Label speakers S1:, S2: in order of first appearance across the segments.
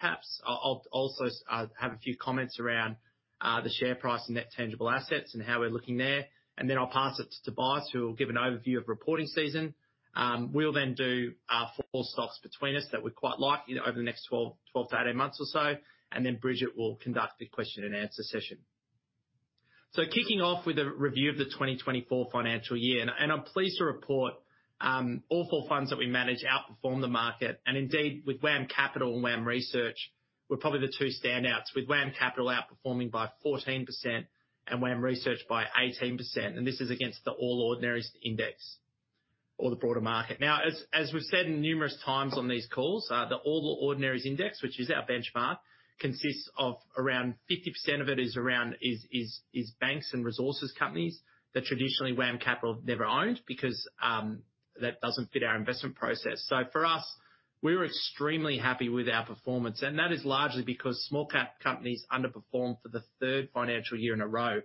S1: Perhaps I'll also have a few comments around the share price and net tangible assets and how we're looking there, and then I'll pass it to Tobias, who will give an overview of reporting season. We'll then do our four stocks between us that we're quite likely over the next twelve to eighteen months or so, and then Bridget will conduct the question and answer session, so kicking off with a review of the twenty twenty-four financial year, and I'm pleased to report all four funds that we manage outperformed the market, and indeed, with WAM Capital and WAM Research, were probably the two standouts, with WAM Capital outperforming by 14% and WAM Research by 18%, and this is against the All Ordinaries Index or the broader market. Now, as we've said numerous times on these calls, the All Ordinaries Index, which is our benchmark, consists of around 50% banks and resources companies that traditionally WAM Capital never owned because that doesn't fit our investment process. So for us, we were extremely happy with our performance, and that is largely because small cap companies underperformed for the third financial year in a row.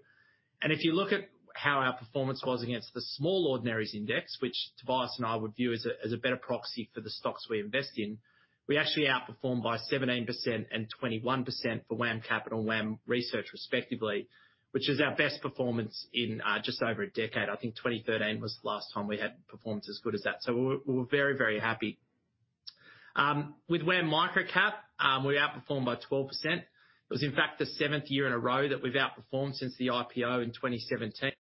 S1: And if you look at how our performance was against the Small Ordinaries Index, which Tobias and I would view as a better proxy for the stocks we invest in, we actually outperformed by 17% and 21% for WAM Capital and WAM Research, respectively, which is our best performance in just over a decade. I think 2013 was the last time we had performed as good as that, so we're very, very happy. With WAM Microcap, we outperformed by 12%. It was, in fact, the seventh year in a row that we've outperformed since the IPO in 2017.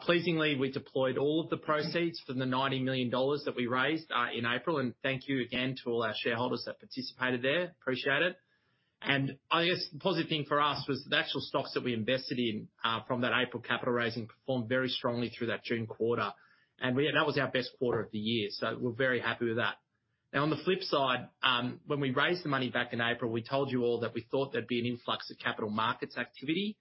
S1: Pleasingly, we deployed all of the proceeds from the 90 million dollars that we raised in April, and thank you again to all our shareholders that participated there. Appreciate it. And I guess the positive thing for us was the actual stocks that we invested in from that April capital raising performed very strongly through that June quarter, and that was our best quarter of the year, so we're very happy with that. Now, on the flip side, when we raised the money back in April, we told you all that we thought there'd be an influx of capital markets activity.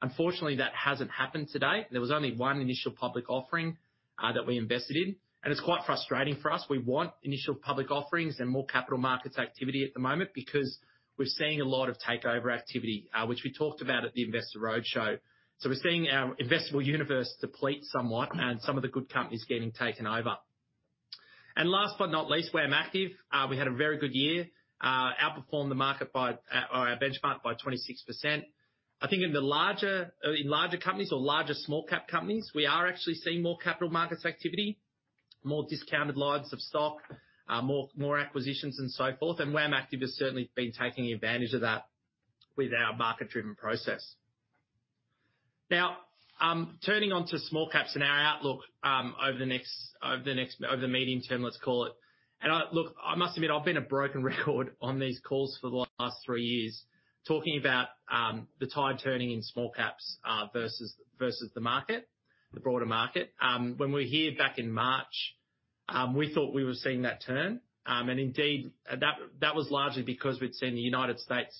S1: Unfortunately, that hasn't happened to date. There was only one initial public offering that we invested in, and it's quite frustrating for us. We want initial public offerings and more capital markets activity at the moment because we're seeing a lot of takeover activity, which we talked about at the Investor Roadshow. So we're seeing our investable universe deplete somewhat and some of the good companies getting taken over. And last but not least, WAM Active. We had a very good year, outperformed the market by, or our benchmark by 26%. I think in the larger, in larger companies or larger small cap companies, we are actually seeing more capital markets activity, more discounted lines of stock, more acquisitions and so forth, and WAM Active has certainly been taking advantage of that with our market-driven process. Now, turning to small caps and our outlook, over the medium term, let's call it. I... Look, I must admit, I've been a broken record on these calls for the last three years, talking about the tide turning in small caps versus the market, the broader market. When we were here back in March, we thought we were seeing that turn. And indeed, that, that was largely because we'd seen the United States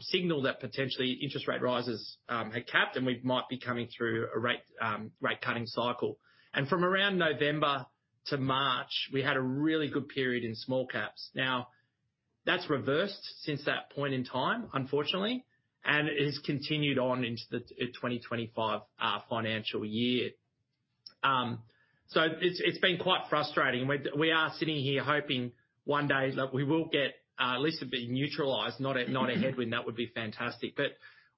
S1: signal that potentially interest rate rises had capped, and we might be coming through a rate, rate-cutting cycle. And from around November to March, we had a really good period in small caps. Now, that's reversed since that point in time, unfortunately, and it has continued on into the 2025 financial year. So it's, it's been quite frustrating. We're, we are sitting here hoping one day that we will get at least a bit neutralized, not a, not a headwind. That would be fantastic. But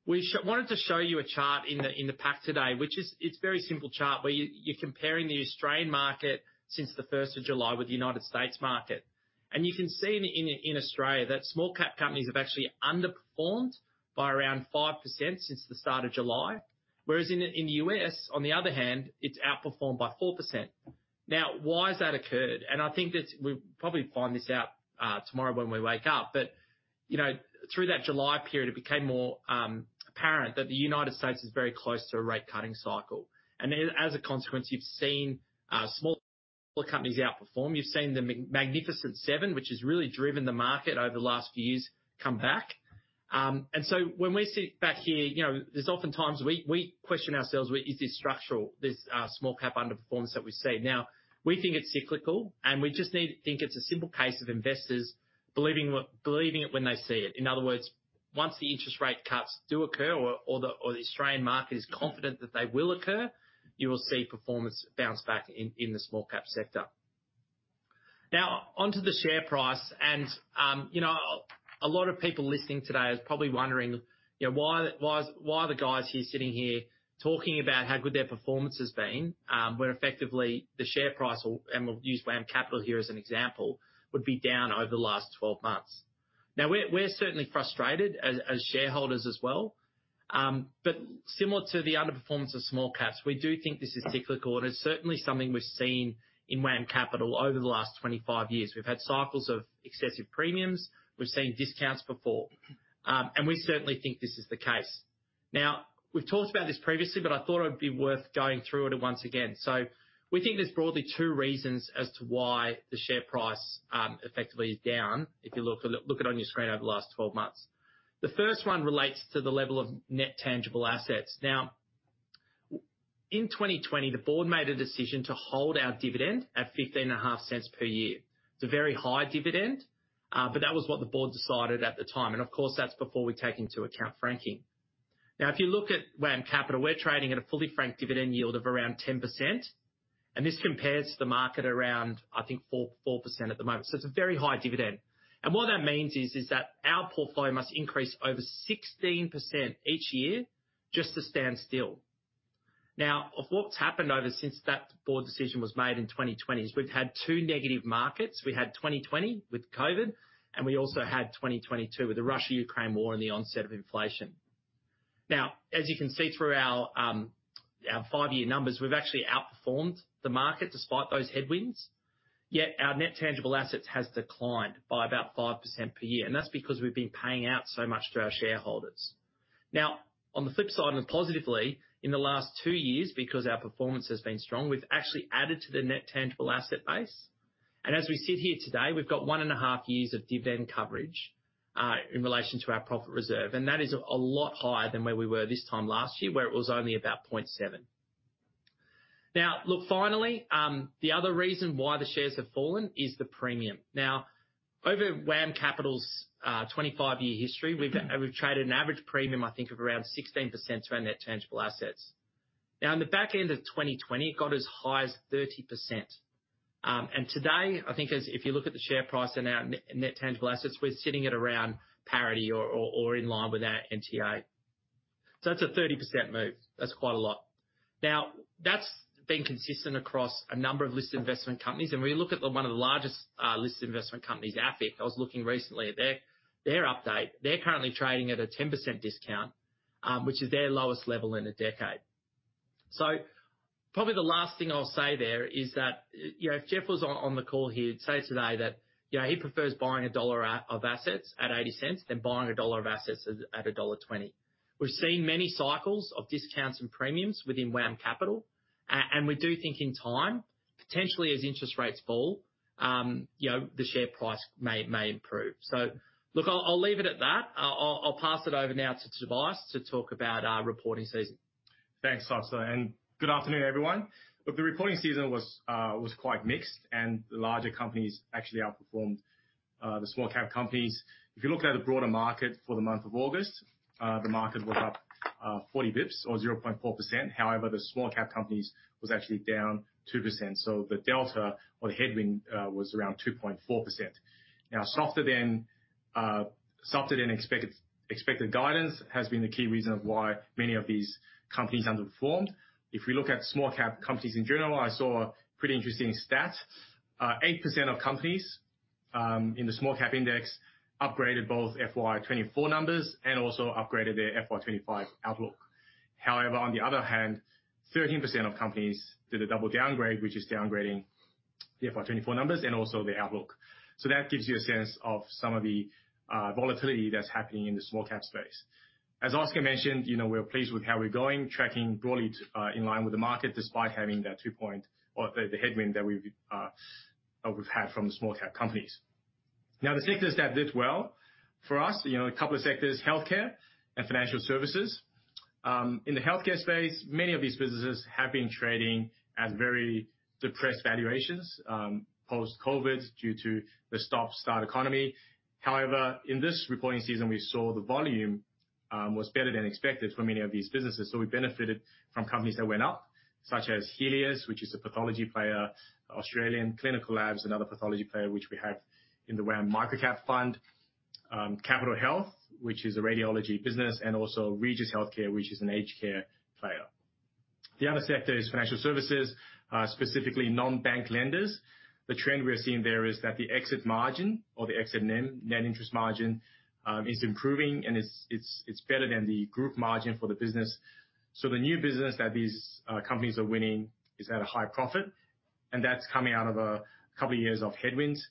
S1: we wanted to show you a chart in the pack today, which is... It's a very simple chart where you're comparing the Australian market since the first of July with the United States market. You can see in Australia that small cap companies have actually underperformed by around 5% since the start of July. Whereas in the U.S., on the other hand, it's outperformed by 4%. Now, why has that occurred? I think that we'll probably find this out tomorrow when we wake up. But you know, through that July period, it became more apparent that the United States is very close to a rate-cutting cycle. And as a consequence, you've seen small companies outperform. You've seen the Magnificent Seven, which has really driven the market over the last few years, come back. And so when we sit back here, you know, there's oftentimes we question ourselves, is this structural, this small cap underperformance that we see? Now, we think it's cyclical, and we just need to think it's a simple case of investors believing what, believing it when they see it. In other words, once the interest rate cuts do occur, or the Australian market is confident that they will occur, you will see performance bounce back in the small cap sector. Now, onto the share price, and you know, a lot of people listening today are probably wondering, you know, why are the guys here sitting here talking about how good their performance has been, when effectively the share price, or and we'll use WAM Capital here as an example, would be down over the last twelve months. Now, we're certainly frustrated as shareholders as well. But similar to the underperformance of small caps, we do think this is cyclical, and it's certainly something we've seen in WAM Capital over the last 25 years. We've had cycles of excessive premiums. We've seen discounts before. And we certainly think this is the case. Now, we've talked about this previously, but I thought it would be worth going through it once again. So we think there's broadly two reasons as to why the share price effectively is down, if you look at it on your screen over the last 12 months. The first one relates to the level of net tangible assets. Now, in 2020, the board made a decision to hold our dividend at 0.155 per year. It's a very high dividend, but that was what the board decided at the time, and of course, that's before we take into account franking. Now, if you look at WAM Capital, we're trading at a fully franked dividend yield of around 10%, and this compares to the market around, I think, 4% at the moment. So it's a very high dividend. And what that means is that our portfolio must increase over 16% each year just to stand still. Now, of what's happened over since that board decision was made in 2020, is we've had two negative markets. We had 2020 with COVID, and we also had 2022 with the Russia-Ukraine war and the onset of inflation. Now, as you can see through our five-year numbers, we've actually outperformed the market despite those headwinds, yet our net tangible assets has declined by about 5% per year, and that's because we've been paying out so much to our shareholders. Now, on the flip side, and positively, in the last two years, because our performance has been strong, we've actually added to the net tangible asset base, and as we sit here today, we've got one and a half years of dividend coverage in relation to our profit reserve, and that is a lot higher than where we were this time last year, where it was only about 0.7. Now, look, finally, the other reason why the shares have fallen is the premium. Now, over WAM Capital's twenty-five-year history, we've traded an average premium, I think, of around 16% to our net tangible assets. Now, in the back end of 2020, it got as high as 30%. And today, I think if you look at the share price and our net tangible assets, we're sitting at around parity or in line with our NTA. So that's a 30% move. That's quite a lot. Now, that's been consistent across a number of listed investment companies, and when you look at one of the largest listed investment companies, AFIC, I was looking recently at their update. They're currently trading at a 10% discount, which is their lowest level in a decade. So probably the last thing I'll say there is that, you know, if Geoff was on the call, he'd say today that, you know, he prefers buying a dollar out of assets at eighty cents than buying a dollar of assets at a dollar twenty. We've seen many cycles of discounts and premiums within WAM Capital, and we do think in time, potentially as interest rates fall, you know, the share price may improve. So look, I'll pass it over now to Tobias to talk about our reporting season.
S2: Thanks, Oscar, and good afternoon, everyone. Look, the reporting season was quite mixed, and the larger companies actually outperformed the small cap companies. If you look at the broader market for the month of August, the market was up 40 basis points or 0.4%. However, the small cap companies was actually down 2%, so the delta or the headwind was around 2.4%. Now, softer than expected guidance has been the key reason of why many of these companies underperformed. If we look at small cap companies in general, I saw a pretty interesting stat. 8% of companies in the small cap index upgraded both FY 2024 numbers and also upgraded their FY 2025 outlook. However, on the other hand, 13% of companies did a double downgrade, which is downgrading the FY 2024 numbers and also the outlook. So that gives you a sense of some of the volatility that's happening in the small cap space. As Oscar mentioned, you know, we're pleased with how we're going, tracking broadly in line with the market, despite having that two-point or the headwind that we've had from the small cap companies. Now, the sectors that did well for us, you know, a couple of sectors, healthcare and financial services. In the healthcare space, many of these businesses have been trading at very depressed valuations post-COVID, due to the stop-start economy. However, in this reporting season, we saw the volume was better than expected for many of these businesses. So we benefited from companies that went up, such as Healius, which is a pathology player, Australian Clinical Labs, another pathology player, which we have in the WAM Microcap Fund, Capitol Health, which is a radiology business, and also Regis Healthcare, which is an aged care player. The other sector is financial services, specifically non-bank lenders. The trend we are seeing there is that the exit net interest margin is improving, and it's better than the group margin for the business. So the new business that these companies are winning is at a high profit, and that's coming out of a couple of years of headwinds.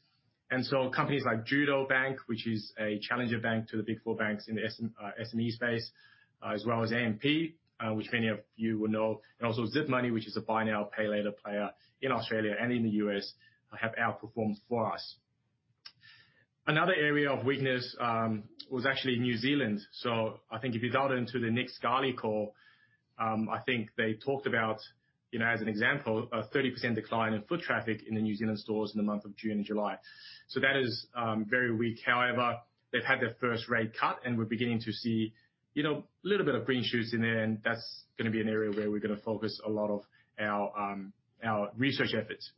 S2: And so companies like Judo Bank, which is a challenger bank to the big four banks in the SME space, as well as AMP, which many of you will know, and also Zip Money, which is a buy now, pay later player in Australia and in the US, have outperformed for us. Another area of weakness was actually New Zealand. So I think if you dial into the Nick Scali call, I think they talked about, you know, as an example, a 30% decline in foot traffic in the New Zealand stores in the month of June and July. So that is very weak. However, they've had their first rate cut, and we're beginning to see, you know, a little bit of green shoots in there, and that's going to be an area where we're going to focus a lot of our our research efforts.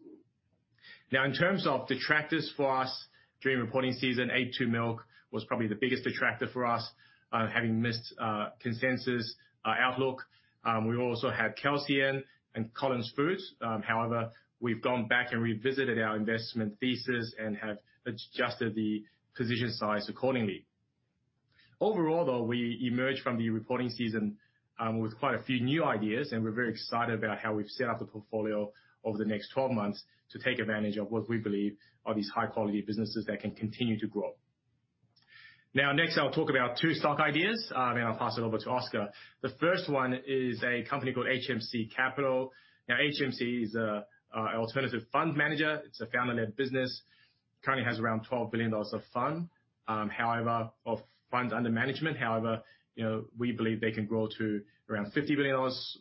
S2: Now, in terms of detractors for us during reporting season, a2 Milk was probably the biggest detractor for us, having missed consensus outlook. We also had Kelsian and Collins Foods. However, we've gone back and revisited our investment thesis and have adjusted the position size accordingly. Overall, though, we emerged from the reporting season with quite a few new ideas, and we're very excited about how we've set up the portfolio over the next twelve months to take advantage of what we believe are these high-quality businesses that can continue to grow. Now, next, I'll talk about two stock ideas, then I'll pass it over to Oscar. The first one is a company called HMC Capital. Now, HMC is an alternative fund manager. It's a family-led business, currently has around 12 billion dollars of funds under management. However, you know, we believe they can grow to around 50 billion dollars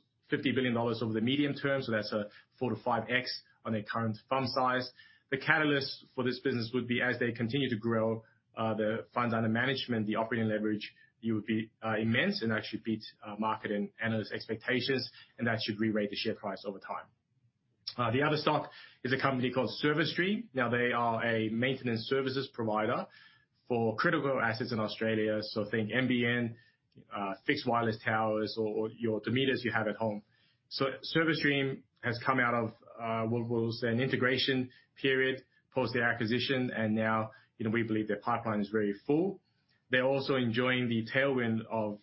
S2: over the medium term, so that's a four to five X on their current fund size. The catalyst for this business would be as they continue to grow the funds under management, the operating leverage would be immense and actually beat market and analyst expectations, and that should re-rate the share price over time.... The other stock is a company called Service Stream. Now, they are a maintenance services provider for critical assets in Australia. So think NBN, fixed wireless towers or your modems you have at home. So Service Stream has come out of what we'll say, an integration period, post the acquisition, and now, you know, we believe their pipeline is very full. They're also enjoying the tailwind of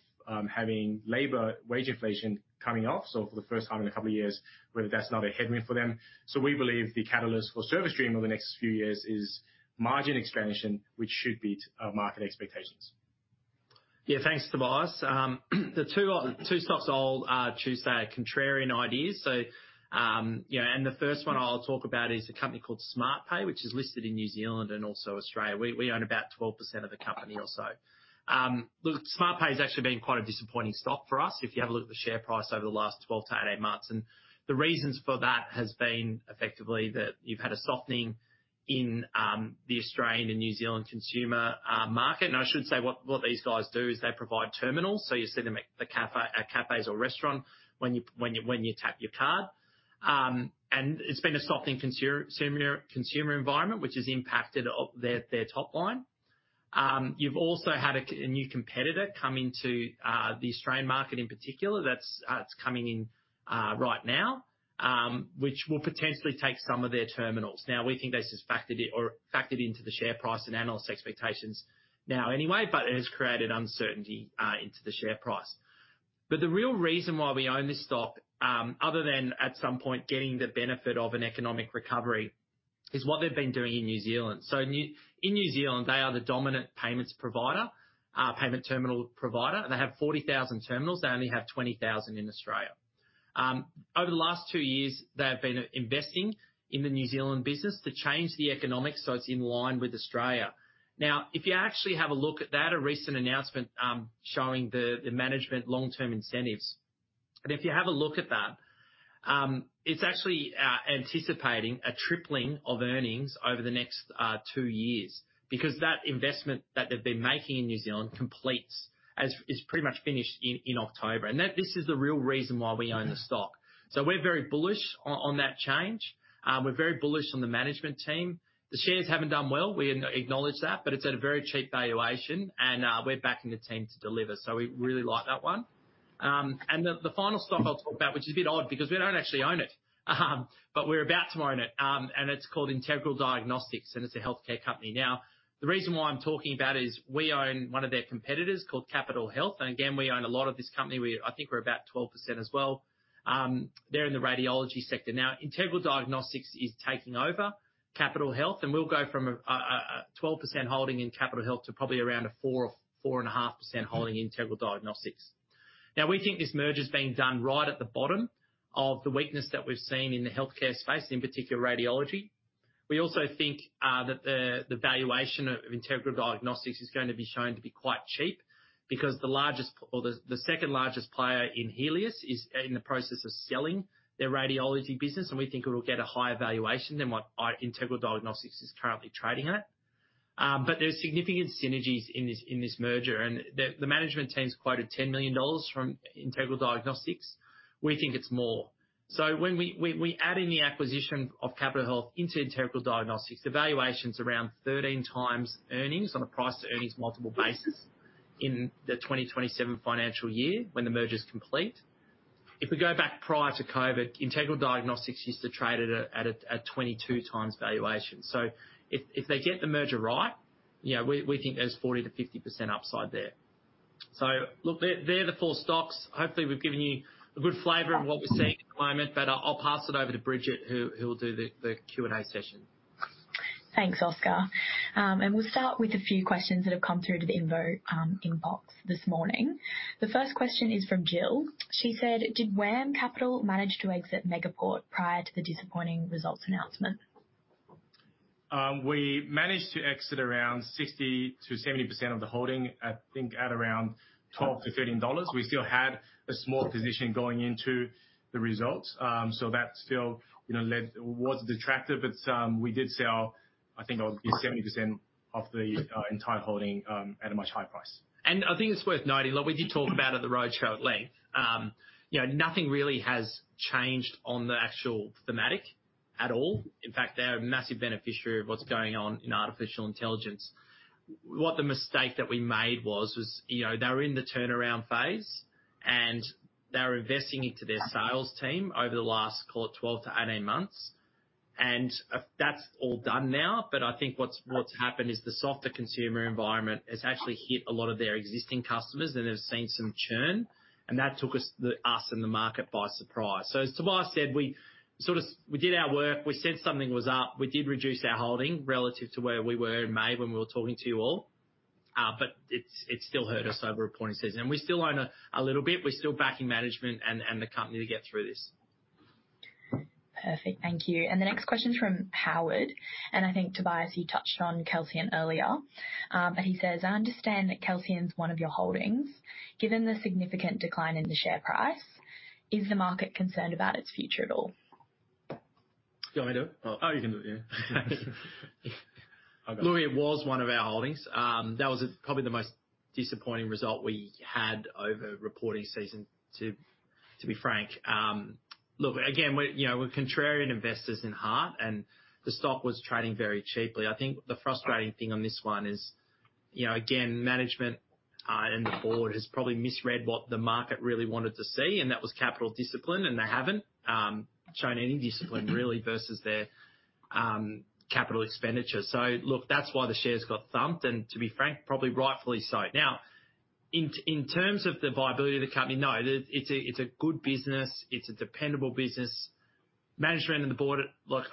S2: having labor wage inflation coming off, so for the first time in a couple of years, weather that's not a headwind for them. So we believe the catalyst for Service Stream over the next few years is margin expansion, which should beat market expectations.
S1: Yeah, thanks, Tobias. The two stocks I'll choose today are contrarian ideas. So, you know, and the first one I'll talk about is a company called Smartpay, which is listed in New Zealand and also Australia. We own about 12% of the company or so. Look, Smartpay has actually been quite a disappointing stock for us if you have a look at the share price over the last 12 to 18 months, and the reasons for that has been effectively that you've had a softening in the Australian and New Zealand consumer market. And I should say, what these guys do is they provide terminals, so you see them at the cafe, at cafes or restaurant when you tap your card. And it's been a softening consumer environment, which has impacted their top line. You've also had a new competitor come into the Australian market in particular, that's coming in right now, which will potentially take some of their terminals. Now, we think this is factored in or into the share price and analyst expectations now anyway, but it has created uncertainty into the share price. But the real reason why we own this stock, other than at some point getting the benefit of an economic recovery, is what they've been doing in New Zealand. So in New Zealand, they are the dominant payments provider, payment terminal provider, and they have 40,000 terminals. They only have 20,000 in Australia. Over the last two years, they have been investing in the New Zealand business to change the economics, so it's in line with Australia. Now, if you actually have a look at that, a recent announcement showing the management long-term incentives, but if you have a look at that, it's actually anticipating a tripling of earnings over the next two years because that investment that they've been making in New Zealand completes, is pretty much finished in October. That this is the real reason why we own the stock. We're very bullish on that change. We're very bullish on the management team. The shares haven't done well, we acknowledge that, but it's at a very cheap valuation, and we're backing the team to deliver. We really like that one. And the final stock I'll talk about, which is a bit odd because we don't actually own it, but we're about to own it, and it's called Integral Diagnostics, and it's a healthcare company. Now, the reason why I'm talking about it is we own one of their competitors called Capitol Health, and again, we own a lot of this company. I think we're about 12% as well. They're in the radiology sector. Now, Integral Diagnostics is taking over Capitol Health, and we'll go from a 12% holding in Capitol Health to probably around a 4% or 4.5% holding in Integral Diagnostics. Now, we think this merger is being done right at the bottom of the weakness that we've seen in the healthcare space, in particular, radiology. We also think that the valuation of Integral Diagnostics is going to be shown to be quite cheap because the largest or the second largest player in Healius is in the process of selling their radiology business, and we think it'll get a higher valuation than what Integral Diagnostics is currently trading at. But there are significant synergies in this merger, and the management team's quoted 10 million dollars from Integral Diagnostics. We think it's more. So when we add in the acquisition of Capitol Health into Integral Diagnostics, the valuation's around 13 times earnings on a price-to-earnings multiple basis in the 2027 financial year when the merger is complete. If we go back prior to COVID, Integral Diagnostics used to trade at 22 times valuation. So if they get the merger right, you know, we think there's 40-50% upside there. So look, they're the four stocks. Hopefully, we've given you a good flavor of what we're seeing at the moment, but I'll pass it over to Bridget, who will do the Q&A session.
S3: Thanks, Oscar. And we'll start with a few questions that have come through to the investor inbox this morning. The first question is from Jill. She said: "Did WAM Capital manage to exit Megaport prior to the disappointing results announcement?
S2: We managed to exit around 60-70% of the holding, I think, at around 12-13 dollars. We still had a small position going into the results, so that still, you know, was detractive, but we did sell, I think it was 70% of the entire holding at a much higher price.
S1: I think it's worth noting, like we did talk about at the roadshow at length, you know, nothing really has changed on the actual thematic at all. In fact, they're a massive beneficiary of what's going on in artificial intelligence. What the mistake that we made was, you know, they were in the turnaround phase, and they were investing into their sales team over the last, call it, 12-18 months, and that's all done now. I think what's happened is the softer consumer environment has actually hit a lot of their existing customers, and they've seen some churn, and that took us, us and the market by surprise. As Tobias said, we did our work, we sensed something was up. We did reduce our holding relative to where we were in May when we were talking to you all. But it still hurt us over reporting season, and we still own a little bit. We're still backing management and the company to get through this.
S3: Perfect. Thank you. And the next question is from Howard, and I think, Tobias, you touched on Kelsian earlier. But he says, "I understand that Kelsian is one of your holdings. Given the significant decline in the share price, is the market concerned about its future at all?
S2: Do you want me to do it? Oh, you can do it, yeah....
S1: Look, it was one of our holdings. That was probably the most disappointing result we had over reporting season, to be frank. Look, again, we're, you know, we're contrarian investors at heart, and the stock was trading very cheaply. I think the frustrating thing on this one is, you know, again, management and the board has probably misread what the market really wanted to see, and that was capital discipline, and they haven't shown any discipline really versus their capital expenditure. So look, that's why the shares got thumped, and to be frank, probably rightfully so. Now, in terms of the viability of the company, no, it's a good business. It's a dependable business. Management and the board, look,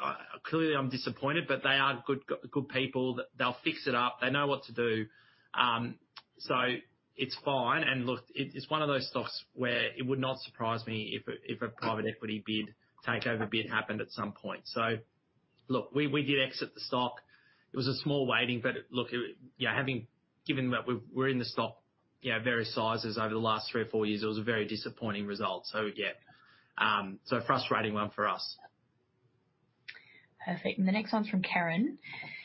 S1: clearly I'm disappointed, but they are good, good people. They'll fix it up. They know what to do. So it's fine. And look, it, it's one of those stocks where it would not surprise me if a private equity bid, takeover bid happened at some point. So look, we did exit the stock. It was a small weighting, but look, yeah, having... Given that we're in the stock, yeah, various sizes over the last three or four years, it was a very disappointing result. So, yeah, so a frustrating one for us.
S3: Perfect. And the next one's from Karen.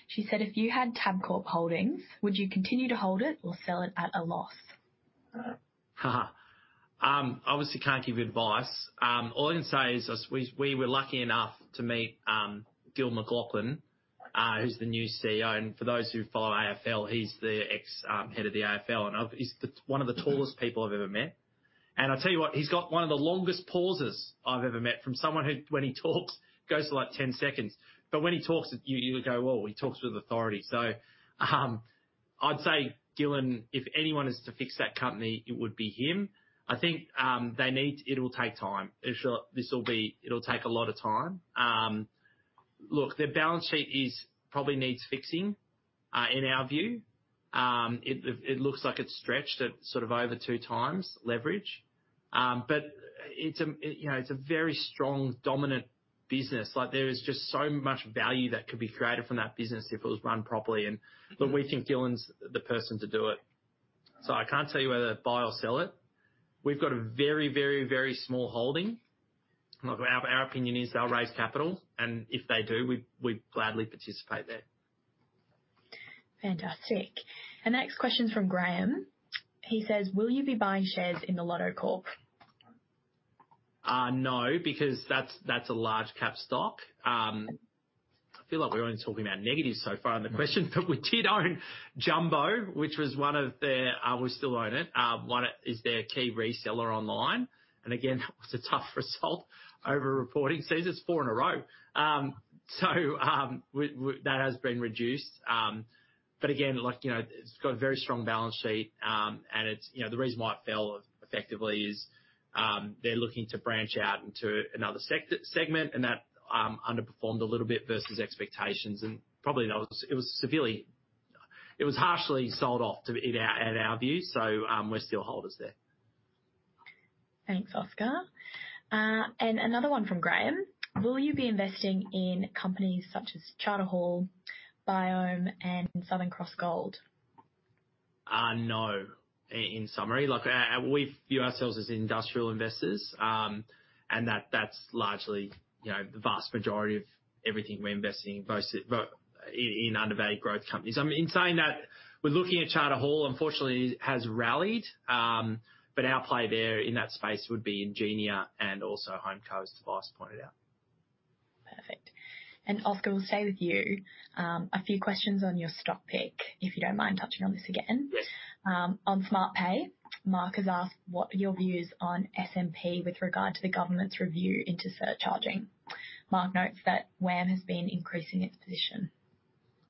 S3: She said, "If you had Tabcorp Holdings, would you continue to hold it or sell it at a loss?
S1: Obviously, can't give you advice. All I can say is we were lucky enough to meet Gillon McLachlan, who's the new CEO, and for those who follow AFL, he's the ex head of the AFL, and he's one of the tallest people I've ever met. I'll tell you what, he's got one of the longest pauses I've ever met from someone who, when he talks, goes for, like, 10 seconds, but when he talks, you go, "Whoa," he talks with authority. I'd say Gillon, if anyone is to fix that company, it would be him. I think they need. It'll take time. It'll take a lot of time. Look, their balance sheet probably needs fixing, in our view. It looks like it's stretched at sort of over two times leverage, but you know, it's a very strong, dominant business. Like, there is just so much value that could be created from that business if it was run properly, but we think Gillon's the person to do it. So I can't tell you whether to buy or sell it. We've got a very, very, very small holding. Look, our opinion is they'll raise capital, and if they do, we'd gladly participate there.
S3: Fantastic. The next question is from Graham. He says, "Will you be buying shares in The Lottery Corporation?
S1: No, because that's a large cap stock. I feel like we're only talking about negatives so far in the question, but we did own Jumbo, which was one of their... We still own it. One is their key reseller online, and again, that was a tough result over reporting. Seems it's four in a row. So, that has been reduced. Again, like, you know, it's got a very strong balance sheet, and it's, you know, the reason why it fell effectively is, they're looking to branch out into another segment and that underperformed a little bit versus expectations, and probably that was... It was severely... It was harshly sold off too, in our view. We're still holders there.
S3: Thanks, Oscar, and another one from Graham: "Will you be investing in companies such as Charter Hall, Biome, and Southern Cross Gold?
S1: No. In summary, like, we view ourselves as industrial investors, and that's largely, you know, the vast majority of everything we're investing in, but in undervalued growth companies. In saying that, we're looking at Charter Hall, unfortunately, it has rallied, but our play there in that space would be Ingenia and also HomeCo, as Tobias pointed out.
S3: Perfect. And Oscar, we'll stay with you. A few questions on your stock pick, if you don't mind touching on this again.
S1: Yes.
S3: On Smartpay, Mark has asked what are your views on SMP with regard to the government's review into surcharging? Mark notes that WAM has been increasing its position.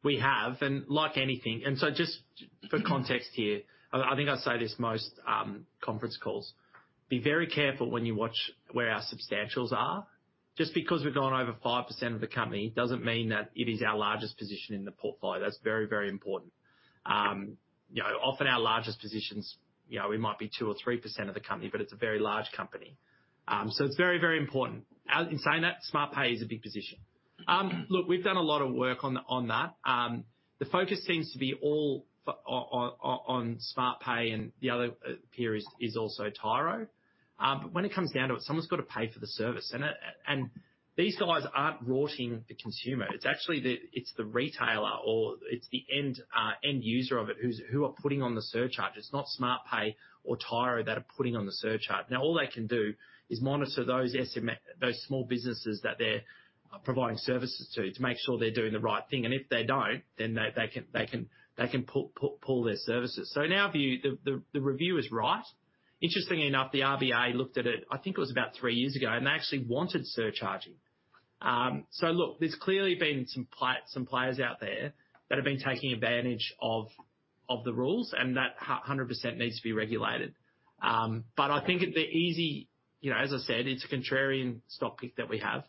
S1: We have, and like anything. And so just for context here, I think I say this most conference calls, be very careful when you watch where our substantials are. Just because we've gone over 5% of the company, doesn't mean that it is our largest position in the portfolio. That's very, very important. You know, often our largest positions, you know, we might be 2% or 3% of the company, but it's a very large company. So it's very, very important. In saying that, Smartpay is a big position. Look, we've done a lot of work on that. The focus seems to be all on Smartpay, and the other peer is also Tyro. But when it comes down to it, someone's got to pay for the service, and, and these guys aren't rorting the consumer. It's actually the... It's the retailer or it's the end, end user of it, who's, who are putting on the surcharge. It's not Smartpay or Tyro that are putting on the surcharge. Now, all they can do is monitor those small businesses that they're providing services to, to make sure they're doing the right thing, and if they don't, then they can pull their services. So in our view, the review is right. Interestingly enough, the RBA looked at it, I think it was about three years ago, and they actually wanted surcharging. Look, there's clearly been some players out there that have been taking advantage of the rules, and that 100% needs to be regulated. But I think the easy. You know, as I said, it's a contrarian stock pick that we have.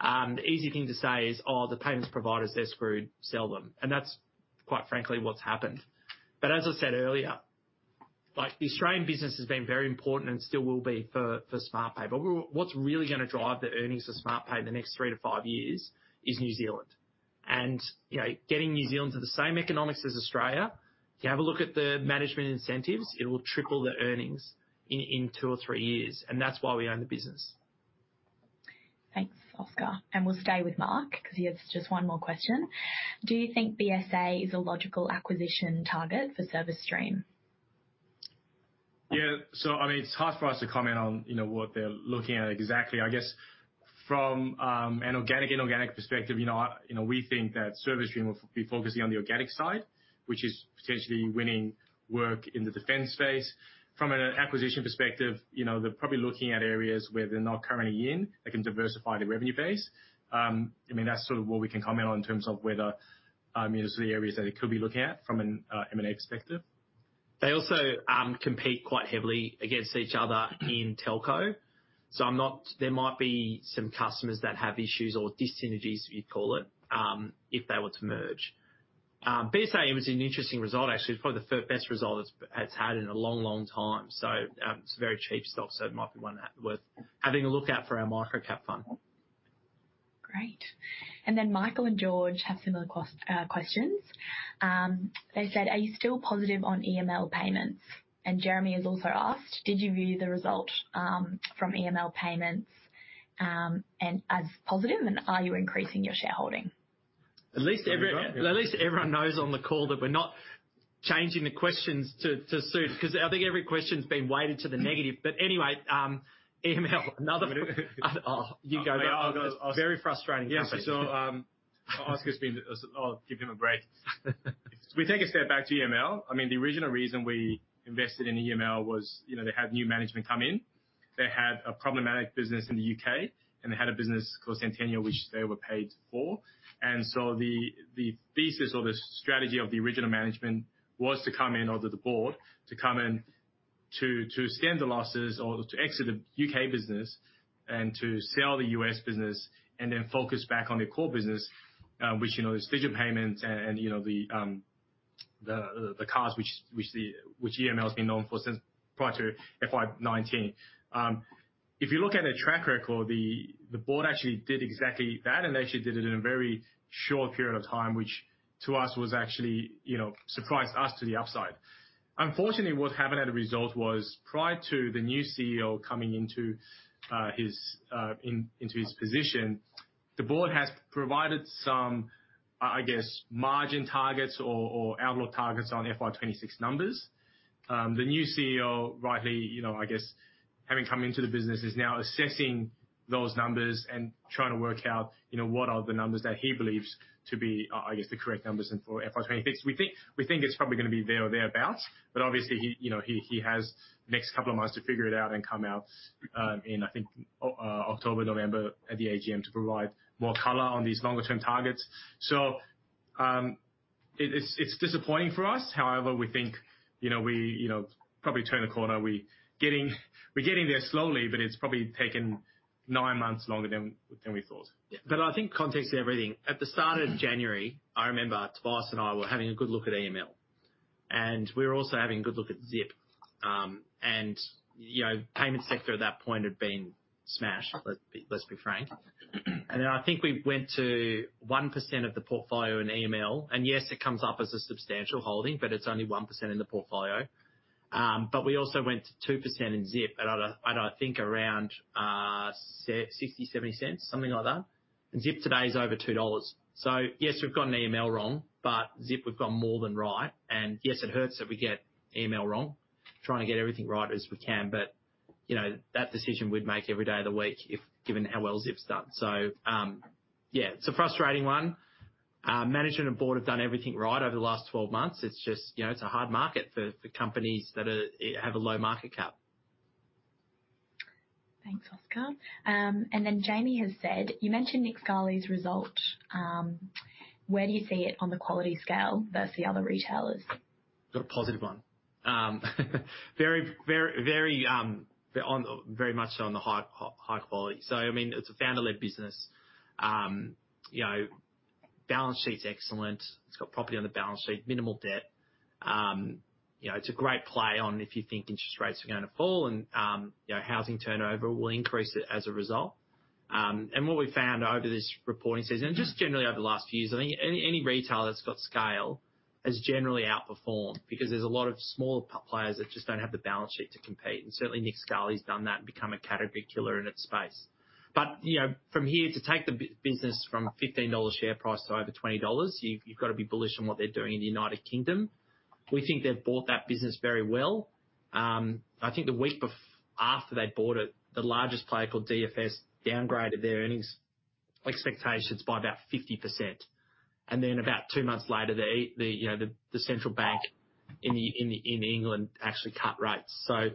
S1: The easy thing to say is, "Oh, the payments providers, they're screwed, sell them." And that's quite frankly what's happened. But as I said earlier, like, the Australian business has been very important and still will be for Smartpay. But what's really going to drive the earnings of Smartpay in the next three to five years is New Zealand. And you know, getting New Zealand to the same economics as Australia, if you have a look at the management incentives, it will triple the earnings in two or three years, and that's why we own the business....
S3: Thanks, Oscar. And we'll stay with Mark, because he has just one more question: Do you think BSA is a logical acquisition target for Service Stream?
S2: Yeah. So I mean, it's hard for us to comment on, you know, what they're looking at exactly. I guess from an organic, inorganic perspective, you know, I, you know, we think that Service Stream will be focusing on the organic side, which is potentially winning work in the defense space. From an acquisition perspective, you know, they're probably looking at areas where they're not currently in. They can diversify their revenue base. I mean, that's sort of what we can comment on in terms of whether, you know, the areas that it could be looking at from an M&A perspective.
S1: They also compete quite heavily against each other in telco, so there might be some customers that have issues or dis-synergies, you'd call it, if they were to merge. BSA was an interesting result, actually, probably the best result it's had in a long, long time. So, it's a very cheap stock, so it might be one worth having a look at for our microcap fund.
S3: Great. And then Michael and George have similar questions. They said, "Are you still positive on EML Payments?" And Jeremy has also asked, "Did you view the result from EML Payments and as positive, and are you increasing your shareholding?
S1: At least every-
S2: Yeah.
S1: At least everyone knows on the call that we're not changing the questions to suit, because I think every question's been weighted to the negative. But anyway, EML, another. Oh, you go.
S2: Go, Oscar.
S1: Very frustrating.
S2: Yeah. So, I'll give him a break. We take a step back to EML. I mean, the original reason we invested in EML was, you know, they had new management come in. They had a problematic business in the UK, and they had a business called Sentenial, which they were paid for. And so the thesis or the strategy of the original management was to come in onto the board, to come in to stem the losses or to exit the UK business and to sell the US business and then focus back on their core business, which, you know, is digital payments and, you know, the cards which EML has been known for since prior to FY 2019. If you look at their track record, the board actually did exactly that, and they actually did it in a very short period of time, which to us was actually, you know, surprised us to the upside. Unfortunately, what happened as a result was prior to the new CEO coming into his position, the board has provided some, I guess, margin targets or outlook targets on FY 2026 numbers. The new CEO, rightly, you know, I guess, having come into the business, is now assessing those numbers and trying to work out, you know, what are the numbers that he believes to be, I guess, the correct numbers for FY 2026. We think it's probably going to be there or thereabouts, but obviously he, you know, he has the next couple of months to figure it out and come out in, I think, October, November at the AGM, to provide more color on these longer-term targets. So, it's disappointing for us. However, we think, you know, we, you know, probably turn the corner. We're getting there slowly, but it's probably taken nine months longer than we thought.
S1: Yeah. But I think context is everything. At the start of January, I remember Tobias and I were having a good look at EML, and we were also having a good look at Zip. And, you know, payment sector at that point had been smashed, let's be frank. And then I think we went to 1% of the portfolio in EML, and yes, it comes up as a substantial holding, but it's only 1% in the portfolio. But we also went to 2% in Zip at, I think, around, 60, 70 cents, something like that. And Zip today is over 2 dollars. So yes, we've gotten EML wrong, but Zip, we've got more than right. Yes, it hurts that we get EML wrong, trying to get everything right as we can, but you know, that decision we'd make every day of the week if given how well Zip's done. So yeah, it's a frustrating one. Management and board have done everything right over the last 12 months. It's just you know, it's a hard market for companies that have a low market cap.
S3: Thanks, Oscar. And then Jamie has said, "You mentioned Nick Scali's result. Where do you see it on the quality scale versus the other retailers?
S1: Got a positive one. Very much on the high quality. So I mean, it's a founder-led business. You know, balance sheet's excellent. It's got property on the balance sheet, minimal debt. You know, it's a great play on if you think interest rates are going to fall and, you know, housing turnover will increase as a result. And what we found over this reporting season, and just generally over the last few years, I think any retailer that's got scale has generally outperformed because there's a lot of smaller players that just don't have the balance sheet to compete. And certainly, Nick Scali's done that and become a category killer in its space. But you know, from here, to take the business from 15 dollar share price to over 20 dollars, you've got to be bullish on what they're doing in the United Kingdom. We think they've bought that business very well. I think the week after they bought it, the largest player, called DFS, downgraded their earnings expectations by about 50%. And then about two months later, the central bank in England actually cut rates. So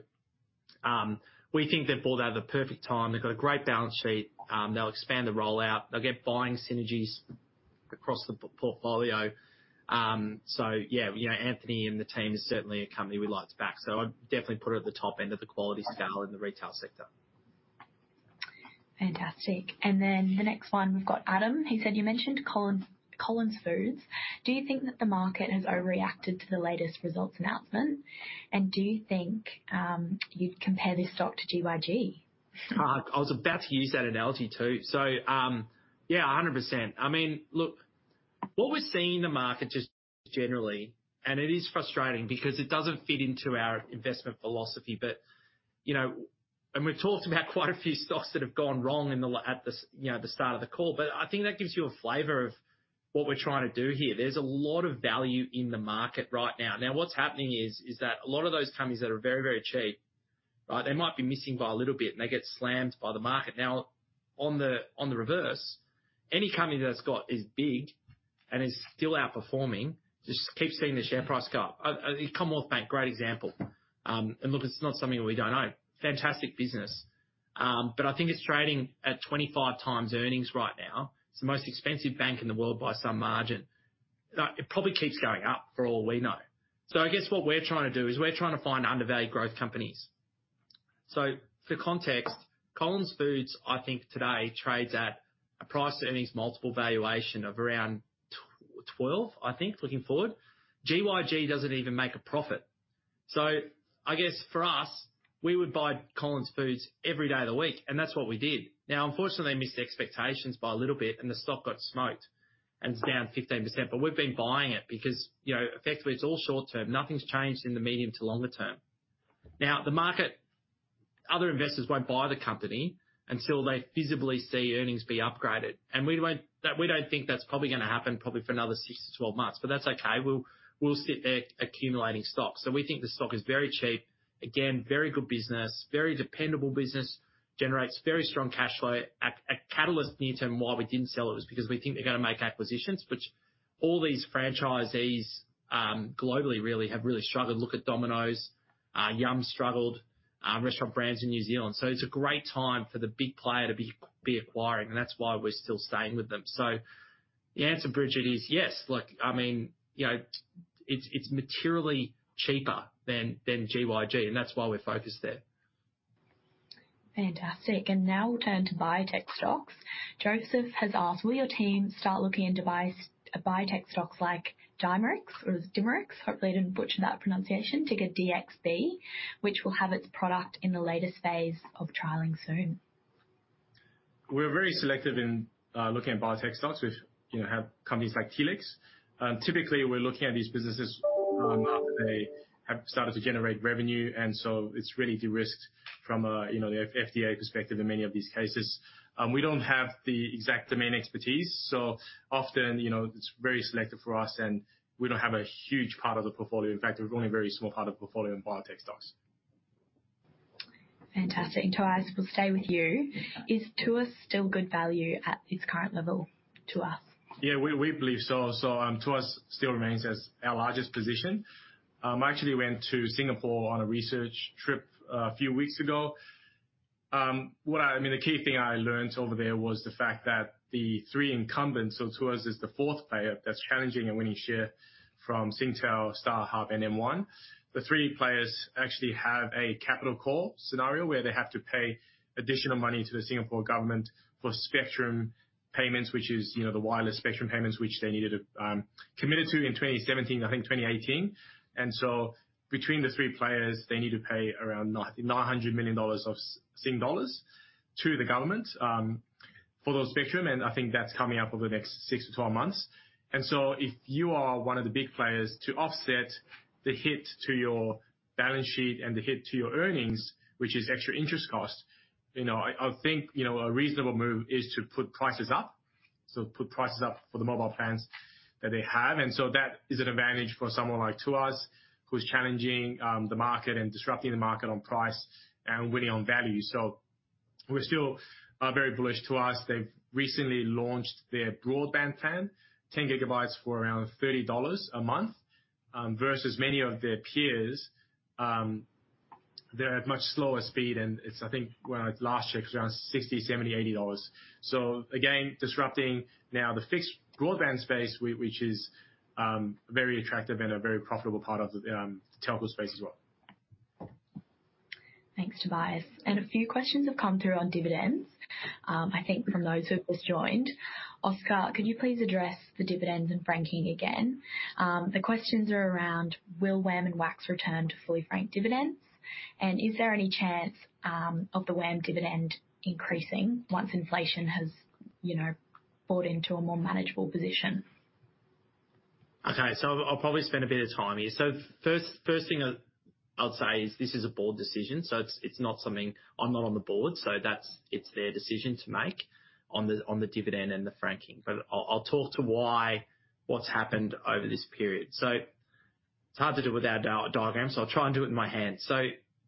S1: we think they've bought that at the perfect time. They've got a great balance sheet. They'll expand the rollout. They'll get buying synergies across the portfolio. So yeah, you know, Anthony and the team is certainly a company we like to back. I'd definitely put it at the top end of the quality scale in the retail sector.
S3: Fantastic. And then the next one, we've got Adam. He said, "You mentioned Collins, Collins Foods. Do you think that the market has overreacted to the latest results announcement? And do you think you'd compare this stock to GYG?
S1: I was about to use that analogy, too. So, yeah, 100%. I mean. What we're seeing in the market just generally, and it is frustrating because it doesn't fit into our investment philosophy. But, you know, and we've talked about quite a few stocks that have gone wrong in the last, at the start of the call. But I think that gives you a flavor of what we're trying to do here. There's a lot of value in the market right now. Now, what's happening is that a lot of those companies that are very, very cheap, right? They might be missing by a little bit, and they get slammed by the market. Now, on the reverse, any company that's got is big and is still outperforming, just keeps seeing the share price go up. Commonwealth Bank, great example. Look, it's not something we don't know, fantastic business. But I think it's trading at 25 times earnings right now. It's the most expensive bank in the world by some margin. It probably keeps going up for all we know. So I guess what we're trying to do is we're trying to find undervalued growth companies. So for context, Collins Foods, I think today, trades at a price-to-earnings multiple valuation of around 12, I think, looking forward. GYG doesn't even make a profit. So I guess for us, we would buy Collins Foods every day of the week, and that's what we did. Now, unfortunately, they missed expectations by a little bit and the stock got smoked, and it's down 15%. But we've been buying it because, you know, effectively it's all short term. Nothing's changed in the medium to longer term. Now, the market, other investors won't buy the company until they visibly see earnings be upgraded and we won't. That we don't think that's probably going to happen for another six to 12 months, but that's okay. We'll sit there accumulating stocks, so we think the stock is very cheap. Again, very good business, very dependable business, generates very strong cash flow. At Catalyst near term, why we didn't sell it was because we think they're going to make acquisitions, which all these franchisees globally really have struggled. Look at Domino's, Yum! struggled, Restaurant Brands in New Zealand, so it's a great time for the big player to be acquiring, and that's why we're still staying with them, so the answer, Bridget, is yes. Look, I mean, you know, it's materially cheaper than GYG, and that's why we're focused there.
S3: Fantastic. Now we'll turn to biotech stocks. Joseph has asked: Will your team start looking into buying biotech stocks like Dimerix? Hopefully, I didn't butcher that pronunciation. Ticker DXB, which will have its product in the latest phase of trialing soon.
S2: We're very selective in looking at biotech stocks. We've, you know, have companies like Telix. Typically, we're looking at these businesses after they have started to generate revenue, and so it's really de-risked from a, you know, FDA perspective in many of these cases. We don't have the exact domain expertise, so often, you know, it's very selective for us, and we don't have a huge part of the portfolio. In fact, we've only a very small part of the portfolio in biotech stocks.
S3: Fantastic. And, Tobias, we'll stay with you. Is Tuas still good value at its current level, Tuas?
S2: Yeah, we believe so. So, Tuas still remains as our largest position. I actually went to Singapore on a research trip a few weeks ago. What I... I mean, the key thing I learned over there was the fact that the three incumbents, so Tuas is the fourth player that's challenging and winning share from Singtel, StarHub, and M1. The three players actually have a capital call scenario where they have to pay additional money to the Singapore government for spectrum payments, which is, you know, the wireless spectrum payments, which they needed to commit to in 2017, I think 2018. And so between the three players, they need to pay around 900 million dollars to the government for those spectrum, and I think that's coming up over the next 6 to 12 months. And so if you are one of the big players, to offset the hit to your balance sheet and the hit to your earnings, which is extra interest cost, you know, I think, you know, a reasonable move is to put prices up. So put prices up for the mobile plans that they have. And so that is an advantage for someone like Tuas, who's challenging the market and disrupting the market on price and winning on value. So we're still very bullish to Tuas. They've recently launched their broadband plan, 10 gigabits for around 30 dollars a month versus many of their peers. They're at much slower speed, and it's, I think, when I last checked, around 60, 70, 80. Again, disrupting now the fixed broadband space, which is very attractive and a very profitable part of the telco space as well.
S3: Thanks, Tobias. And a few questions have come through on dividends, I think from those who've just joined. Oscar, could you please address the dividends and franking again? The questions are around, will WAM and WAX return to fully franked dividends? And is there any chance of the WAM dividend increasing once inflation has, you know, brought into a more manageable position?
S1: Okay, so I'll probably spend a bit of time here. First thing I'd say is this is a board decision, so it's not something... I'm not on the board, so that's it's their decision to make on the dividend and the franking. But I'll talk to why, what's happened over this period. So it's hard to do without a diagram, so I'll try and do it in my hand. So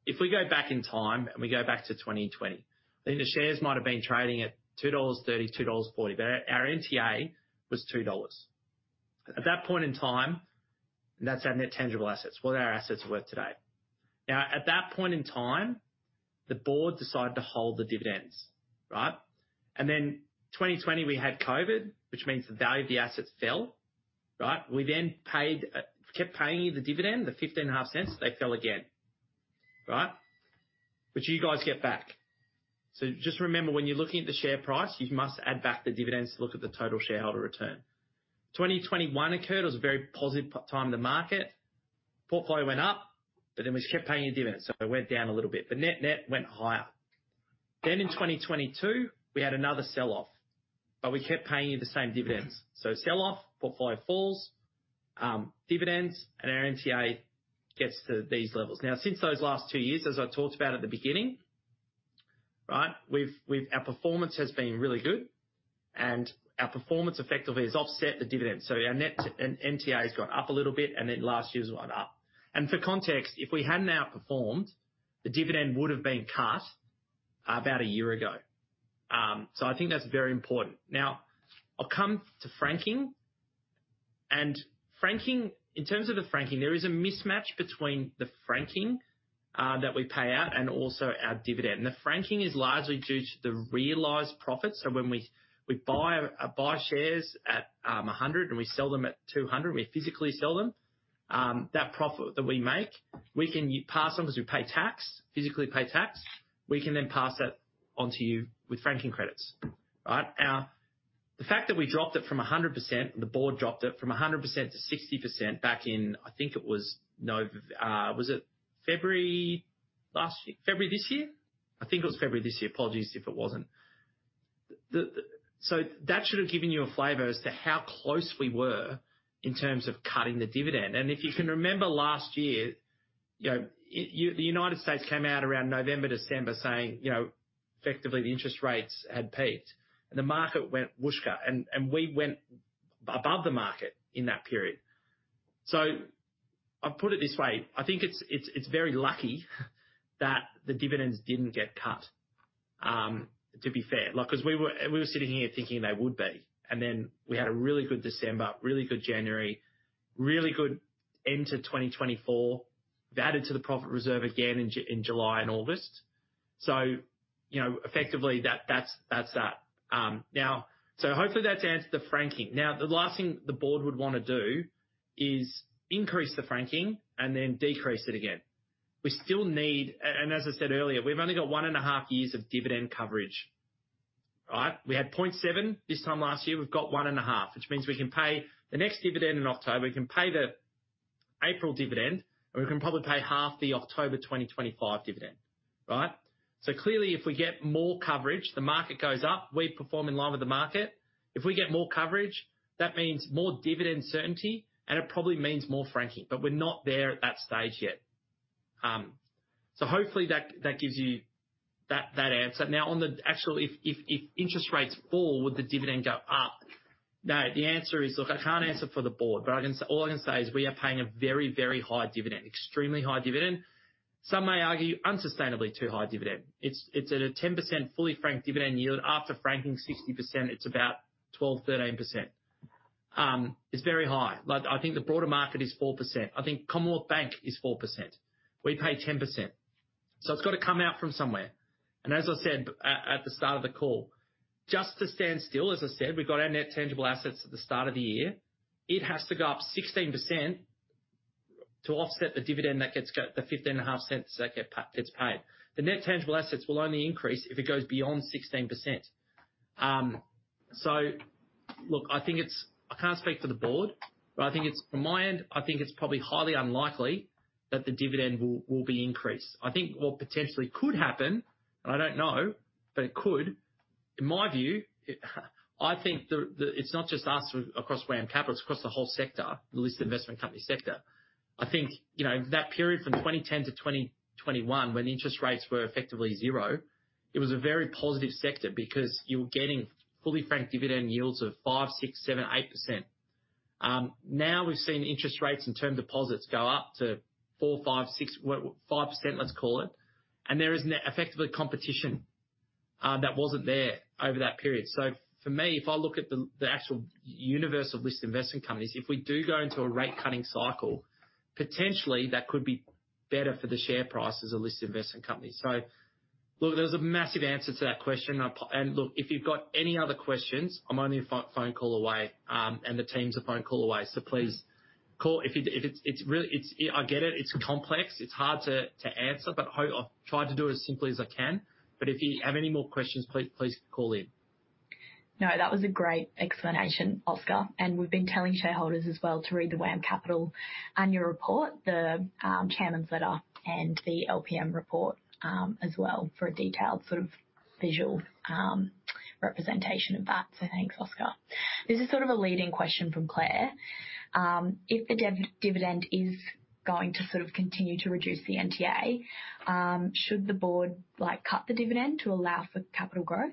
S1: if we go back in time, and we go back to 2020, I think the shares might have been trading at 2.30-2.40 dollars, but our NTA was 2 dollars. At that point in time, the board decided to hold the dividends, right? And then twenty twenty, we had COVID, which means the value of the assets fell, right? We then paid, kept paying you the dividend, the 0.155. They fell again, right? Which you guys get back. So just remember, when you're looking at the share price, you must add back the dividends to look at the total shareholder return. Twenty twenty one occurred, it was a very positive time in the market. Portfolio went up, but then we kept paying you dividends, so it went down a little bit, but net-net went higher. Then in 2022, we had another sell-off, but we kept paying you the same dividends. So sell-off, portfolio falls, dividends, and our NTA gets to these levels. Now, since those last two years, as I talked about at the beginning, right? Our performance has been really good, and our performance effectively has offset the dividend. So our net and NTA has gone up a little bit, and then last year's went up. For context, if we hadn't outperformed, the dividend would have been cut about a year ago. So I think that's very important. Now, I'll come to franking, and franking, in terms of the franking, there is a mismatch between the franking that we pay out and also our dividend. The franking is largely due to the realized profits. So when we buy shares at a hundred and we sell them at two hundred, we physically sell them, that profit that we make, we can pass on because we pay tax, physically pay tax, we can then pass that on to you with franking credits. All right. Now, the fact that we dropped it from 100%, the board dropped it from 100% to 60% back in, I think it was November, was it February last year? February this year? I think it was February this year. Apologies if it wasn't. So that should have given you a flavor as to how close we were in terms of cutting the dividend. And if you can remember last year, you know, you, the United States came out around November, December, saying, you know, effectively, the interest rates had peaked, and the market went whoosh, and we went above the market in that period. So I'll put it this way: I think it's very lucky that the dividends didn't get cut, to be fair, like, because we were sitting here thinking they would be. And then we had a really good December, really good January, really good end to 2024. We added to the profit reserve again in July and August. So, you know, effectively, that's that. Now, so hopefully that's answered the franking. Now, the last thing the board would want to do is increase the franking and then decrease it again. We still need and as I said earlier, we've only got one and a half years of dividend coverage. All right? We had 0.7 this time last year, we've got one and a half, which means we can pay the next dividend in October, we can pay the April dividend, and we can probably pay half the October 2025 dividend. Right? So clearly, if we get more coverage, the market goes up, we perform in line with the market. If we get more coverage, that means more dividend certainty, and it probably means more franking, but we're not there at that stage yet. So hopefully that gives you that answer. Now, on the actual, if interest rates fall, would the dividend go up? Now, the answer is... Look, I can't answer for the board, but I can say all I can say is we are paying a very, very high dividend, extremely high dividend. Some may argue unsustainably too high dividend. It's at a 10% fully franked dividend yield. After franking 60%, it's about 12-13%. It's very high. Like, I think the broader market is 4%. I think Commonwealth Bank is 4%. We pay 10%, so it's got to come out from somewhere. As I said at the start of the call, just to stand still, as I said, we've got our net tangible assets at the start of the year. It has to go up 16% to offset the dividend that gets the 0.155 that gets paid. The net tangible assets will only increase if it goes beyond 16%. So look, I think it's. I can't speak for the board, but I think it's, from my end, I think it's probably highly unlikely that the dividend will, will be increased. I think what potentially could happen, and I don't know, but it could, in my view, I think the, the. It's not just us across WAM Microcap, it's across the whole sector, the listed investment company sector. I think, you know, that period from twenty ten to twenty twenty-one, when interest rates were effectively zero, it was a very positive sector because you were getting fully franked dividend yields of 5, 6, 7, 8%. Now we've seen interest rates and term deposits go up to 4, 5, 6, well, 5%, let's call it, and there is now effectively competition that wasn't there over that period. So for me, if I look at the, the actual universe of listed investment companies, if we do go into a rate cutting cycle, potentially that could be better for the share price as a listed investment company. So look, there's a massive answer to that question. And look, if you've got any other questions, I'm only a phone call away, and the team's a phone call away, so please call. If it's really... I get it, it's complex, it's hard to answer, but I've tried to do it as simply as I can. But if you have any more questions, please call in.
S3: No, that was a great explanation, Oscar, and we've been telling shareholders as well to read the WAM Capital annual report, the chairman's letter and the PM report, as well, for a detailed sort of visual representation of that. So thanks, Oscar. This is sort of a leading question from Claire: If the dividend is going to sort of continue to reduce the NTA, should the board, like, cut the dividend to allow for capital growth?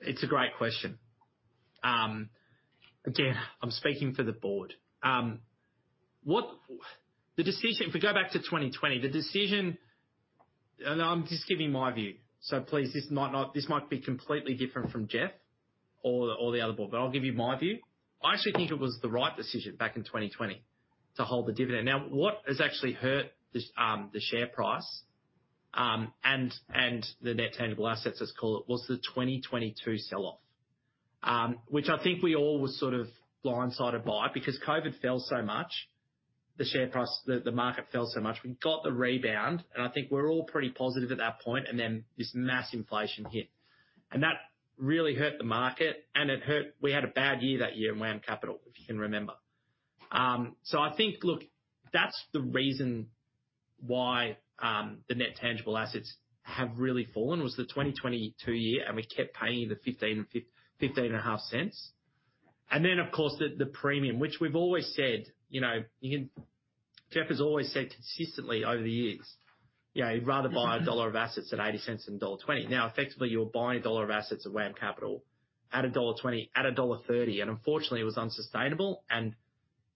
S1: It's a great question. Again, I'm speaking for the board. The decision. If we go back to 2020, the decision, and I'm just giving my view, so please, this might be completely different from Geoff or the other board, but I'll give you my view. I actually think it was the right decision back in 2020 to hold the dividend. Now, what has actually hurt the share price and the net tangible assets, let's call it, was the 2022 sell-off, which I think we all were sort of blindsided by, because COVID fell so much, the share price, the market fell so much. We got the rebound, and I think we're all pretty positive at that point, and then this mass inflation hit, and that really hurt the market, and it hurt. We had a bad year that year in WAM Capital, if you can remember. So I think, look, that's the reason why the net tangible assets have really fallen, was the 2022 year, and we kept paying the 0.15 and 0.155. And then, of course, the premium, which we've always said, you know, you can. Geoff has always said consistently over the years, you know, he'd rather buy a dollar of assets at 0.80 than dollar 1.20. Now, effectively, you're buying a dollar of assets at WAM Capital at dollar 1.20, at dollar 1.30, and unfortunately it was unsustainable.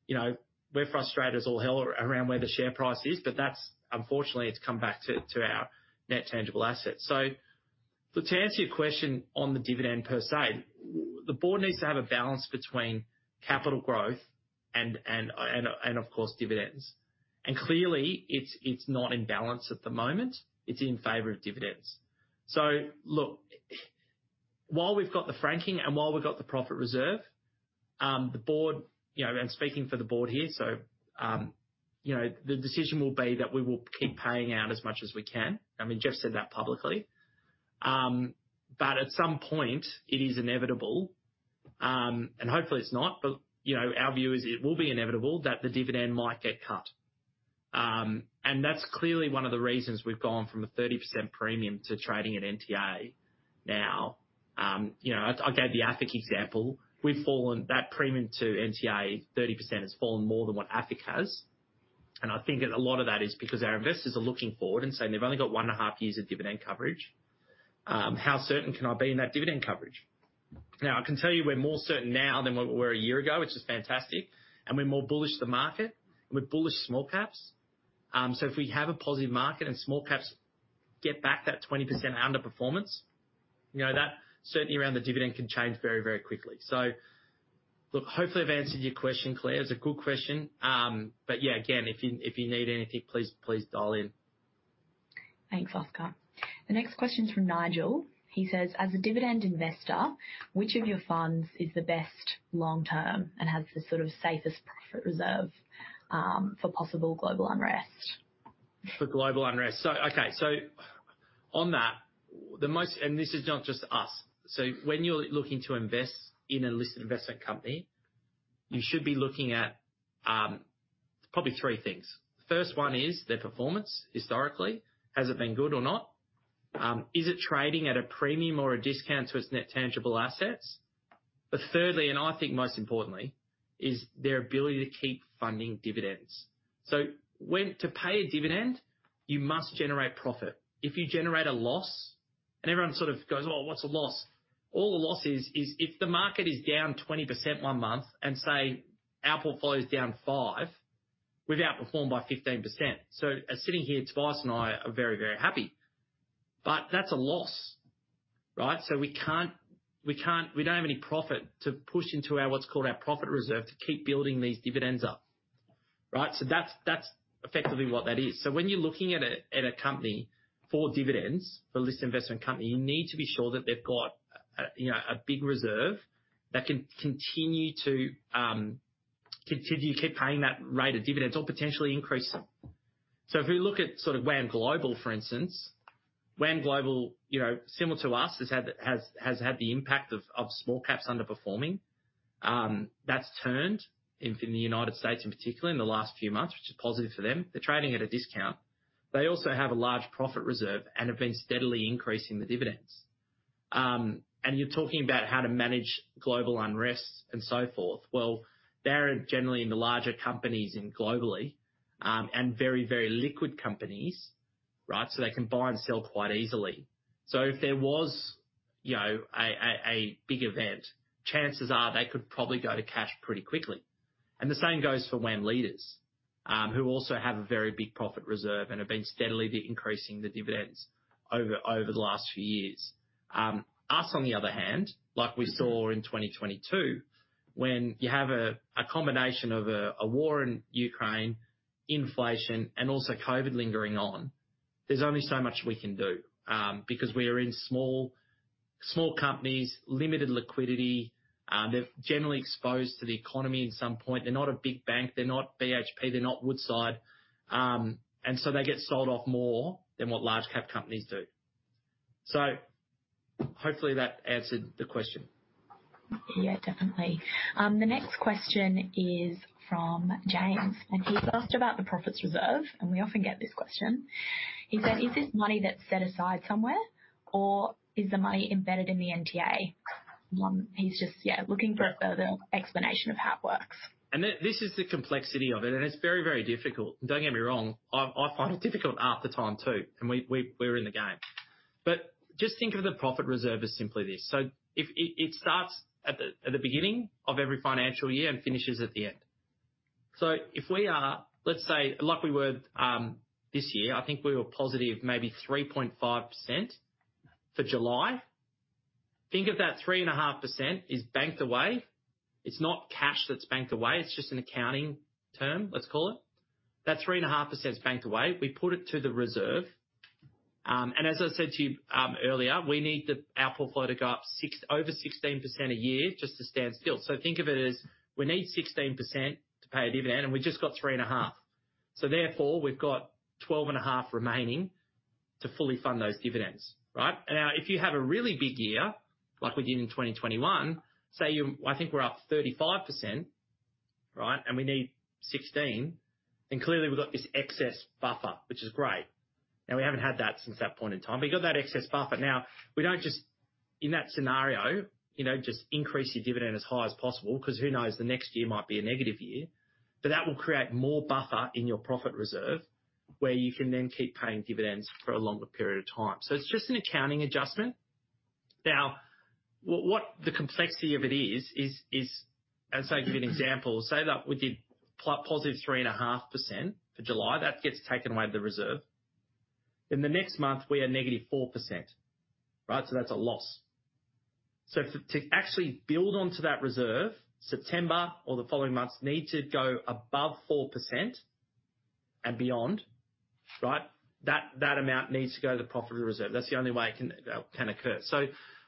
S1: You know, we're frustrated as all hell around where the share price is, but that's unfortunately it's come back to our net tangible assets. Look, to answer your question on the dividend per se, the board needs to have a balance between capital growth and of course dividends. Clearly, it's not in balance at the moment. It's in favor of dividends. Look, while we've got the franking and while we've got the profit reserve, the board, you know, I'm speaking for the board here, you know, the decision will be that we will keep paying out as much as we can. I mean, Geoff said that publicly. But at some point it is inevitable, and hopefully it's not, but you know, our view is it will be inevitable that the dividend might get cut. And that's clearly one of the reasons we've gone from a 30% premium to trading at NTA now. You know, I gave the AFIC example. We've fallen. That premium to NTA, 30%, has fallen more than what AFIC has, and I think a lot of that is because our investors are looking forward and saying they've only got one and a half years of dividend coverage. How certain can I be in that dividend coverage? Now, I can tell you we're more certain now than we were a year ago, which is fantastic, and we're more bullish to the market, and we're bullish small caps. So if we have a positive market and small caps get back that 20% underperformance, you know, that certainty around the dividend can change very, very quickly. So look, hopefully, I've answered your question, Claire. It's a good question, but yeah, again, if you, if you need anything, please, please dial in.
S3: Thanks, Oscar. The next question is from Nigel. He says, "As a dividend investor, which of your funds is the best long term and has the sort of safest profit reserve for possible global unrest?
S1: For global unrest. Okay, so on that, the most... And this is not just us. So when you're looking to invest in a listed investment company, you should be looking at, probably three things. First one is their performance. Historically, has it been good or not? Is it trading at a premium or a discount to its net tangible assets? But thirdly, and I think most importantly, is their ability to keep funding dividends. So, to pay a dividend, you must generate profit. If you generate a loss and everyone sort of goes, "Oh, what's a loss?" All a loss is, is if the market is down 20% one month and say, our portfolio is down 5, we've outperformed by 15%. So as sitting here, Tobias and I are very, very happy. But that's a loss, right? So we can't, we can't. We don't have any profit to push into our what's called our profit reserve, to keep building these dividends up, right? So that's, that's effectively what that is. So when you're looking at a, at a company for dividends, for a listed investment company, you need to be sure that they've got a, you know, a big reserve that can continue to continue to keep paying that rate of dividends or potentially increase them. So if we look at sort of WAM Global, for instance, WAM Global, you know, similar to us, has had the impact of small caps underperforming. That's turned in the United States, in particular in the last few months, which is positive for them. They're trading at a discount. They also have a large profit reserve and have been steadily increasing the dividends. And you're talking about how to manage global unrest and so forth. Well, they're generally in the larger companies in globally, and very, very liquid companies, right? So they can buy and sell quite easily. So if there was, you know, a big event, chances are they could probably go to cash pretty quickly. And the same goes for WAM Leaders, who also have a very big profit reserve and have been steadily increasing the dividends over the last few years. Us, on the other hand, like we saw in twenty twenty-two, when you have a combination of a war in Ukraine, inflation, and also COVID lingering on, there's only so much we can do, because we are in small, small companies, limited liquidity, they're generally exposed to the economy at some point. They're not a big bank, they're not BHP, they're not Woodside, and so they get sold off more than what large cap companies do, so hopefully that answered the question.
S3: Yeah, definitely. The next question is from James, and he's asked about the profit reserve, and we often get this question. He said, "Is this money that's set aside somewhere, or is the money embedded in the NTA?" He's just, yeah, looking for a further explanation of how it works.
S1: And this is the complexity of it, and it's very, very difficult. Don't get me wrong, I find it difficult half the time, too, and we, we're in the game. But just think of the profit reserve as simply this: so if it starts at the beginning of every financial year and finishes at the end. So if we are, let's say, like we were this year, I think we were positive, maybe 3.5% for July. Think of that 3.5% is banked away. It's not cash that's banked away, it's just an accounting term, let's call it. That 3.5% is banked away. We put it to the reserve. As I said to you earlier, we need our portfolio to go up over 16% a year just to stand still. So think of it as, we need 16% to pay a dividend, and we just got 3.5, so therefore, we've got 12.5 remaining to fully fund those dividends, right? And now, if you have a really big year, like we did in 2021, say, I think we're up 35%, right? And we need 16, then clearly we've got this excess buffer, which is great. Now, we haven't had that since that point in time, but you got that excess buffer. Now, we don't just, in that scenario, you know, just increase your dividend as high as possible, 'cause who knows, the next year might be a negative year. But that will create more buffer in your profit reserve, where you can then keep paying dividends for a longer period of time. So it's just an accounting adjustment. Now, what the complexity of it is is. And so I'll give you an example. Say that we did positive 3.5% for July. That gets taken away the reserve. Then the next month, we are -4%, right? So that's a loss. So to actually build onto that reserve, September or the following months need to go above 4% and beyond, right? That amount needs to go to the profit reserve. That's the only way it can, that can occur. So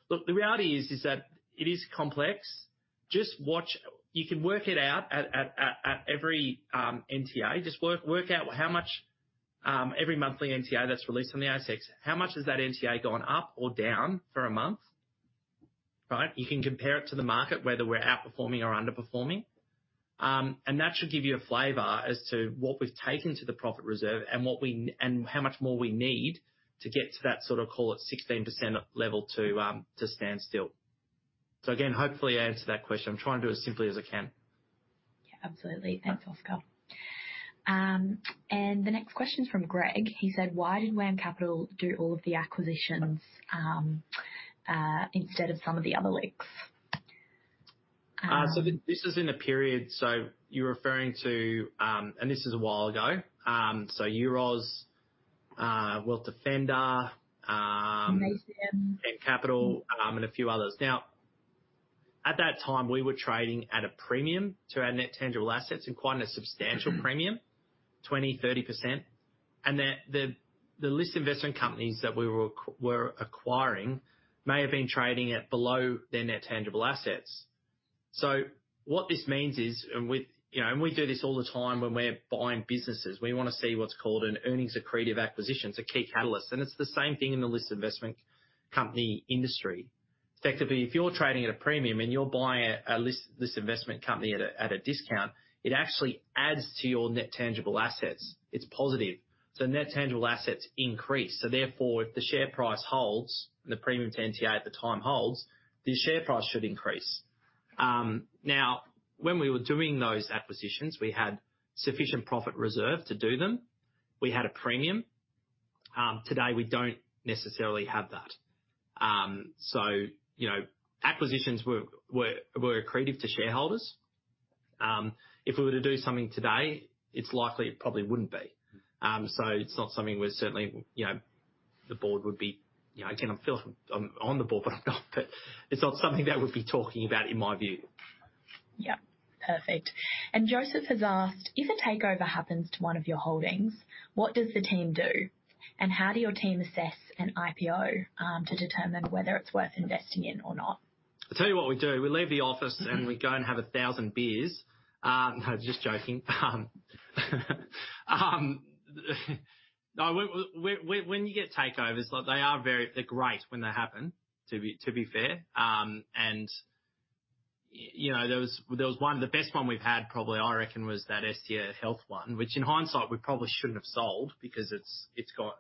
S1: look, the reality is that it is complex. Just watch. You can work it out at every NTA. Just work out how much every monthly NTA that's released on the ASX, how much has that NTA gone up or down for a month, right? You can compare it to the market, whether we're outperforming or underperforming. And that should give you a flavor as to what we've taken to the profit reserve and what we and how much more we need to get to that sort of, call it 16% level to, to standstill. So again, hopefully I answered that question. I'm trying to do it as simply as I can.
S3: Yeah, absolutely. Thanks, Oscar. And the next question is from Greg. He said: Why did WAM Capital do all of the acquisitions, instead of some of the other LICs?
S1: So this is in a period, so you're referring to, and this is a while ago, so Euroz, Wealth Defender.
S3: Mercantile?
S1: Mercantile? and a few others. Now, at that time, we were trading at a premium to our net tangible assets, and quite a substantial premium, 20-30%. The listed investment companies that we were acquiring may have been trading at below their net tangible assets. So what this means is, you know, we do this all the time when we're buying businesses, we want to see what's called an earnings accretive acquisition. It's a key catalyst, and it's the same thing in the listed investment company industry. Effectively, if you're trading at a premium and you're buying a listed investment company at a discount, it actually adds to your net tangible assets. It's positive. Net tangible assets increase, so therefore, if the share price holds and the premium to NTA at the time holds, the share price should increase. Now, when we were doing those acquisitions, we had sufficient profit reserve to do them. We had a premium. Today, we don't necessarily have that. You know, acquisitions were accretive to shareholders. If we were to do something today, it's likely it probably wouldn't be. It's not something we're certainly, you know, the board would be, you know, again, I'm on the board, but I'm not but it's not something they would be talking about in my view.
S3: Yep, perfect. And Joseph has asked: If a takeover happens to one of your holdings, what does the team do? And how does your team assess an IPO to determine whether it's worth investing in or not?
S1: I'll tell you what we do. We leave the office, and we go and have a thousand beers. No, just joking. No, when you get takeovers, look, they are very, they're great when they happen, to be fair. You know, there was one, the best one we've had, probably, I reckon, was that Estia Health one, which in hindsight, we probably shouldn't have sold because it's got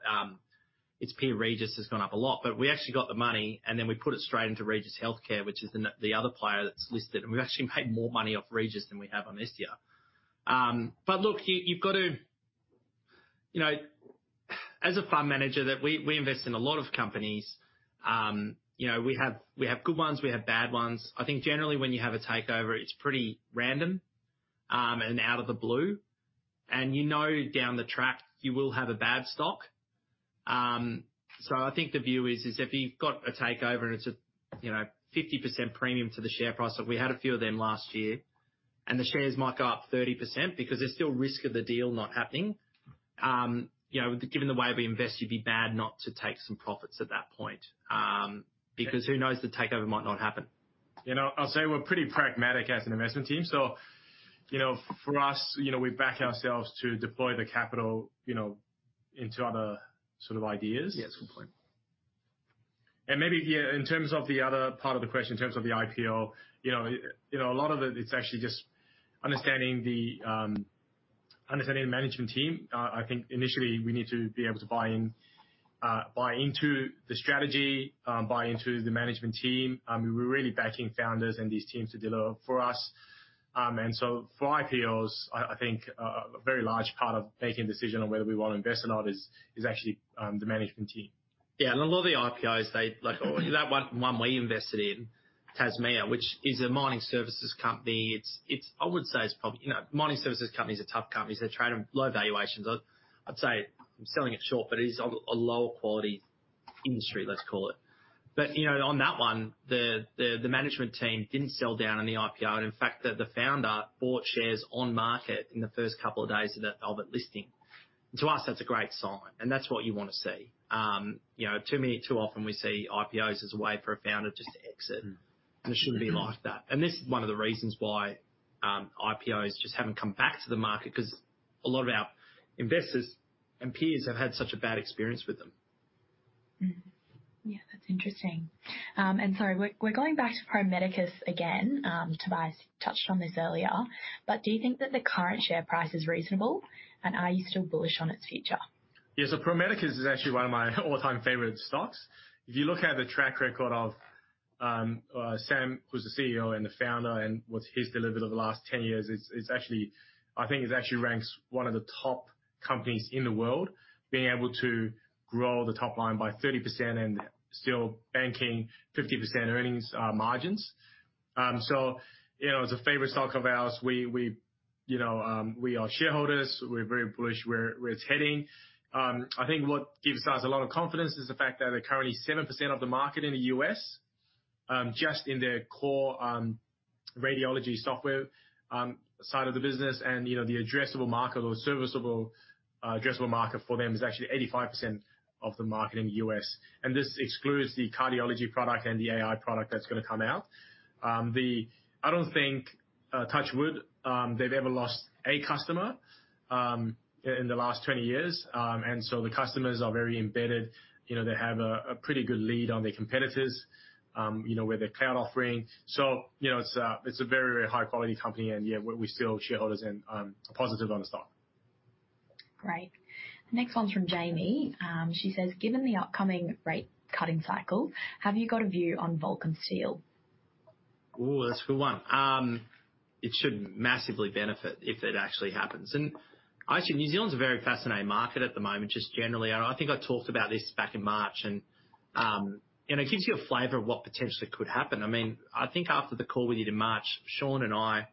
S1: its peer, Regis, has gone up a lot. But we actually got the money, and then we put it straight into Regis Healthcare, which is the other player that's listed, and we actually made more money off Regis than we have on Estia. But look, you, you've got to. You know, as a fund manager, that we invest in a lot of companies. You know, we have good ones, we have bad ones. I think generally when you have a takeover, it's pretty random and out of the blue, and you know, down the track, you will have a bad stock. So I think the view is if you've got a takeover and it's a, you know, 50% premium to the share price, like we had a few of them last year, and the shares might go up 30% because there's still risk of the deal not happening. You know, given the way we invest, you'd be bad not to take some profits at that point because who knows, the takeover might not happen. You know, I'll say we're pretty pragmatic as an investment team, so, you know, for us, you know, we back ourselves to deploy the capital, you know, into other sort of ideas. Yeah, that's a good point.
S2: Maybe, yeah, in terms of the other part of the question, in terms of the IPO, you know, a lot of it, it's actually just understanding the management team. I think initially we need to be able to buy into the strategy, buy into the management team. I mean, we're really backing founders and these teams to deliver for us. And so for IPOs, I think a very large part of making a decision on whether we want to invest or not is actually the management team.
S1: Yeah, and a lot of the IPOs, they, like, that one, one we invested in, Tasmea, which is a mining services company. It's, I would say, it's probably, you know, mining services companies are tough companies. They're trading low valuations. I'd say I'm selling it short, but it is a lower quality industry, let's call it. But, you know, on that one, the management team didn't sell down on the IPO, and in fact, the founder bought shares on market in the first couple of days of the of it listing. To us, that's a great sign, and that's what you want to see. You know, too many, too often we see IPOs as a way for a founder just to exit, and it shouldn't be like that, and this is one of the reasons why-... IPOs just haven't come back to the market, 'cause a lot of our investors and peers have had such a bad experience with them.
S3: Yeah, that's interesting. And so we're going back to Pro Medicus again. Tobias touched on this earlier, but do you think that the current share price is reasonable, and are you still bullish on its future?
S2: Yeah, so Pro Medicus is actually one of my all-time favorite stocks. If you look at the track record of Sam, who's the CEO and the founder, and what he's delivered over the last 10 years, it's actually. I think it actually ranks one of the top companies in the world, being able to grow the top line by 30% and still banking 50% earnings margins. So, you know, it's a favorite stock of ours. We, you know, we are shareholders. We're very bullish where it's heading. I think what gives us a lot of confidence is the fact that they're currently 7% of the market in the U.S., just in their core radiology software side of the business. You know, the addressable market or serviceable addressable market for them is actually 85% of the market in the U.S. This excludes the cardiology product and the AI product that's going to come out. I don't think, touch wood, they've ever lost a customer in the last 20 years. So the customers are very embedded. You know, they have a pretty good lead on their competitors, you know, with their cloud offering. You know, it's a, it's a very, very high quality company, and yeah, we're still shareholders and positive on the stock.
S3: Great. The next one's from Jamie. She says, "Given the upcoming rate cutting cycle, have you got a view on Vulcan Steel?
S1: Ooh, that's a good one. It should massively benefit if it actually happens. And actually, New Zealand's a very fascinating market at the moment, just generally. And I think I talked about this back in March, and it gives you a flavor of what potentially could happen. I mean, I think after the call with you in March, Shaun and I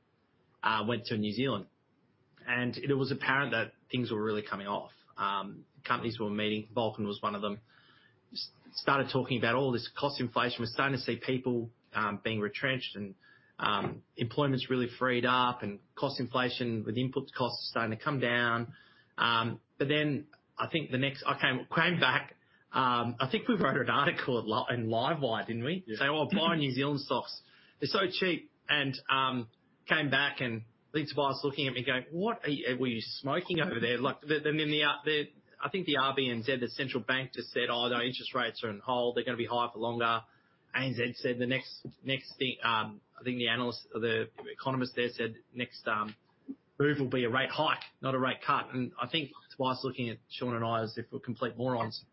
S1: went to New Zealand, and it was apparent that things were really coming off. Companies we were meeting, Vulcan was one of them, started talking about all this cost inflation. We're starting to see people being retrenched, and employment's really freed up and cost inflation with input costs starting to come down. But then I think the next. I came back, I think we wrote an article in Livewire, didn't we?
S2: Yes.
S1: Say, "Oh, buy New Zealand stocks, they're so cheap." And, came back and lead to Tobias looking at me going, "What are you-- were you smoking over there?" Like, then the, I think the RBNZ, the central bank, just said, "Oh, the interest rates are on hold. They're going to be high for longer." ANZ said the next thing, I think the analyst or the economist there said, "Next, move will be a rate hike, not a rate cut." And I think Tobias looking at Shaun and I as if we're complete morons.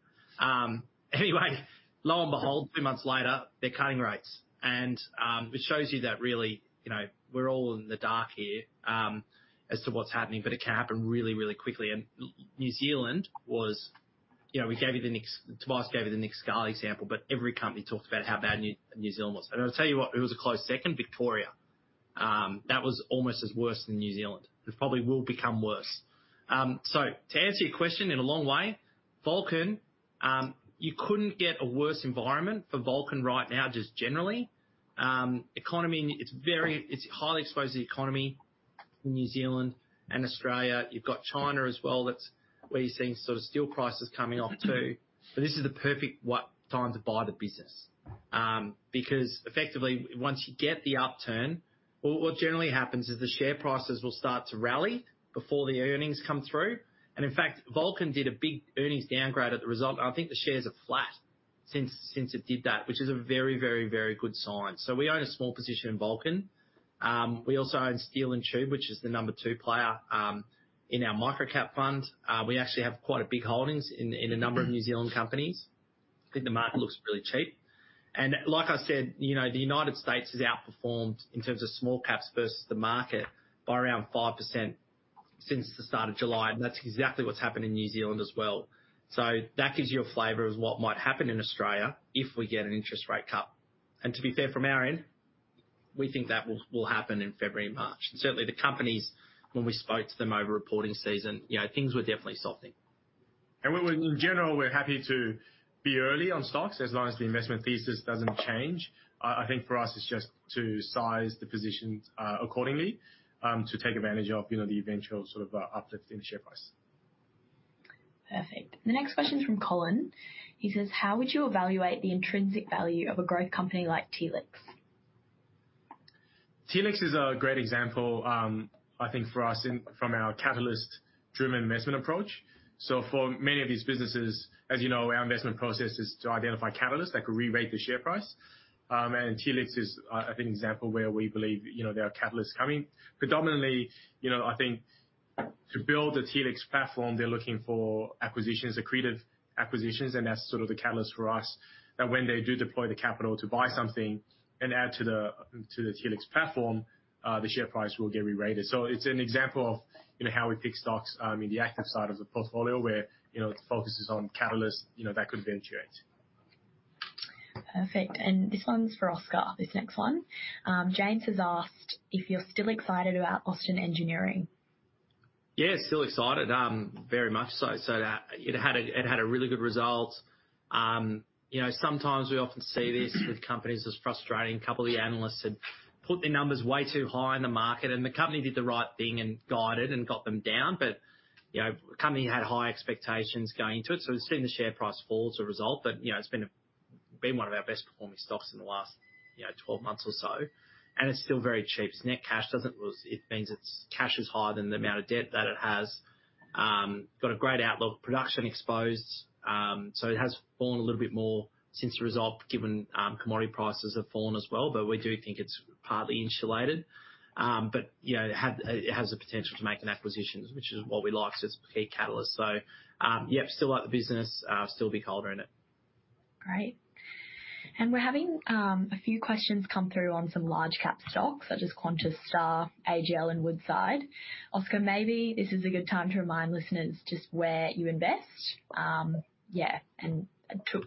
S1: Anyway, lo and behold, two months later, they're cutting rates. And, it shows you that really, you know, we're all in the dark here, as to what's happening, but it can happen really, really quickly. New Zealand was, you know, Tobias gave you the Nick Scali example, but every company talked about how bad New Zealand was. I'll tell you what, it was a close second, Victoria. That was almost as worse than New Zealand. It probably will become worse. So to answer your question in a long way, Vulcan, you couldn't get a worse environment for Vulcan right now, just generally. Economy, it's very, it's highly exposed to the economy in New Zealand and Australia. You've got China as well, that's where you're seeing sort of steel prices coming off, too. But this is the perfect time to buy the business. Because effectively, once you get the upturn, what generally happens is the share prices will start to rally before the earnings come through. In fact, Vulcan did a big earnings downgrade at the result, and I think the shares are flat since it did that, which is a very, very, very good sign. So we own a small position in Vulcan. We also own Steel & Tube, which is the number two player, in our microcap fund. We actually have quite a big holdings in a number of New Zealand companies. I think the market looks really cheap. And like I said, you know, the United States has outperformed in terms of small caps versus the market by around 5% since the start of July, and that's exactly what's happened in New Zealand as well. So that gives you a flavor of what might happen in Australia if we get an interest rate cut. To be fair, from our end, we think that will happen in February and March. Certainly, the companies, when we spoke to them over reporting season, you know, things were definitely softening.
S2: We, in general, we're happy to be early on stocks, as long as the investment thesis doesn't change. I think for us, it's just to size the positions accordingly to take advantage of, you know, the eventual sort of uplift in the share price.
S3: Perfect. The next question is from Colin. He says, "How would you evaluate the intrinsic value of a growth company like Telix?
S2: Telix is a great example, I think for us in from our catalyst-driven investment approach. So for many of these businesses, as you know, our investment process is to identify catalysts that could re-rate the share price. And Telix is I think example where we believe, you know, there are catalysts coming. Predominantly, you know, I think to build the Telix platform, they're looking for acquisitions, accretive acquisitions, and that's sort of the catalyst for us, that when they do deploy the capital to buy something and add to the Telix platform, the share price will get rerated. So it's an example of, you know, how we pick stocks in the active side of the portfolio, where, you know, the focus is on catalysts, you know, that could eventuate.
S3: Perfect, and this one's for Oscar, this next one. James has asked if you're still excited about Austin Engineering?
S1: Yeah, still excited, very much so. It had a really good result. You know, sometimes we often see this with companies, it's frustrating. A couple of the analysts had put their numbers way too high in the market, and the company did the right thing and guided and got them down. But you know, the company had high expectations going into it, so we've seen the share price fall as a result. But you know, it's been one of our best performing stocks in the last, you know, twelve months or so, and it's still very cheap. Its net cash. It means its cash is higher than the amount of debt that it has. Got a great outlook, production exposed, so it has fallen a little bit more since the result, given commodity prices have fallen as well. But we do think it's partly insulated. But, you know, it had, it has the potential to make an acquisition, which is what we like, so it's a key catalyst. So, yep, still like the business, still a holder in it.
S3: Great. And we're having a few questions come through on some large cap stocks such as Qantas, Star, AGL, and Woodside. Oscar, maybe this is a good time to remind listeners just where you invest. Yeah, and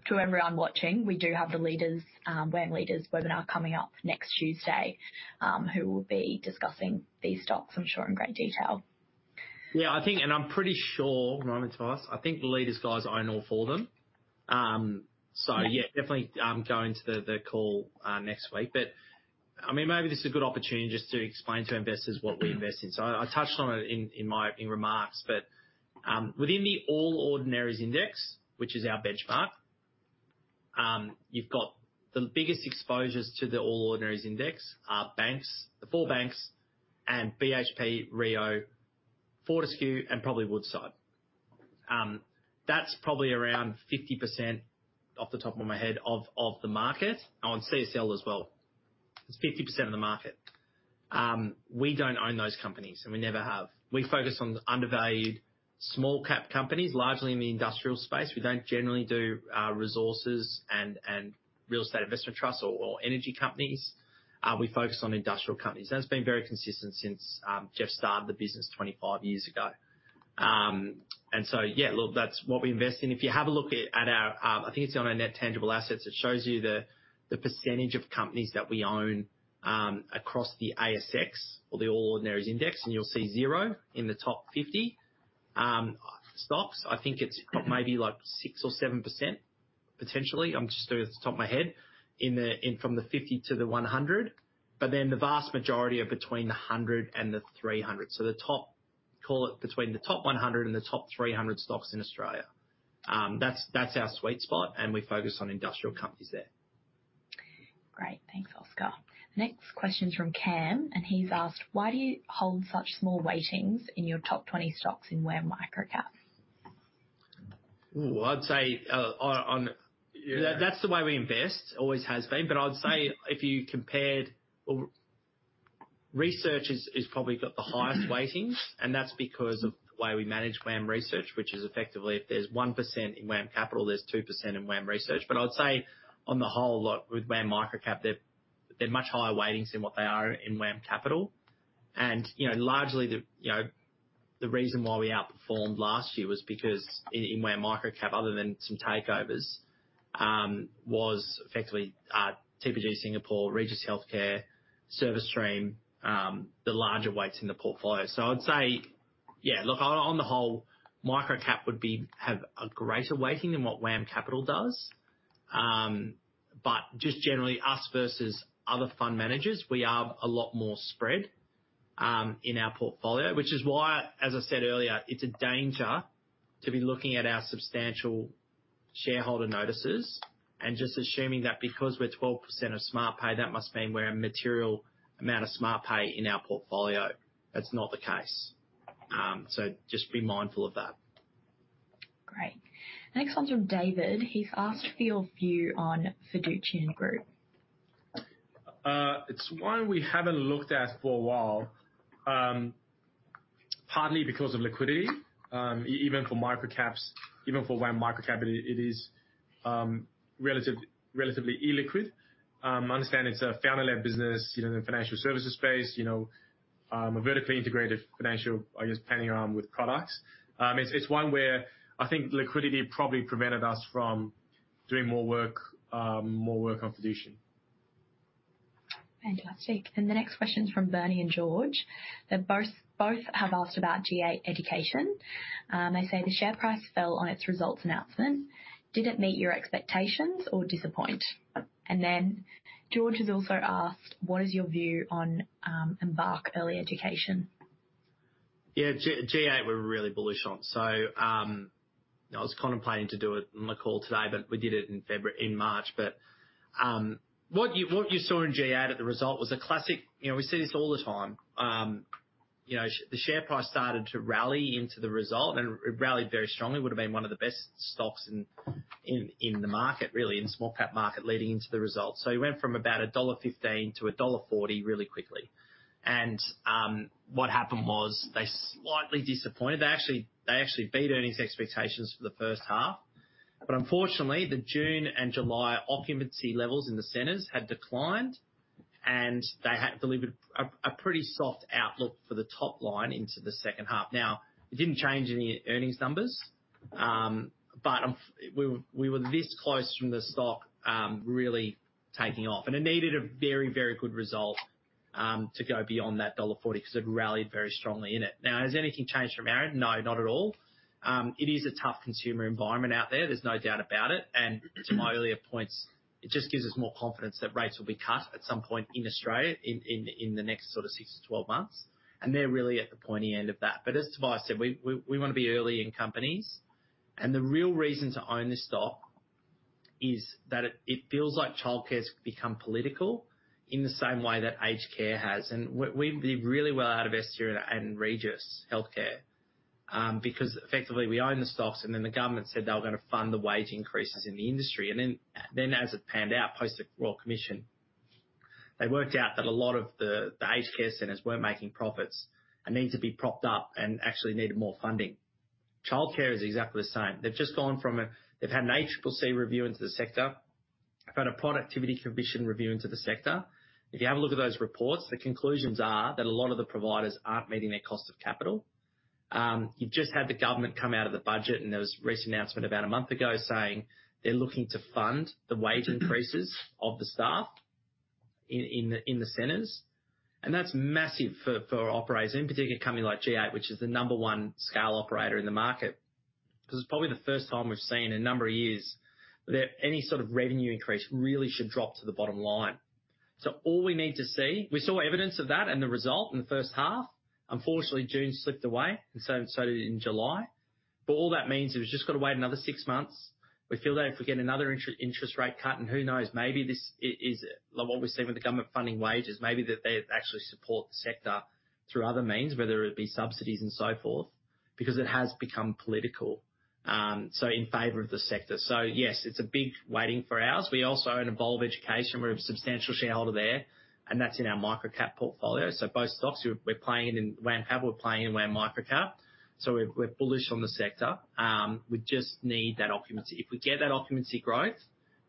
S3: to everyone watching, we do have the Leaders, WAM Leaders webinar coming up next Tuesday, who will be discussing these stocks, I'm sure, in great detail.
S1: Yeah, I think, and I'm pretty sure, Tobias, I think the Leaders guys own all four of them. So yeah, definitely, go into the call next week. But I mean, maybe this is a good opportunity just to explain to investors what we invest in. So I touched on it in my remarks, but within the All Ordinaries Index, which is our benchmark, you've got the biggest exposures to the All Ordinaries Index are banks, the four banks, and BHP, Rio, Fortescue, and probably Woodside. That's probably around 50%, off the top of my head, of the market. Oh, and CSL as well. It's 50% of the market. We don't own those companies, and we never have. We focus on the undervalued small cap companies, largely in the industrial space. We don't generally do resources and real estate investment trusts or energy companies. We focus on industrial companies. That's been very consistent since Geoff started the business twenty-five years ago. And so, yeah, look, that's what we invest in. If you have a look at our net tangible assets, it shows you the percentage of companies that we own across the ASX or the All Ordinaries Index, and you'll see zero in the top 50 stocks. I think it's got maybe, like, 6 or 7%, potentially. I'm just doing it at the top of my head, in from the 50 to the 100. But then the vast majority are between the 100 and the 300. The top, call it between the top one hundred and the top three hundred stocks in Australia. That's our sweet spot, and we focus on industrial companies there.
S3: Great. Thanks, Oscar. The next question is from Cam, and he's asked: Why do you hold such small weightings in your top twenty stocks in WAM Microcap?
S1: Ooh, I'd say, on-
S2: Yeah.
S1: That's the way we invest, always has been. But I'd say if you compared Research is probably got the highest weightings, and that's because of the way we manage WAM Research, which is effectively if there's 1% in WAM Capital, there's 2% in WAM Research. But I'd say on the whole, look, with WAM Microcap, they're much higher weightings in what they are in WAM Capital. And you know, largely, you know, the reason why we outperformed last year was because in WAM Microcap, other than some takeovers, was effectively TPG Singapore, Regis Healthcare, Service Stream, the larger weights in the portfolio. So I'd say, yeah, look, on the whole, Microcap would be, have a greater weighting than what WAM Capital does. But just generally us versus other fund managers, we are a lot more spread in our portfolio, which is why, as I said earlier, it's a danger to be looking at our substantial shareholder notices and just assuming that because we're 12% of Smartpay, that must mean we're a material amount of Smartpay in our portfolio. That's not the case, so just be mindful of that.
S3: Great. The next one's from David. He's asked for your view on Fiducian Group.
S2: It's one we haven't looked at for a while, partly because of liquidity. Even for microcaps, even for WAM Microcap, it is relatively illiquid. I understand it's a founder-led business, you know, in the financial services space, you know, a vertically integrated financial, I guess, planning arm with products. It's one where I think liquidity probably prevented us from doing more work on Fiducian.
S3: Fantastic. And the next question is from Bernie and George. They're both, both have asked about G8 Education. They say the share price fell on its results announcement. Did it meet your expectations or disappoint? And then George has also asked, "What is your view on Embark Early Education?
S1: Yeah, G8 we're really bullish on. So, I was contemplating to do it on the call today, but we did it in March. But, what you, what you saw in G8 at the result was a classic... You know, we see this all the time. You know, the share price started to rally into the result, and it rallied very strongly. Would have been one of the best stocks in the market, really, in small cap market, leading into the results. So it went from about dollar 1.15 to dollar 1.40 really quickly. And, what happened was they slightly disappointed. They actually beat earnings expectations for the first half, but unfortunately, the June and July occupancy levels in the centers had declined, and they had delivered a pretty soft outlook for the top line into the second half. Now, it didn't change any earnings numbers, but we were this close from the stock really taking off, and it needed a very, very good result to go beyond that dollar 1.40, because it rallied very strongly in it. Now, has anything changed from our end? No, not at all. It is a tough consumer environment out there, there's no doubt about it. To my earlier points, it just gives us more confidence that rates will be cut at some point in Australia in the next sort of six to 12 months, and they're really at the pointy end of that. But as Tobias said, we want to be early in companies, and the real reason to own this stock is that it feels like childcare has become political in the same way that aged care has. We did really well out of Estia and Regis Healthcare, because effectively we own the stocks, and then the government said they were going to fund the wage increases in the industry. As it panned out, post the Royal Commission, they worked out that a lot of the aged care centers weren't making profits and needed to be propped up and actually needed more funding. Childcare is exactly the same. They've just gone from a-- They've had an ACCC review into the sector, they've had a Productivity Commission review into the sector. If you have a look at those reports, the conclusions are that a lot of the providers aren't meeting their cost of capital. You've just had the government come out of the budget, and there was a recent announcement about a month ago saying they're looking to fund the wage increases of the staff in the centers, and that's massive for operators, in particular, a company like G8, which is the number one scale operator in the market. This is probably the first time we've seen in a number of years that any sort of revenue increase really should drop to the bottom line. So all we need to see... We saw evidence of that in the result in the first half. Unfortunately, June slipped away, and so did July. But all that means is we've just got to wait another six months. We feel that if we get another interest rate cut, and who knows, maybe this is like what we've seen with the government funding wages, maybe that they actually support the sector through other means, whether it be subsidies and so forth, because it has become political, so in favor of the sector. So yes, it's a big waiting game for us. We also own Evolve Education. We're a substantial shareholder there, and that's in our microcap portfolio. Both stocks, we're playing in WAM Capital, we're playing in WAM Microcap, so we're bullish on the sector. We just need that occupancy. If we get that occupancy growth,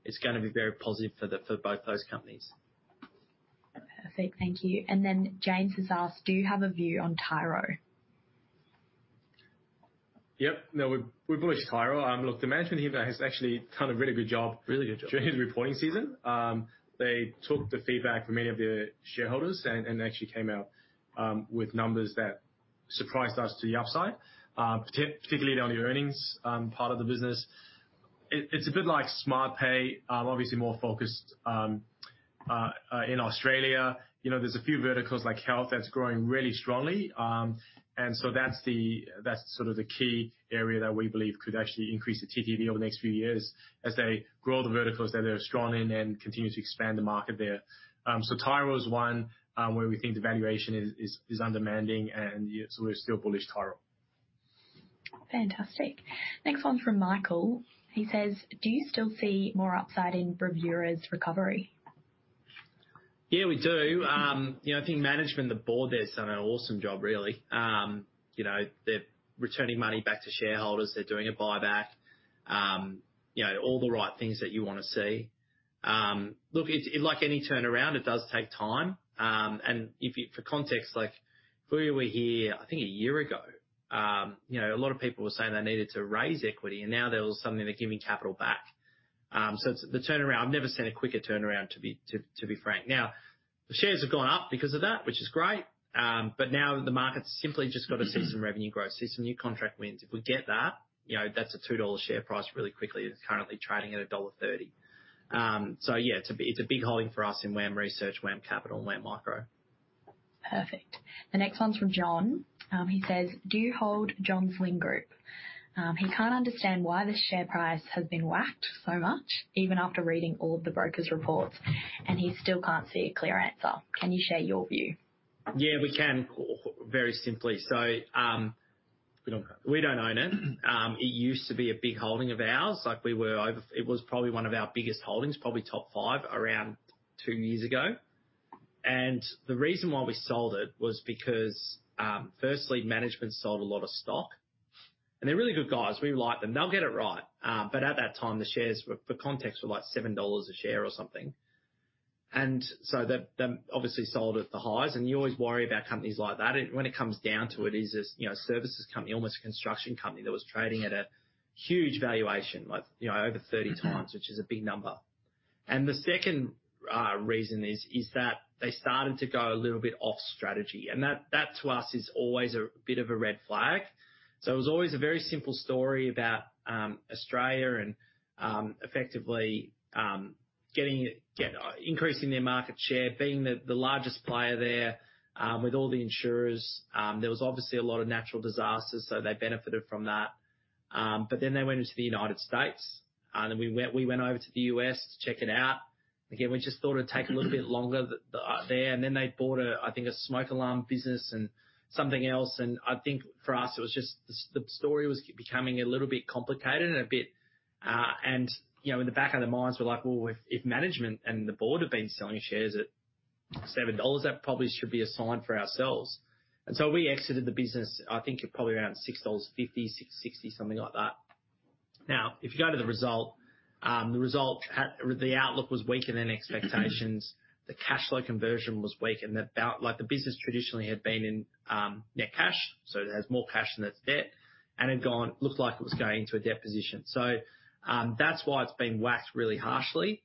S1: it's going to be very positive for both those companies.
S3: Perfect. Thank you. And then James has asked, "Do you have a view on Tyro?
S2: Yep. No, we're bullish Tyro. Look, the management here has actually done a really good job-
S1: Really good job. ...
S2: during the reporting season. They took the feedback from many of the shareholders and actually came out with numbers that surprised us to the upside, particularly on the earnings part of the business. It's a bit like Smartpay, obviously more focused in Australia. You know, there's a few verticals like health, that's growing really strongly, and so that's sort of the key area that we believe could actually increase the EBITDA over the next few years as they grow the verticals that they're strong in and continue to expand the market there, so Tyro is one where we think the valuation is undemanding, and yeah, so we're still bullish Tyro.
S3: Fantastic. Next one from Michael. He says, "Do you still see more upside in Bravura's recovery?
S1: Yeah, we do. You know, I think management and the board there has done an awesome job, really. You know, they're returning money back to shareholders. They're doing a buyback. You know, all the right things that you want to see. Look, like any turnaround, it does take time, and for context, like if we were here, I think a year ago, you know, a lot of people were saying they needed to raise equity, and now they're all suddenly giving capital back. So the turnaround, I've never seen a quicker turnaround, to be frank. Now, the shares have gone up because of that, which is great. But now the market's simply just got to see some revenue growth, see some new contract wins. If we get that, you know, that's a 2 dollar share price really quickly. It's currently trading at dollar 1.30. So yeah, it's a big holding for us in WAM Research, WAM Capital, and WAM Micro.
S3: Perfect. The next one's from John. He says, "Do you hold Johns Lyng Group?" He can't understand why the share price has been whacked so much, even after reading all the brokers' reports, and he still can't see a clear answer. Can you share your view?
S1: Yeah, we can, very simply. So, we don't own it. It used to be a big holding of ours. It was probably one of our biggest holdings, probably top five around two years ago. And the reason why we sold it was because, firstly, management sold a lot of stock, and they're really good guys. We like them. They'll get it right. But at that time, the shares were, for context, like 7 dollars a share or something. And so they obviously sold at the highs, and you always worry about companies like that. When it comes down to it, it is a services company, almost a construction company that was trading at a huge valuation, like over 30 times, which is a big number. And the second reason is that they started to go a little bit off strategy, and that to us is always a bit of a red flag. So it was always a very simple story about Australia and effectively increasing their market share, being the largest player there with all the insurers. There was obviously a lot of natural disasters, so they benefited from that. But then they went into the United States, and then we went over to the U.S. to check it out. Again, we just thought it'd take a little bit longer there, and then they bought a, I think, a smoke alarm business and something else, and I think for us, it was just the story was becoming a little bit complicated and a bit. You know, in the back of their minds, we're like, "Well, if management and the board have been selling shares at 7 dollars, that probably should be a sign for ourselves." We exited the business, I think at probably around 6.50 dollars, 6.60, something like that. Now, if you go to the result, the result had the outlook was weaker than expectations. The cash flow conversion was weakened, about, like, the business traditionally had been in net cash, so it has more cash than its debt, and it gone, looked like it was going into a debt position. That's why it's been whacked really harshly.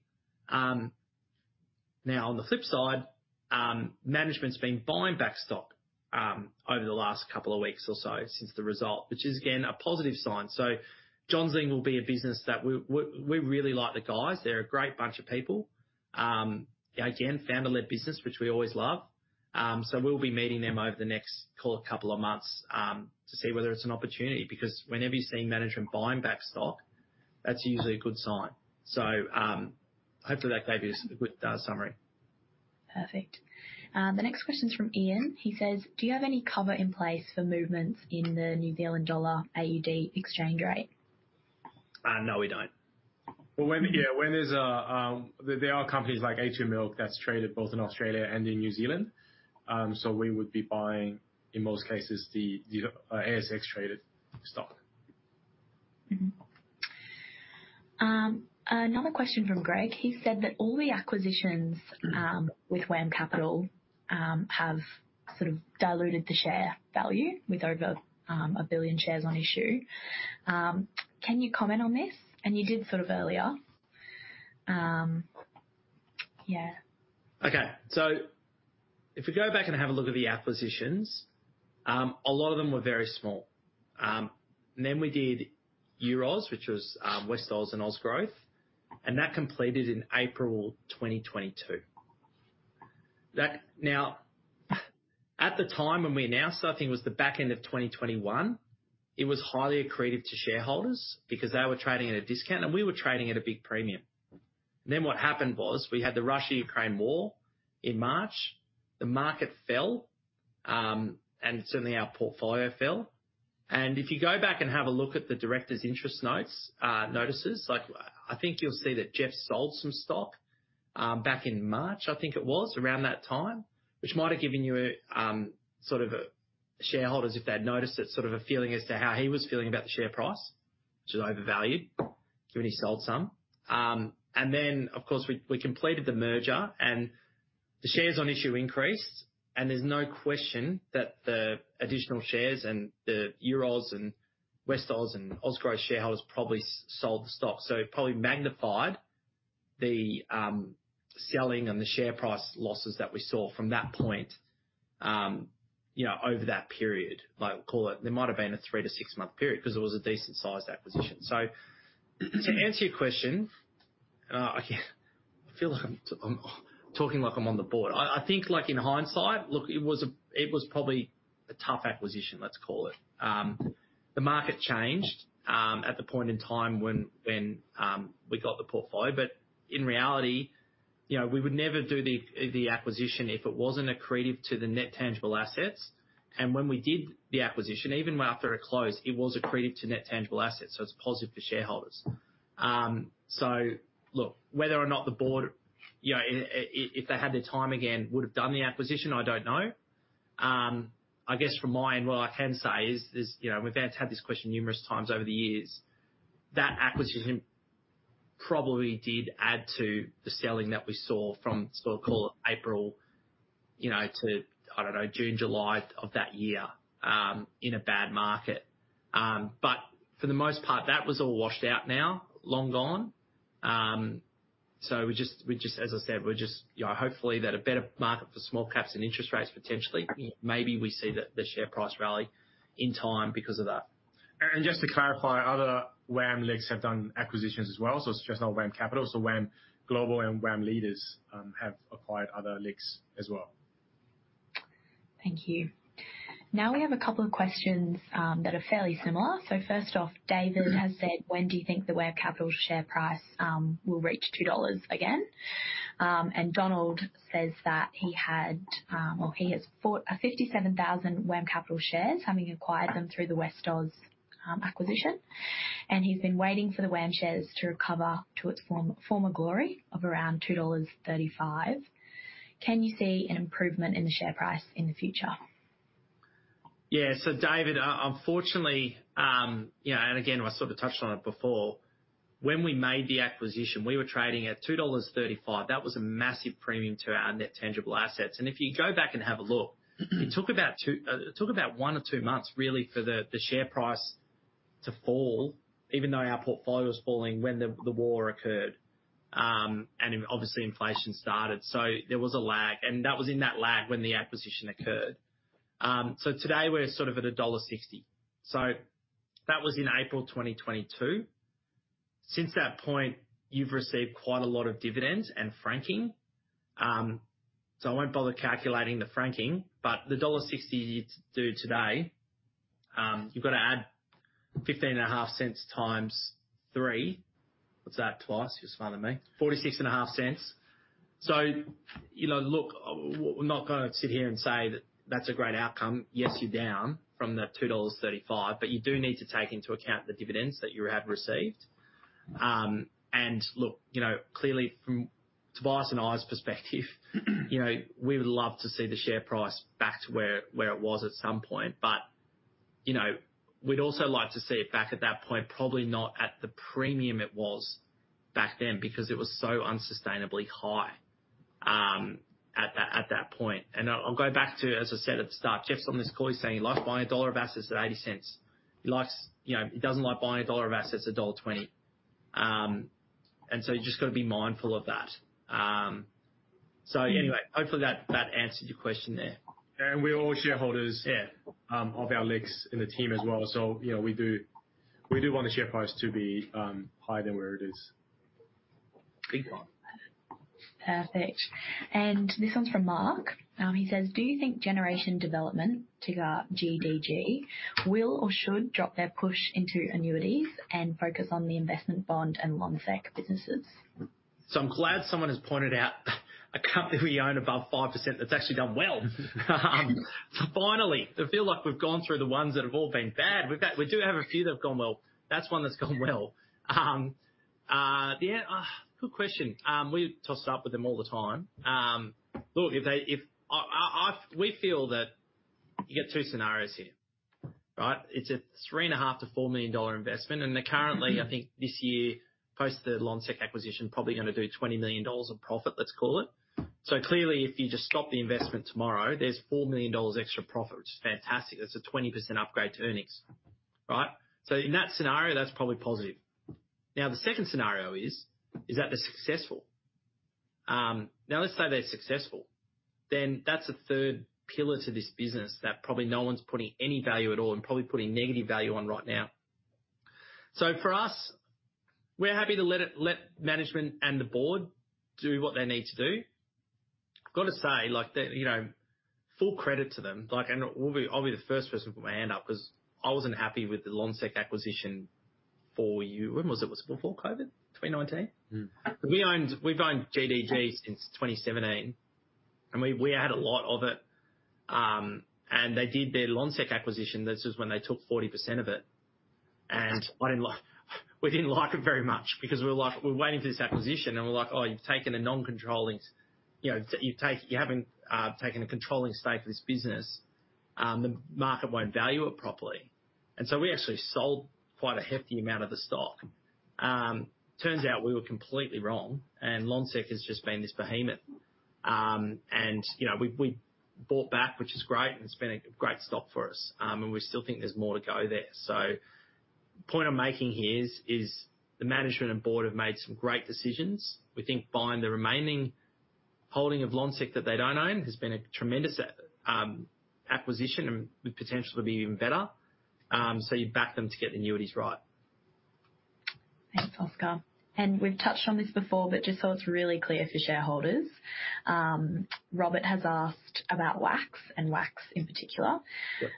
S1: Now, on the flip side, management's been buying back stock over the last couple of weeks or so since the result, which is, again, a positive sign. Johns Lyng will be a business that we really like the guys. They're a great bunch of people. Again, founder-led business, which we always love. We'll be meeting them over the next, call it, couple of months, to see whether it's an opportunity, because whenever you're seeing management buying back stock, that's usually a good sign. Hopefully that gave you a good summary.
S3: Perfect. The next question is from Ian. He says, "Do you have any cover in place for movements in the New Zealand dollar AUD exchange rate?
S1: No, we don't.
S2: When, yeah, when there's a. There are companies like a2 Milk that's traded both in Australia and in New Zealand. So we would be buying, in most cases, the ASX-traded stock.
S3: Another question from Greg. He said that all the acquisitions with WAM Capital have sort of diluted the share value with over a billion shares on issue. Can you comment on this, and you did sort of earlier. Yeah.
S1: Okay. So if we go back and have a look at the acquisitions, a lot of them were very small. And then we did Euroz, which was Westoz and Ozgrowth, and that completed in April twenty twenty-two. That now, at the time when we announced, I think it was the back end of twenty twenty-one, it was highly accretive to shareholders because they were trading at a discount, and we were trading at a big premium. And then what happened was we had the Russia-Ukraine war in March. The market fell, and certainly our portfolio fell. And if you go back and have a look at the directors' interest notices, like, I think you'll see that Geoff sold some stock back in March, I think it was, around that time, which might have given you a sort of a shareholders, if they'd noticed it, sort of a feeling as to how he was feeling about the share price, which is overvalued, given he sold some. And then, of course, we completed the merger, and the shares on issue increased, and there's no question that the additional shares and the Euroz and Westoz and Ozgrowth shareholders probably sold the stock. So it probably magnified the selling and the share price losses that we saw from that point, you know, over that period, like, call it, there might have been a three-to-six-month period because it was a decent-sized acquisition. So to answer your question, again, I feel like I'm talking like I'm on the board. I think, like, in hindsight, look, it was a. It was probably a tough acquisition, let's call it. The market changed at the point in time when we got the portfolio, but in reality, you know, we would never do the acquisition if it wasn't accretive to the net tangible assets. And when we did the acquisition, even after it closed, it was accretive to net tangible assets, so it's positive for shareholders. So look, whether or not the board, you know, if they had the time again, would have done the acquisition, I don't know. I guess from my end, what I can say is, you know, we've answered this question numerous times over the years, that acquisition probably did add to the selling that we saw from, sort of, call it April, you know, to, I don't know, June, July of that year, in a bad market. But for the most part, that was all washed out now, long gone. So we just, as I said, we're just, you know, hopefully that a better market for small caps and interest rates, potentially, maybe we see the share price rally in time because of that. And just to clarify, other WAM LICs have done acquisitions as well, so it's just not WAM Capital. So WAM Global and WAM Leaders have acquired other LICs as well.
S3: Thank you. Now we have a couple of questions that are fairly similar. So first off, David has said, "When do you think the WAM Capital share price will reach 2 dollars again?" And Donald says that he had, well, he has bought 57,000 WAM Capital shares, having acquired them through the Westoz acquisition, and he's been waiting for the WAM shares to recover to its former glory of around 2.35 dollars. Can you see an improvement in the share price in the future?
S1: Yeah. So, David, unfortunately, you know, and again, I sort of touched on it before, when we made the acquisition, we were trading at 2.35 dollars. That was a massive premium to our net tangible assets. And if you go back and have a look, it took about one or two months, really, for the share price to fall, even though our portfolio was falling when the war occurred, and obviously inflation started. So there was a lag, and that was in that lag when the acquisition occurred. So today we're sort of at dollar 1.60. So that was in April 2022. Since that point, you've received quite a lot of dividends and franking. So, I won't bother calculating the franking, but the dollar 1.60 you do today, you've got to add 0.155 times three. What's that, Tobias? You're smarter than me. Forty-six and a half cents. So, you know, look, we're not going to sit here and say that that's a great outcome. Yes, you're down from the 2.35 dollars, but you do need to take into account the dividends that you have received. And look, you know, clearly from Tobias and I's perspective, you know, we would love to see the share price back to where it was at some point. But, you know, we'd also like to see it back at that point, probably not at the premium it was back then, because it was so unsustainably high at that point. I'll go back to, as I said at the start, Geoff's on this call. He's saying he likes buying a dollar of assets at eighty cents. He likes. You know, he doesn't like buying a dollar of assets at a dollar twenty. And so you've just got to be mindful of that. So anyway, hopefully that answered your question there.
S2: And we're all shareholders-
S1: Yeah...
S2: of our LICs in the team as well. So, you know, we do want the share price to be higher than where it is....
S3: Perfect. And this one's from Mark. He says, "Do you think Generation Development, ticker GDG, will or should drop their push into annuities and focus on the investment bond and Lonsec businesses?
S1: So I'm glad someone has pointed out a company we own above 5% that's actually done well. Finally! I feel like we've gone through the ones that have all been bad. We've got. We do have a few that have gone well. That's one that's gone well. Good question. We toss it up with them all the time. Look, we feel that you get two scenarios here, right? It's a 3.5-4 million-dollar investment, and they're currently, I think, this year, post the Lonsec acquisition, probably going to do 20 million dollars of profit, let's call it. So clearly, if you just stop the investment tomorrow, there's 4 million dollars extra profit, which is fantastic. That's a 20% upgrade to earnings, right? So in that scenario, that's probably positive. Now, the second scenario is that they're successful. Now let's say they're successful, then that's a third pillar to this business that probably no one's putting any value at all and probably putting negative value on right now. So for us, we're happy to let it, let management and the board do what they need to do. I've got to say, like, that, you know, full credit to them. Like, and we'll be. I'll be the first person to put my hand up, 'cause I wasn't happy with the Lonsec acquisition for you. When was it? Was it before COVID, twenty nineteen? We owned, we've owned GDG since 2017, and we had a lot of it. And they did their Lonsec acquisition, this is when they took 40% of it. And I didn't like, we didn't like it very much because we were like, "We're waiting for this acquisition," and we're like, "Oh, you've taken a non-controlling... You know, you've taken... you haven't taken a controlling stake of this business. The market won't value it properly." And so we actually sold quite a hefty amount of the stock. Turns out we were completely wrong, and Lonsec has just been this behemoth. And, you know, we bought back, which is great, and it's been a great stock for us. And we still think there's more to go there. So the point I'm making here is the management and board have made some great decisions. We think buying the remaining holding of Lonsec that they don't own has been a tremendous acquisition and with potential to be even better. So you back them to get the annuities right.
S3: Thanks, Oscar. And we've touched on this before, but just so it's really clear for shareholders, Robert has asked about WAM, and WAM in particular.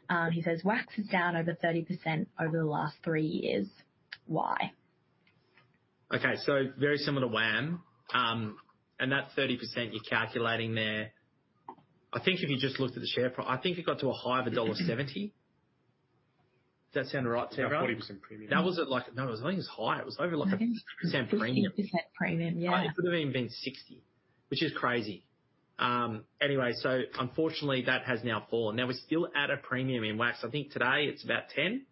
S1: Yep.
S3: He says, "WAX is down over 30% over the last three years. Why?
S1: Okay, so very similar to WAM, and that 30% you're calculating there, I think if you just looked at the share price, I think it got to a high of dollar 1.70. Does that sound right, Tamara?
S3: 40% premium.
S1: That was at like. No, it was, I think it was higher. It was over like a 50% premium.
S3: 50% premium, yeah.
S1: It could have even been 60, which is crazy. Anyway, so unfortunately, that has now fallen. Now we're still at a premium in WAX. I think today it's about 10?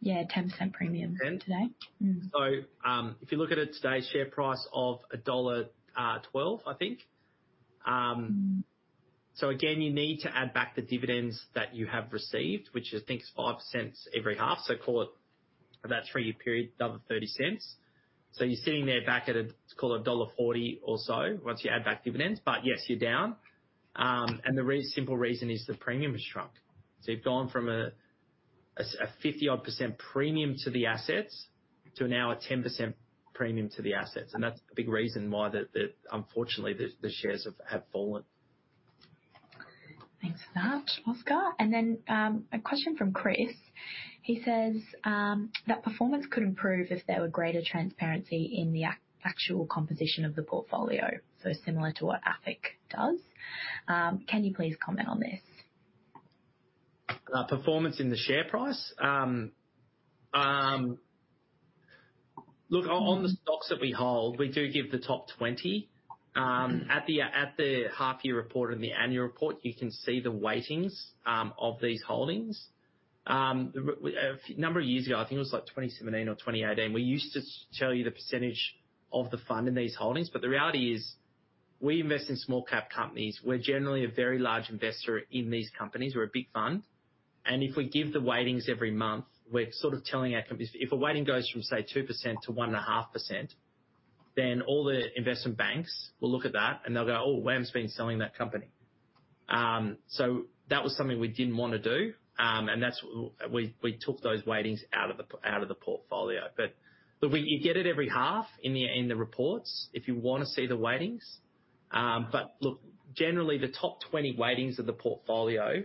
S3: Yeah, 10% premium-
S1: Ten
S3: -today. Mm.
S1: So, if you look at it, today's share price of dollar 1.12, I think. So again, you need to add back the dividends that you have received, which I think is 0.05 every half. So call it about a three-year period, another 0.30. So you're sitting there back at a, let's call it dollar 1.40 or so once you add back dividends, but yes, you're down. And the simple reason is the premium has shrunk. So you've gone from a fifty-odd% premium to the assets to now a 10% premium to the assets, and that's a big reason why the unfortunately the shares have fallen.
S3: Thanks for that, Oscar. Then, a question from Chris. He says, "That performance could improve if there were greater transparency in the actual composition of the portfolio. So similar to what AFIC does. Can you please comment on this?
S1: Performance in the share price? Look, on the stocks that we hold, we do give the top 20. At the half year report and the annual report, you can see the weightings of these holdings. A number of years ago, I think it was like 2017 or 2018, we used to show you the percentage of the fund in these holdings, but the reality is, we invest in small cap companies. We're generally a very large investor in these companies. We're a big fund, and if we give the weightings every month, we're sort of telling our companies... If a weighting goes from, say, 2% to 1.5%, then all the investment banks will look at that and they'll go, "Oh, WAM's been selling that company." So that was something we didn't want to do. And that's why we took those weightings out of the portfolio. But look, you get it every half in the reports if you want to see the weightings. But look, generally, the top 20 weightings of the portfolio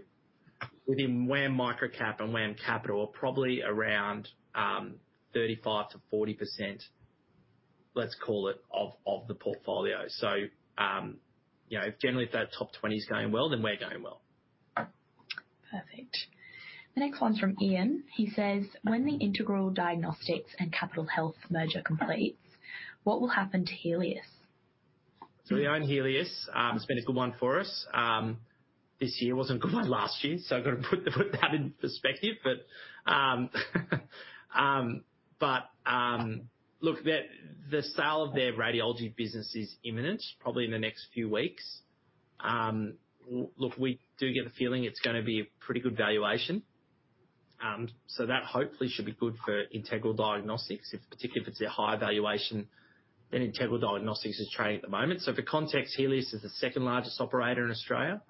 S1: within WAM Microcap and WAM Capital are probably around 35%-40%, let's call it, of the portfolio. So you know, generally, if that top 20 is going well, then we're going well.
S3: Perfect. The next one's from Ian. He says, "When the Integral Diagnostics and Capitol Health merger completes, what will happen to Healius?
S1: So we own Healius. It's been a good one for us. This year wasn't a good one last year, so I've got to put that in perspective. But look, the sale of their radiology business is imminent, probably in the next few weeks. Look, we do get the feeling it's gonna be a pretty good valuation. So that hopefully should be good for Integral Diagnostics, particularly if it's a higher valuation than Integral Diagnostics is trading at the moment. So for context, Healius is the second largest operator in Australia.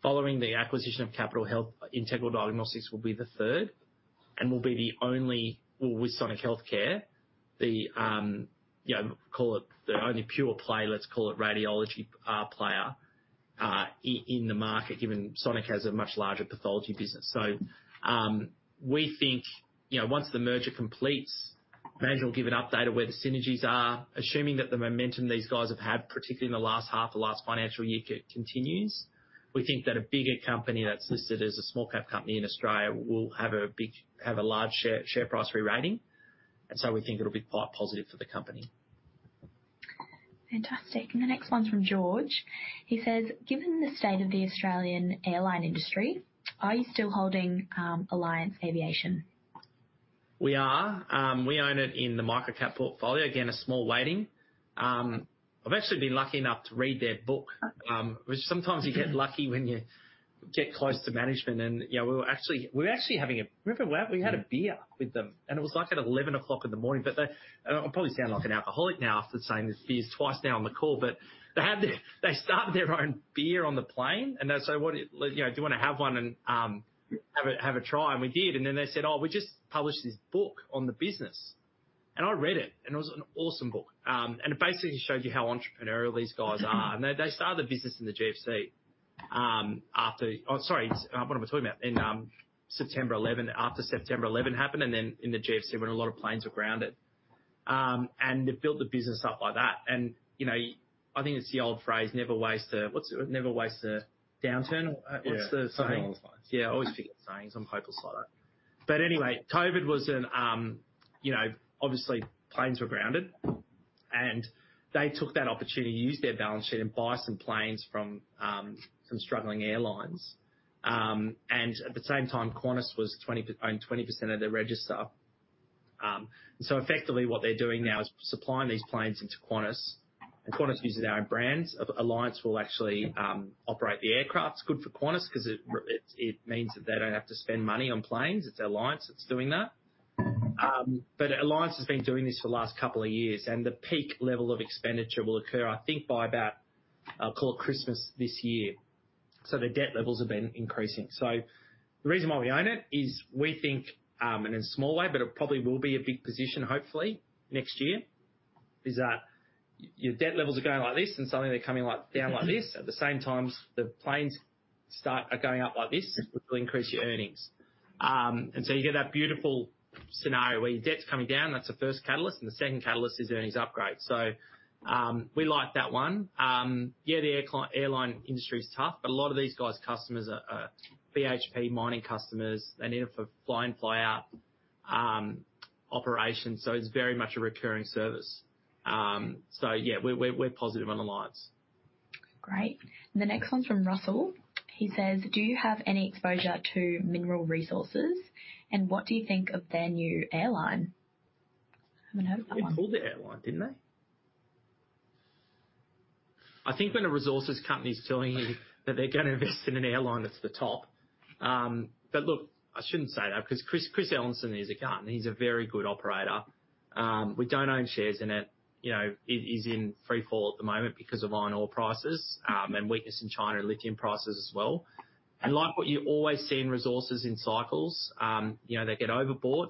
S1: Following the acquisition of Capitol Health, Integral Diagnostics will be the third.... it will be the only, well, with Sonic Healthcare, you know, call it the only pure play, let's call it radiology player in the market, given Sonic has a much larger pathology business. We think, you know, once the merger completes, management will give an update of where the synergies are. Assuming that the momentum these guys have had, particularly in the last half of the last financial year, continues, we think that a bigger company that's listed as a small cap company in Australia will have a large share price rerating, and so we think it'll be quite positive for the company.
S3: Fantastic. And the next one's from George. He says, "Given the state of the Australian airline industry, are you still holding, Alliance Aviation?
S1: We are. We own it in the micro cap portfolio. Again, a small weighting. I've actually been lucky enough to read their book, which sometimes you get lucky when you get close to management, and you know, remember we had a beer with them, and it was like at 11:00 A.M., but they, I'll probably sound like an alcoholic now after saying there's beers twice now on the call, but they had their. They started their own beer on the plane, and they said, "What, you know, do you want to have one? And have a try," and we did, and then they said, "Oh, we just published this book on the business," and I read it, and it was an awesome book. And it basically showed you how entrepreneurial these guys are. And they started the business in the GFC, after... Oh, sorry, what am I talking about? In September 11, after September 11 happened, and then in the GFC, when a lot of planes were grounded. And they built the business up like that. And, you know, I think it's the old phrase, never waste a, what's the-- never waste a downturn?
S2: Yeah.
S1: What's the saying?
S2: Something along those lines.
S1: Yeah, I always forget the sayings. I'm hopeless like that. But anyway, COVID was an, you know, obviously planes were grounded, and they took that opportunity to use their balance sheet and buy some planes from, some struggling airlines. And at the same time, Qantas owned 20% of the register. So effectively, what they're doing now is supplying these planes into Qantas, and Qantas use their own brands. Alliance will actually operate the aircraft. It's good for Qantas because it, it means that they don't have to spend money on planes. It's Alliance that's doing that. But Alliance has been doing this for the last couple of years, and the peak level of expenditure will occur, I think, by about, I'll call it Christmas this year. So the debt levels have been increasing. So the reason why we own it is we think in a small way, but it probably will be a big position hopefully next year, is that your debt levels are going like this, and suddenly they're coming like down like this. At the same time, the planes are going up like this, which will increase your earnings. And so you get that beautiful scenario where your debt's coming down, that's the first catalyst, and the second catalyst is earnings upgrade. So we like that one. Yeah, the airline industry is tough, but a lot of these guys' customers are BHP mining customers. They need it for fly-in, fly-out operation. So it's very much a recurring service. So yeah, we're positive on Alliance.
S3: Great. The next one's from Russell. He says, "Do you have any exposure to Mineral Resources, and what do you think of their new airline?" I'm going to hope that one-
S1: They pulled the airline, didn't they? I think when a resources company is telling you that they're going to invest in an airline, that's the top. But look, I shouldn't say that because Chris Ellison is a hard man, he's a very good operator. We don't own shares in it. You know, it is in free fall at the moment because of iron ore prices, and weakness in China and lithium prices as well, and like what you always see in resources in cycles, you know, they get overbought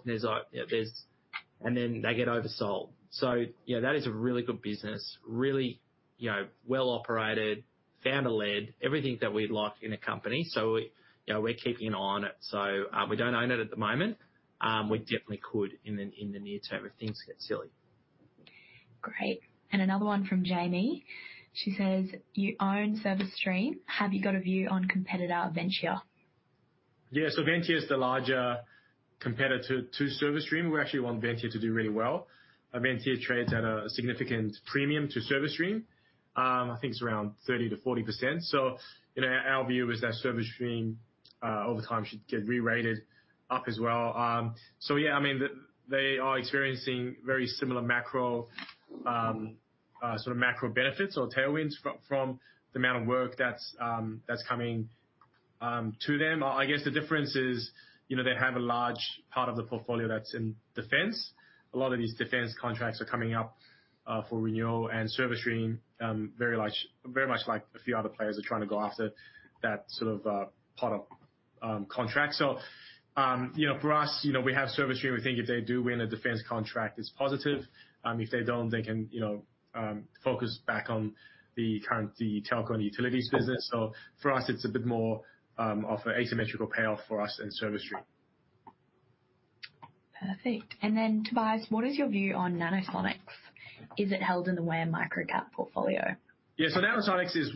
S1: and then they get oversold. So, you know, that is a really good business. Really, you know, well-operated, founder-led, everything that we'd like in a company. So, you know, we're keeping an eye on it, so, we don't own it at the moment. We definitely could in the near term, if things get silly.
S3: Great. And another one from Jamie. She says, "You own Service Stream. Have you got a view on competitor, Ventia?
S2: Yeah. So Ventia is the larger competitor to Service Stream. We actually want Ventia to do really well. Ventia trades at a significant premium to Service Stream. I think it's around 30%-40%. So, you know, our view is that Service Stream, over time, should get rerated up as well. So yeah, I mean, they are experiencing very similar macro sort of macro benefits or tailwinds from the amount of work that's coming to them. I guess the difference is, you know, they have a large part of the portfolio that's in defense. A lot of these defense contracts are coming up for renewal and Service Stream, very much like a few other players, are trying to go after that sort of part of contract. So, you know, for us, you know, we have Service Stream. We think if they do win a defense contract, it's positive. If they don't, they can, you know, focus back on the current, the telco and utilities business. So for us, it's a bit more of a asymmetrical payoff for us and Service Stream.
S3: Perfect, and then, Tobias, what is your view on Nanosonics? Is it held in the WAM Microcap portfolio?
S2: Yeah. So Nanosonics is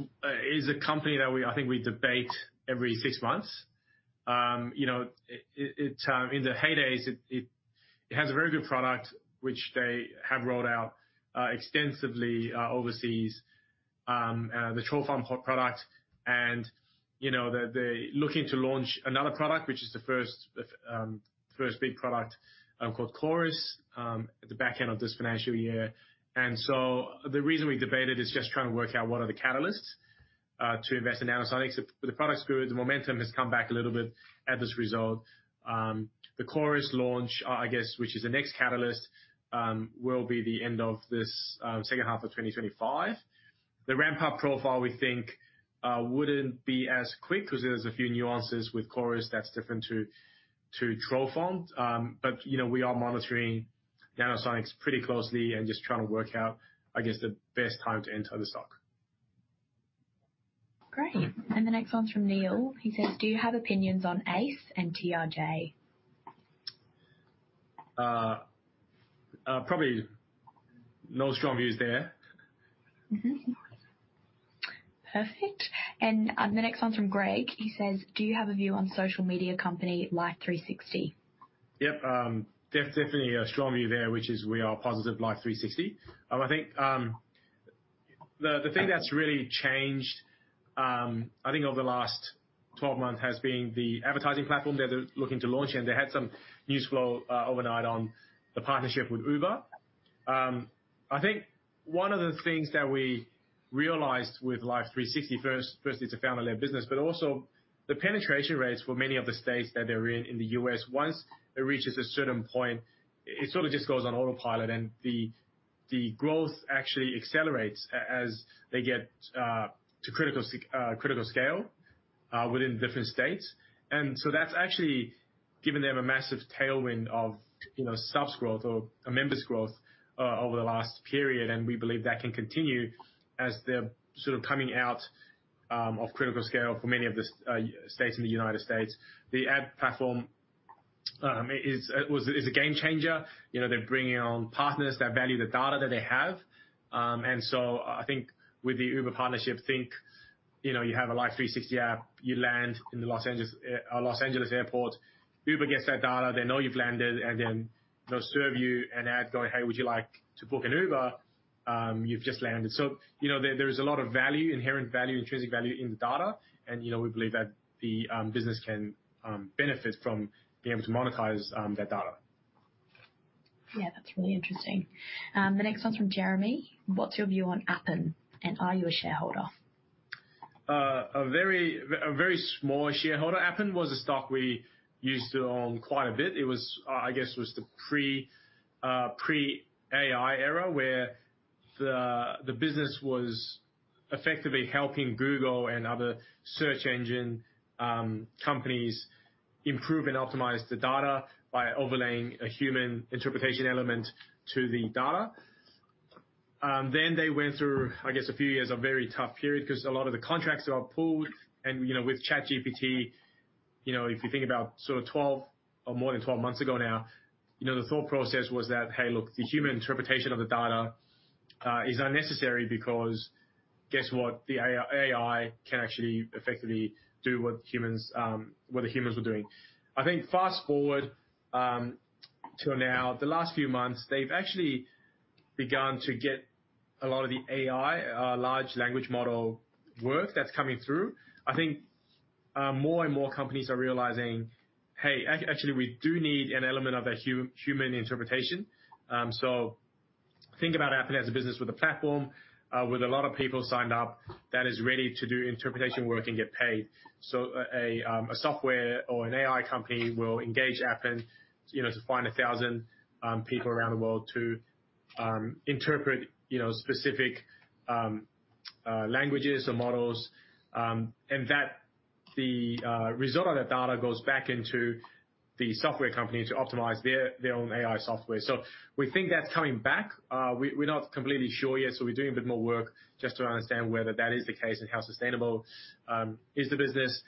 S2: a company that I think we debate every six months. You know, in the heydays, it has a very good product, which they have rolled out extensively overseas, the Trophon product, and, you know, they're looking to launch another product, which is the first big product called CORIS at the back end of this financial year. So the reason we debate it is just trying to work out what are the catalysts to invest in Nanosonics. The product's good, the momentum has come back a little bit at this result. The CORIS launch, I guess, which is the next catalyst, will be the end of this second half of twenty twenty-five. The ramp up profile, we think, wouldn't be as quick, 'cause there's a few nuances with CORIS that's different to Trophon. But, you know, we are monitoring Nanosonics pretty closely and just trying to work out, I guess, the best time to enter the stock.
S3: Great. And the next one's from Neil. He says, "Do you have opinions on ACE and TRJ?
S2: Probably no strong views there.
S3: Perfect. And, the next one's from Greg. He says, "Do you have a view on social media company, Life360?
S2: Yep, definitely a strong view there, which is we are positive, Life360. I think the thing that's really changed, I think over the last twelve months, has been the advertising platform they're looking to launch, and they had some news flow overnight on the partnership with Uber. I think one of the things that we realized with Life360, firstly, it's a family-led business, but also the penetration rates for many of the states that they're in, in the US, once it reaches a certain point, it sort of just goes on autopilot, and the growth actually accelerates as they get to critical scale within different states. And so that's actually given them a massive tailwind of, you know, subs growth or members growth, over the last period, and we believe that can continue as they're sort of coming out of critical scale for many of the states in the United States. The ad platform is, was a, is a game changer. You know, they're bringing on partners that value the data that they have. And so I think with the Uber partnership, think, you know, you have a Life360 app, you land in the Los Angeles, Los Angeles Airport. Uber gets that data, they know you've landed, and then they'll serve you an ad going, "Hey, would you like to book an Uber? You've just landed." So, you know, there is a lot of value, inherent value, intrinsic value in the data, and, you know, we believe that the business can benefit from being able to monetize that data.
S3: Yeah, that's really interesting. The next one's from Jeremy: "What's your view on Appen, and are you a shareholder?
S2: A very small shareholder. Appen was a stock we used to own quite a bit. It was, I guess, the pre-AI era, where the business was effectively helping Google and other search engine companies improve and optimize the data by overlaying a human interpretation element to the data. Then they went through, I guess, a few years of very tough period, 'cause a lot of the contracts got pulled. You know, with ChatGPT, you know, if you think about sort of 12 or more than 12 months ago now, you know, the thought process was that, hey, look, the human interpretation of the data is unnecessary because guess what? The AI can actually effectively do what humans, what the humans were doing. I think fast-forward to now, the last few months, they've actually begun to get a lot of the AI, large language model work that's coming through. I think, more and more companies are realizing, hey, actually, we do need an element of the human interpretation. So think about Appen as a business with a platform, with a lot of people signed up that is ready to do interpretation work and get paid. So a software or an AI company will engage Appen, you know, to find a thousand people around the world to interpret, you know, specific languages or models. And that, the result of that data goes back into the software company to optimize their own AI software. So we think that's coming back. We're not completely sure yet, so we're doing a bit more work just to understand whether that is the case and how sustainable is the business.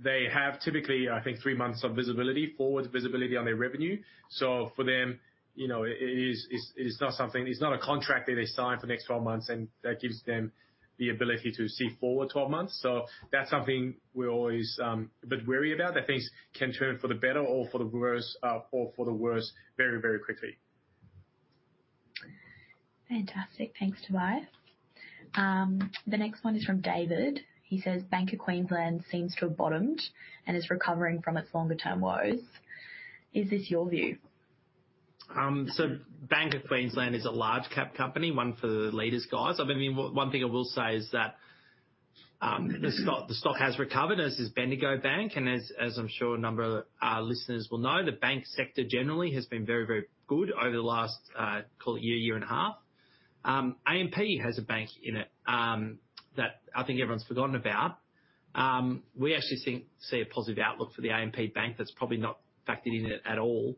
S2: They have typically, I think, three months of visibility, forward visibility on their revenue. So for them, you know, it is, it's not something. It's not a contract that they sign for the next twelve months, and that gives them the ability to see forward twelve months. So that's something we're always a bit wary about, that things can turn for the better or for the worse, or for the worse very, very quickly.
S3: Fantastic. Thanks, Tobias. The next one is from David. He says: "Bank of Queensland seems to have bottomed and is recovering from its longer-term woes. Is this your view?
S1: So Bank of Queensland is a large cap company, one for the Leaders, guys. I mean, one thing I will say is that, the stock has recovered, as has Bendigo Bank, and as I'm sure a number of our listeners will know, the bank sector generally has been very, very good over the last, call it year and a half. AMP has a bank in it, that I think everyone's forgotten about. We actually think, see a positive outlook for the AMP Bank that's probably not factored in it at all,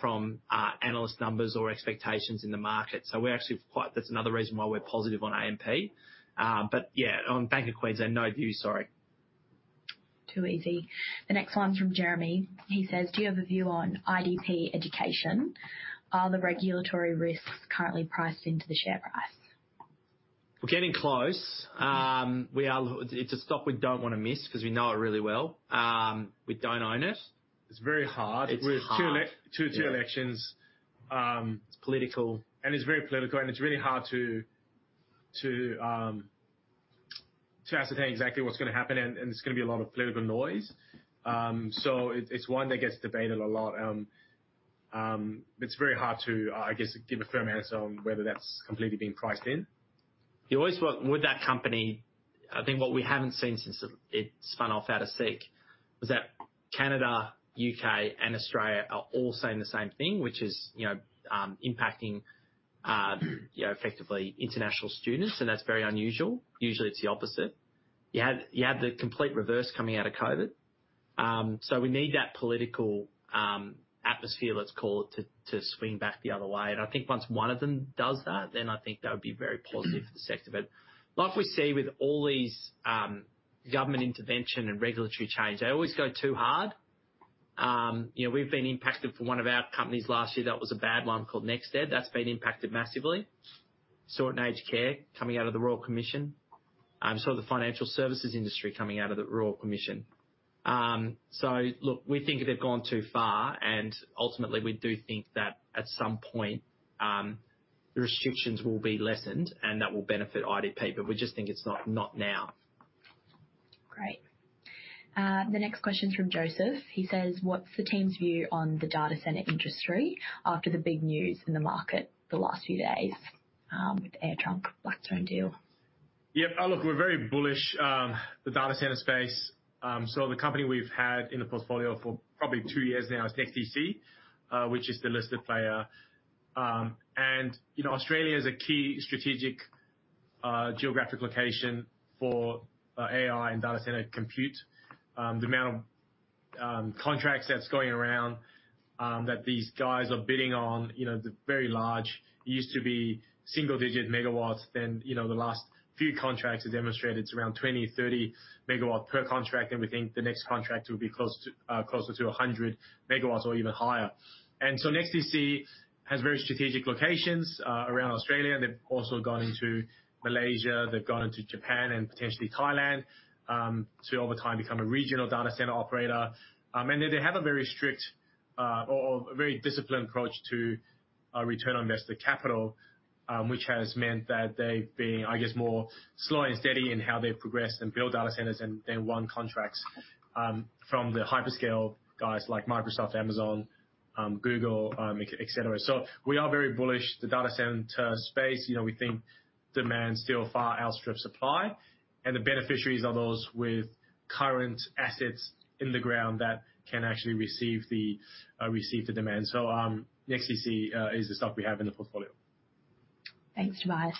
S1: from analyst numbers or expectations in the market. So we're actually quite-- That's another reason why we're positive on AMP. But yeah, on Bank of Queensland, no view, sorry.
S3: Too easy. The next one's from Jeremy. He says, "Do you have a view on IDP Education? Are the regulatory risks currently priced into the share price?
S1: We're getting close. We are. It's a stock we don't wanna miss, 'cause we know it really well. We don't own it.
S2: It's very hard.
S1: It's hard.
S2: Two elections.
S1: It's political.
S2: It's very political, and it's really hard to ascertain exactly what's gonna happen, and there's gonna be a lot of political noise. So it's one that gets debated a lot. It's very hard to, I guess, give a firm answer on whether that's completely been priced in.
S1: I think what we haven't seen since it spun off out of Seek was that Canada, U.K., and Australia are all saying the same thing, which is, you know, impacting effectively international students, and that's very unusual. Usually, it's the opposite. You had the complete reverse coming out of COVID. So we need that political atmosphere, let's call it, to swing back the other way. And I think once one of them does that, then I think that would be very positive for the sector. But like we see with all these government intervention and regulatory change, they always go too hard. You know, we've been impacted for one of our companies last year. That was a bad one called NextEd. That's been impacted massively. In aged care, coming out of the Royal Commission, the financial services industry coming out of the Royal Commission. Look, we think they've gone too far, and ultimately we do think that at some point the restrictions will be lessened and that will benefit IDP, but we just think it's not, not now.
S3: Great. The next question is from Joseph. He says, "What's the team's view on the data center industry after the big news in the market the last few days, with the AirTrunk-Blackstone deal?
S2: Yep. Look, we're very bullish, the data center space. So the company we've had in the portfolio for probably two years now is NextDC, which is the listed player. And, you know, Australia is a key strategic, geographic location for, AI and data center compute. The amount of, contracts that's going around, that these guys are bidding on, you know, they're very large. It used to be single-digit megawatts, then, you know, the last few contracts have demonstrated it's around 20-30 megawatts per contract, and we think the next contract will be close to, closer to 100 megawatts or even higher. And so NextDC has very strategic locations, around Australia. They've also gone into Malaysia, they've gone into Japan, and potentially Thailand, to over time, become a regional data center operator. And they have a very strict or a very disciplined approach to return on invested capital, which has meant that they've been, I guess, more slow and steady in how they've progressed and built data centers and won contracts from the hyperscale guys like Microsoft, Amazon, Google, et cetera. So we are very bullish the data center space, you know, we think demand still far outstrips supply, and the beneficiaries are those with current assets in the ground that can actually receive the demand. So NextDC is the stock we have in the portfolio.
S3: Thanks, Tobias.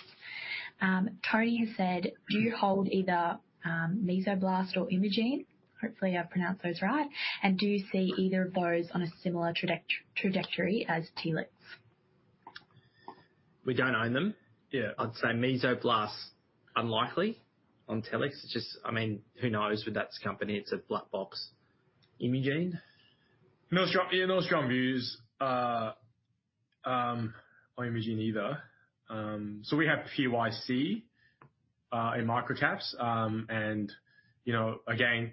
S3: Tony has said, "Do you hold either, Mesoblast or Imugene?" Hopefully, I've pronounced those right. "And do you see either of those on a similar trajectory as Telix?
S1: We don't own them.
S2: Yeah.
S1: I'd say Mesoblast, unlikely on Telix. It's just... I mean, who knows with that company? It's a black box. Imugene?
S2: No strong, yeah, no strong views on Imugene either, so we have PYC in microcaps, and, you know, again,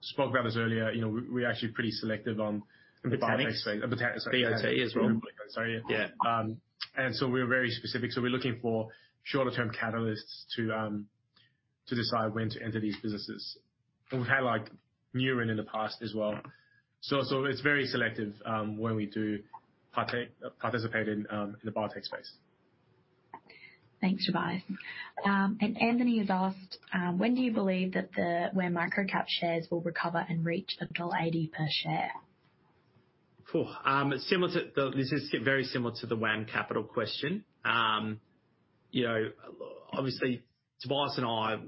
S2: spoke about this earlier, you know, we, we're actually pretty selective on-
S1: Biotech.
S2: The biotech space.
S1: The biotech as well.
S2: Sorry.
S1: Yeah.
S2: And so we are very specific, so we're looking for shorter term catalysts to decide when to enter these businesses. And we've had, like, Neuren in the past as well. So it's very selective when we do participate in the biotech space.
S3: Thanks, Tobias. And Anthony has asked, "When do you believe that the WAM Microcap shares will recover and reach the dollar eighty per share?
S1: Phew! Similar to the-- this is very similar to the WAM Capital question. You know, obviously, Tobias and I,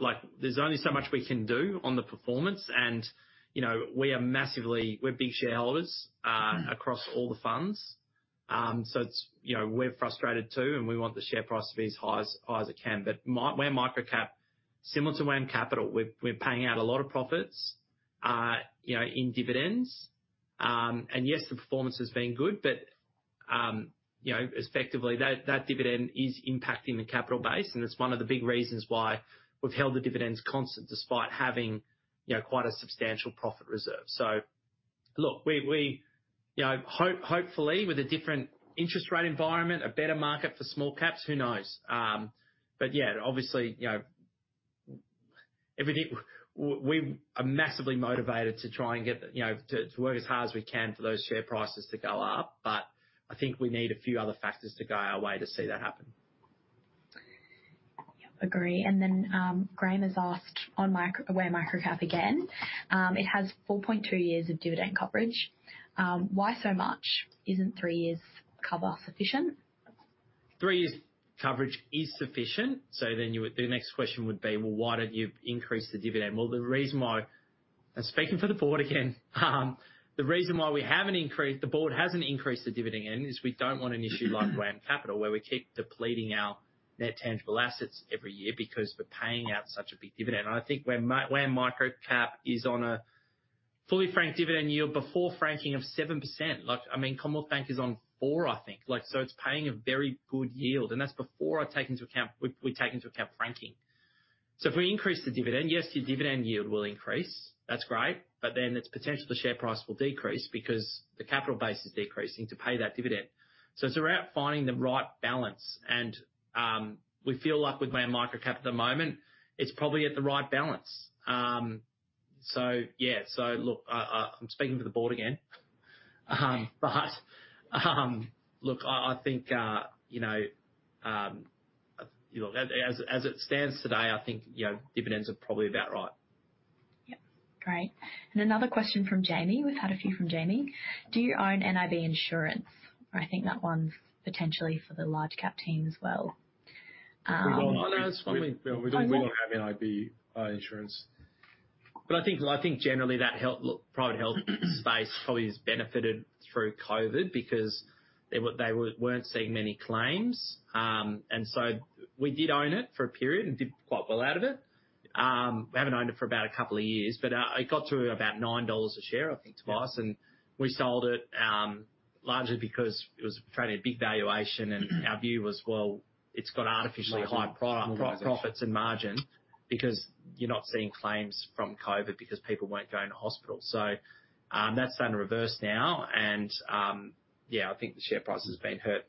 S1: like, there's only so much we can do on the performance and, you know, we are massively-- we're big shareholders across all the funds. So it's, you know, we're frustrated, too, and we want the share price to be as high as, high as it can. But WAM Microcap, similar to WAM Capital, we're paying out a lot of profits in dividends. And yes, the performance has been good, but, you know, effectively, that dividend is impacting the capital base, and it's one of the big reasons why we've held the dividends constant despite having quite a substantial profit reserve. So look, we, we... You know, hopefully, with a different interest rate environment, a better market for small caps, who knows? But yeah, obviously, you know, we are massively motivated to try and get, you know, to work as hard as we can for those share prices to go up. But I think we need a few other factors to go our way to see that happen.
S2: Yep, agree. And then, Graham has asked on WAM Microcap again, "It has four point two years of dividend coverage. Why so much? Isn't three years cover sufficient?
S1: Three years coverage is sufficient. So then you would, the next question would be, well, why don't you increase the dividend? Well, the reason why, and speaking for the board again, the reason why we haven't increased, the board hasn't increased the dividend is we don't want an issue like WAM Capital, where we keep depleting our net tangible assets every year because we're paying out such a big dividend. And I think WAM Microcap is on a fully franked dividend yield before franking of 7%. Like, I mean, Commonwealth Bank is on 4%, I think. Like, so it's paying a very good yield, and that's before I take into account, we take into account franking. So if we increase the dividend, yes, your dividend yield will increase. That's great, but then it's potential, the share price will decrease because the capital base is decreasing to pay that dividend. So it's about finding the right balance, and we feel like with WAM Microcap at the moment, it's probably at the right balance. So yeah. So look, I'm speaking for the board again. But look, I think you know, as it stands today, I think you know, dividends are probably about right.
S3: Yep, great. And another question from Jamie. We've had a few from Jamie: Do you own NIB Insurance? I think that one's potentially for the large cap team as well.
S2: We don't.
S1: No, that's one we-
S2: No, we don't, we don't have NIB Insurance.
S1: I think generally that health, look, private health space probably has benefited through COVID because they weren't seeing many claims. And so we did own it for a period and did quite well out of it. We haven't owned it for about a couple of years, but it got to about 9 dollars a share, I think, Tobias.
S2: Yeah.
S1: And we sold it, largely because it was fairly a big valuation, and our view was, well, it's got artificially-
S2: Margin...
S1: high profits and margin because you're not seeing claims from COVID because people weren't going to hospital. So, that's starting to reverse now. And, yeah, I think the share price has been hurt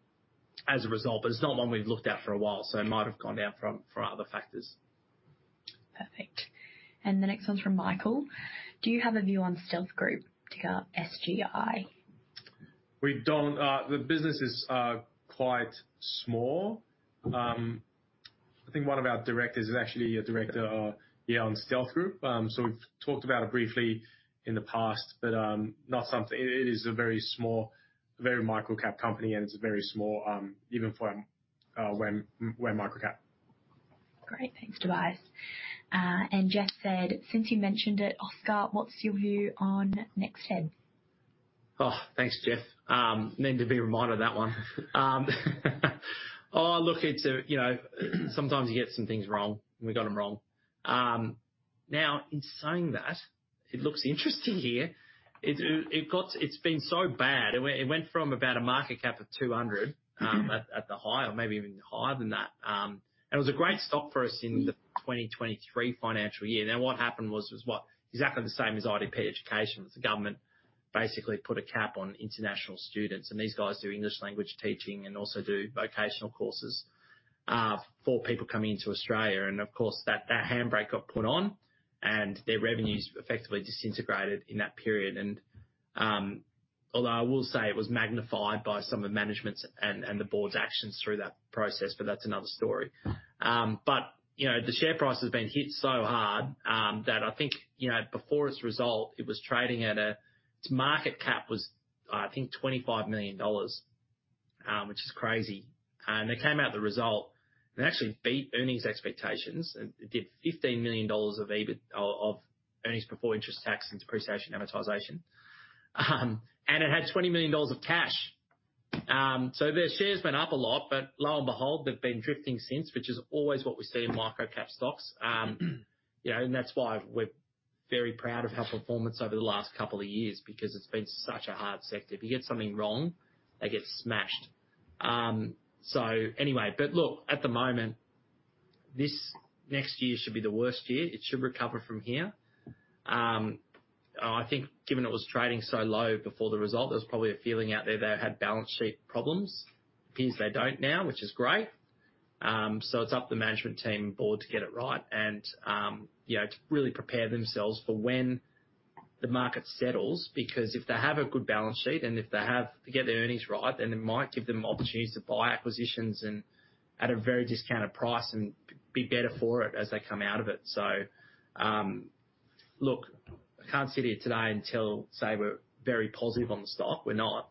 S1: as a result, but it's not one we've looked at for a while, so it might have gone down for other factors.
S3: Perfect. And the next one's from Michael: Do you have a view on Stealth Group, ticker SGI?
S2: We don't. The business is quite small. I think one of our directors is actually a director, yeah, on Stealth Group. So we've talked about it briefly in the past, but not something. It is a very small, very micro-cap company, and it's a very small, even for a WAM Microcap.
S3: Great. Thanks, Tobias, and Geoff said, "Since you mentioned it, Oscar, what's your view on NextEd?
S1: Oh, thanks, Geoff. Didn't need to be reminded of that one. Oh, look, it's a, you know, sometimes you get some things wrong, and we got them wrong. Now, in saying that, it looks interesting here. It's been so bad. It went from about a market cap of 200 at the high or maybe even higher than that. And it was a great stock for us in the 2023 financial year. Then what happened was what? Exactly the same as IDP Education. The government basically put a cap on international students, and these guys do English language teaching and also do vocational courses for people coming into Australia. And of course, that handbrake got put on, and their revenues effectively disintegrated in that period. Although I will say it was magnified by some of the management's and the board's actions through that process, but that's another story. You know, the share price has been hit so hard that I think, you know, before its result, it was trading at a... Its market cap was, I think, 25 million dollars, which is crazy. They came out with the result, and they actually beat earnings expectations, and it did 15 million dollars of EBIT, earnings before interest, taxes, depreciation, and amortization. It had 20 million dollars of cash, so their shares went up a lot, but lo and behold, they've been drifting since, which is always what we see in micro-cap stocks. You know, and that's why we're very proud of our performance over the last couple of years, because it's been such a hard sector. If you get something wrong, they get smashed. So anyway. But look, at the moment, this next year should be the worst year. It should recover from here. I think given it was trading so low before the result, there was probably a feeling out there they had balance sheet problems. It appears they don't now, which is great. So it's up to the management team and board to get it right and, you know, to really prepare themselves for when the market settles. Because if they have a good balance sheet, and if they get their earnings right, then it might give them opportunities to buy acquisitions and at a very discounted price and be better for it as they come out of it. So, look, I can't sit here today and tell, say we're very positive on the stock. We're not,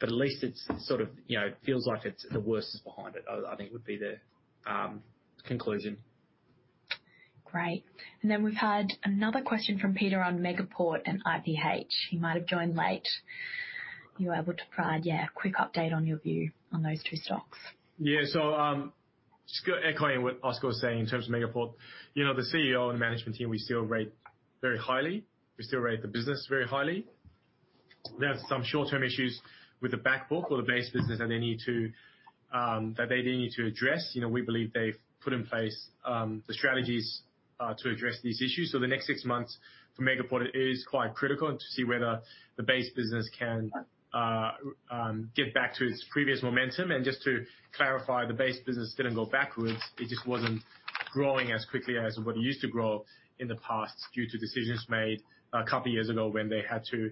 S1: but at least it's sort of, you know, feels like the worst is behind it. I think would be the conclusion.
S3: Great. And then we've had another question from Peter on Megaport and IPH. He might have joined late. You are able to provide, yeah, a quick update on your view on those two stocks.
S2: Yeah. So just echoing what Oscar was saying in terms of Megaport, you know, the CEO and the management team, we still rate very highly. We still rate the business very highly. They have some short-term issues with the back book or the base business that they need to address. You know, we believe they've put in place the strategies to address these issues, so the next six months for Megaport is quite critical to see whether the base business can get back to its previous momentum, and just to clarify, the base business didn't go backwards. It just wasn't growing as quickly as what it used to grow in the past, due to decisions made a couple years ago when they had to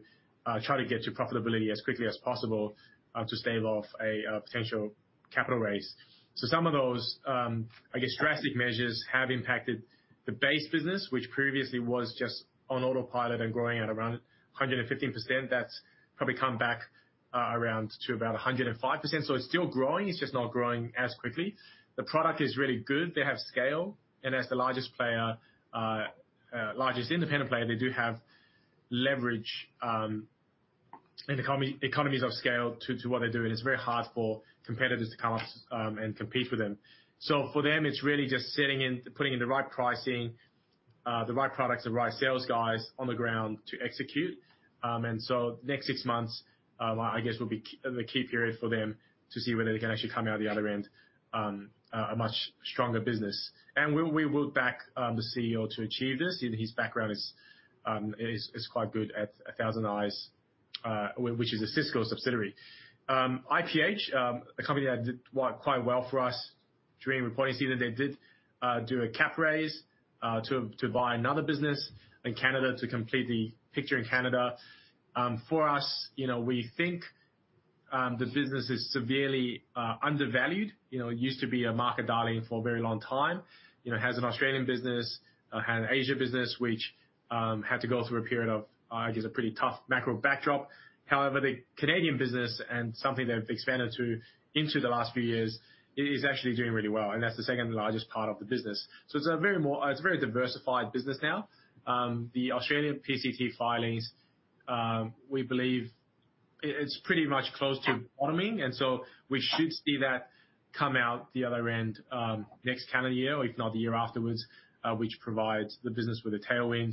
S2: try to get to profitability as quickly as possible, to stave off a potential capital raise. So some of those, I guess, drastic measures have impacted the base business, which previously was just on autopilot and growing at around 115%. That's probably come back, around to about 105%. So it's still growing. It's just not growing as quickly. The product is really good. They have scale, and as the largest player, largest independent player, they do have leverage, and economy, economies of scale to what they do, and it's very hard for competitors to come up, and compete with them. So for them, it's really just setting in, putting in the right pricing, the right products, the right sales guys on the ground to execute. And so the next six months, I guess, will be the key period for them to see whether they can actually come out the other end, a much stronger business. And we will back the CEO to achieve this. You know, his background is quite good at ThousandEyes, which is a Cisco subsidiary. IPH, a company that worked quite well for us during reporting season, they did do a cap raise to buy another business in Canada to complete the picture in Canada. For us, you know, we think the business is severely undervalued. You know, it used to be a market darling for a very long time. You know, has an Australian business, had an Asia business which, had to go through a period of, I guess, a pretty tough macro backdrop. However, the Canadian business and something they've expanded into the last few years is actually doing really well, and that's the second largest part of the business. So it's a very diversified business now. The Australian PCT filings, we believe it's pretty much close to bottoming, and so we should see that come out the other end, next calendar year, if not the year afterwards, which provides the business with a tailwind.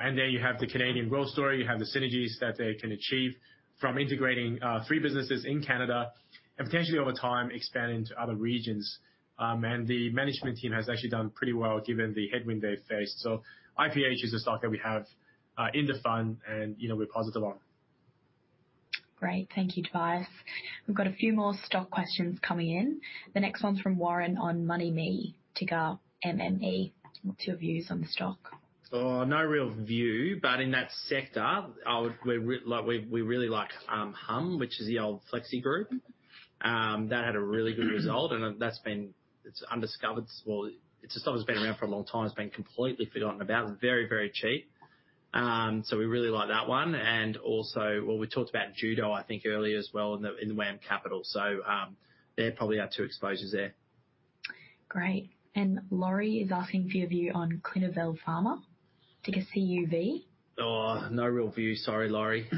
S2: And then you have the Canadian growth story. You have the synergies that they can achieve from integrating three businesses in Canada and potentially, over time, expanding to other regions, and the management team has actually done pretty well given the headwind they've faced, so IPH is a stock that we have in the fund and, you know, we're positive on.
S3: Great. Thank you, Tobias. We've got a few more stock questions coming in. The next one's from Warren on MoneyMe, ticker MME. What's your views on the stock?
S1: No real view, but in that sector, I would. We really like Humm, which is the old FlexiGroup. That had a really good result, and that's been. It's undiscovered. Well, it's a stock that's been around for a long time. It's been completely forgotten about. Very, very cheap. So we really like that one, and also. Well, we talked about Judo, I think, earlier as well, and the, and WAM Capital. So, they're probably our two exposures there.
S3: Great, and Laurie is asking for your view on Clinuvel Pharma, ticker CUV.
S1: Oh, no real view. Sorry, Laurie.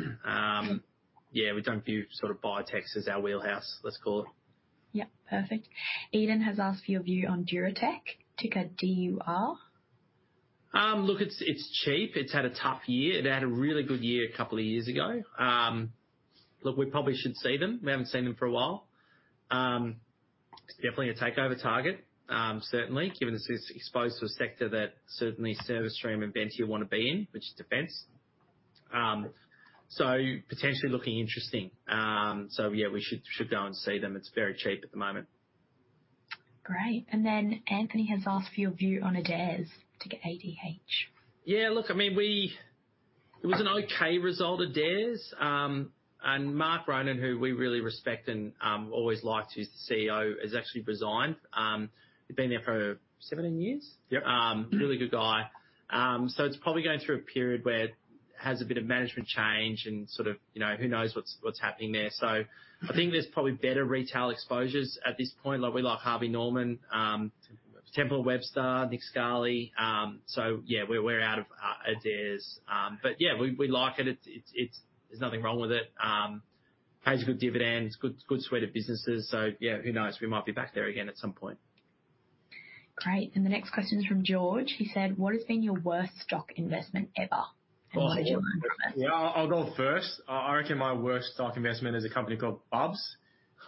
S1: Yeah, we don't view sort of biotechs as our wheelhouse, let's call it.
S3: Yeah, perfect. Eden has asked for your view on Duratec, ticker DUR.
S1: Look, it's cheap. It's had a tough year. It had a really good year a couple of years ago. Look, we probably should see them. We haven't seen them for a while. It's definitely a takeover target, certainly, given it's exposed to a sector that certainly Service Stream and Ventia want to be in, which is defense. So potentially looking interesting. So yeah, we should go and see them. It's very cheap at the moment.
S3: Great. And then Anthony has asked for your view on Adairs, ticker ADH.
S1: Yeah, look, I mean, it was an okay result, Adairs. And Mark Ronan, who we really respect and always liked, who's the CEO, has actually resigned. He'd been there for seventeen years?
S2: Yep.
S1: Really good guy. So it's probably going through a period where it has a bit of management change and sort of, you know, who knows what's happening there. So I think there's probably better retail exposures at this point. Like, we like Harvey Norman, Temple & Webster, Nick Scali. So yeah, we're out of Adairs. But yeah, we like it. It's. There's nothing wrong with it. Pays good dividends, good suite of businesses. So yeah, who knows? We might be back there again at some point.
S3: Great. And the next question is from George. He said, "What has been your worst stock investment ever?
S2: Yeah, I'll go first. I reckon my worst stock investment is a company called Bubs,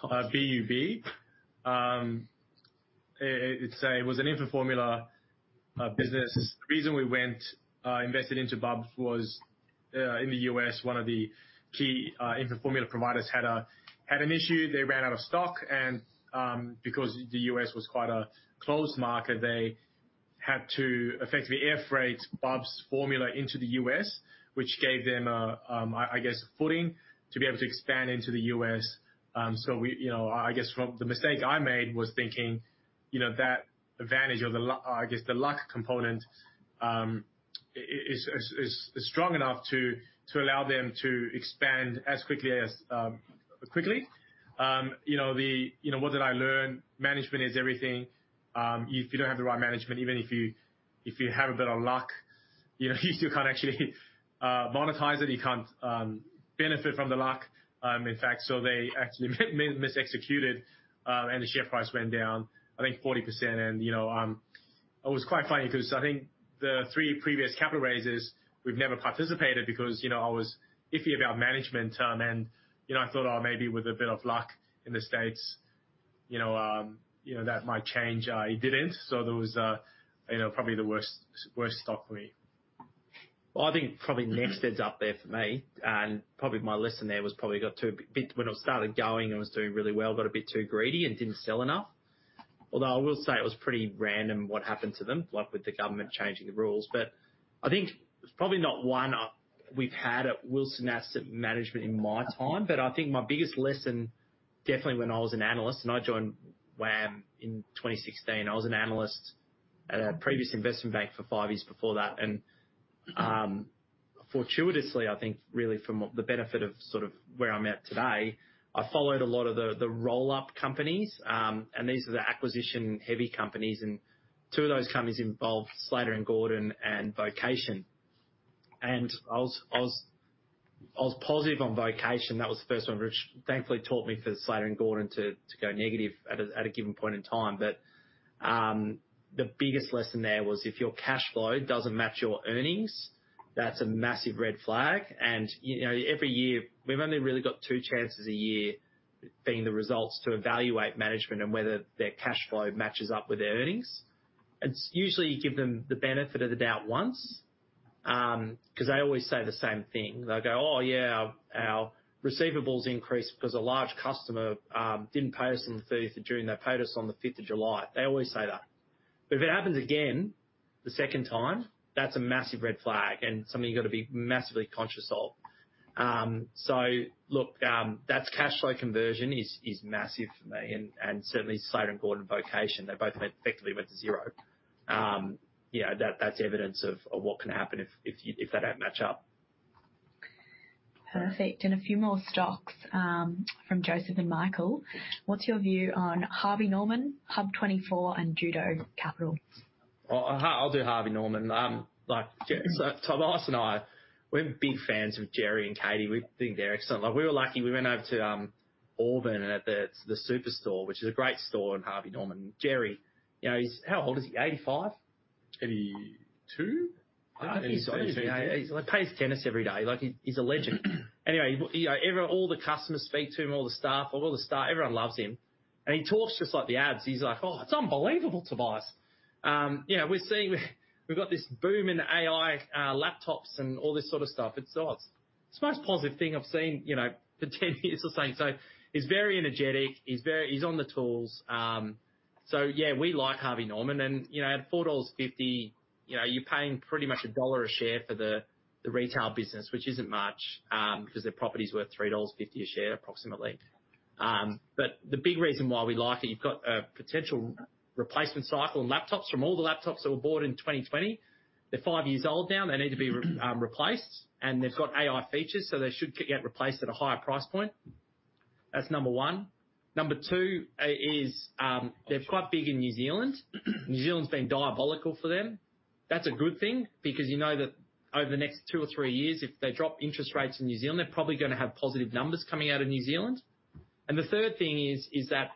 S2: BUB. It's a, it was an infant formula business. The reason we went, invested into Bubs was, in the US, one of the key, infant formula providers had an issue. They ran out of stock, and, because the US was quite a closed market, they had to effectively air freight Bubs formula into the US, which gave them a, I guess, footing to be able to expand into the US. So we, you know, I guess. The mistake I made was thinking, you know, that advantage or the luck component, I guess, is strong enough to allow them to expand as quickly as quickly. You know, the... You know, what did I learn? Management is everything. If you don't have the right management, even if you have a bit of luck, you know, you still can't actually monetize it. You can't benefit from the luck. In fact, so they actually mis-executed, and the share price went down, I think, 40%. And, you know, it was quite funny because I think the three previous capital raises, we've never participated because, you know, I was iffy about management, and, you know, I thought, "Oh, maybe with a bit of luck in the States, you know, that might change." It didn't. So that was, you know, probably the worst stock for me.
S1: I think probably NextEd's up there for me, and probably my lesson there was probably got a bit too greedy when it started going and was doing really well and didn't sell enough. Although, I will say it was pretty random what happened to them, like with the government changing the rules. But I think there's probably not one we've had at Wilson Asset Management in my time, but I think my biggest lesson, definitely when I was an analyst and I joined WAM in 2016, I was an analyst at a previous investment bank for five years before that. Fortuitously, I think really from what the benefit of sort of where I'm at today, I followed a lot of the roll-up companies, and these are the acquisition-heavy companies, and two of those companies involved Slater and Gordon and Vocation. I was positive on Vocation. That was the first one, which thankfully taught me for Slater and Gordon to go negative at a given point in time. The biggest lesson there was, if your cash flow doesn't match your earnings, that's a massive red flag, and you know, every year, we've only really got two chances a year, being the results, to evaluate management and whether their cash flow matches up with their earnings. It's usually you give them the benefit of the doubt once... 'Cause they always say the same thing. They'll go, "Oh, yeah, our, our receivables increased because a large customer didn't pay us on the thirtieth of June. They paid us on the fifth of July." They always say that. But if it happens again, the second time, that's a massive red flag and something you've got to be massively conscious of. So look, that's cash flow conversion is massive for me, and certainly Slater and Gordon, Vocation, they both went effectively to zero. Yeah, that's evidence of what can happen if they don't match up.
S3: Perfect. And a few more stocks, from Joseph and Michael. What's your view on Harvey Norman, HUB24, and Judo Bank?
S1: I'll do Harvey Norman. Like, so Tobias and I, we're big fans of Gerry and Katie. We think they're excellent. Like, we were lucky, we went over to Auburn and at the superstore, which is a great store in Harvey Norman. Gerry, you know, he's... How old is he? 85?
S2: Eighty-two?
S1: He's, you know, he plays tennis every day. Like, he's a legend. Anyway, you know, all the customers speak to him, all the staff, everyone loves him. And he talks just like the ads. He's like, "Oh, it's unbelievable, Tobias. You know, we've got this boom in AI, laptops and all this sort of stuff. It's the most positive thing I've seen, you know, for ten years," or something. So he's very energetic, he's very he's on the tools. So yeah, we like Harvey Norman and, you know, at 4.50 dollars, you know, you're paying pretty much a dollar a share for the retail business, which isn't much, because their property's worth 3.50 dollars a share, approximately. But the big reason why we like it, you've got a potential replacement cycle in laptops from all the laptops that were bought in 2020. They're five years old now. They need to be replaced, and they've got AI features, so they should get replaced at a higher price point. That's number one. Number two is, they're quite big in New Zealand. New Zealand's been diabolical for them. That's a good thing, because you know that over the next two or three years, if they drop interest rates in New Zealand, they're probably going to have positive numbers coming out of New Zealand. And the third thing is that,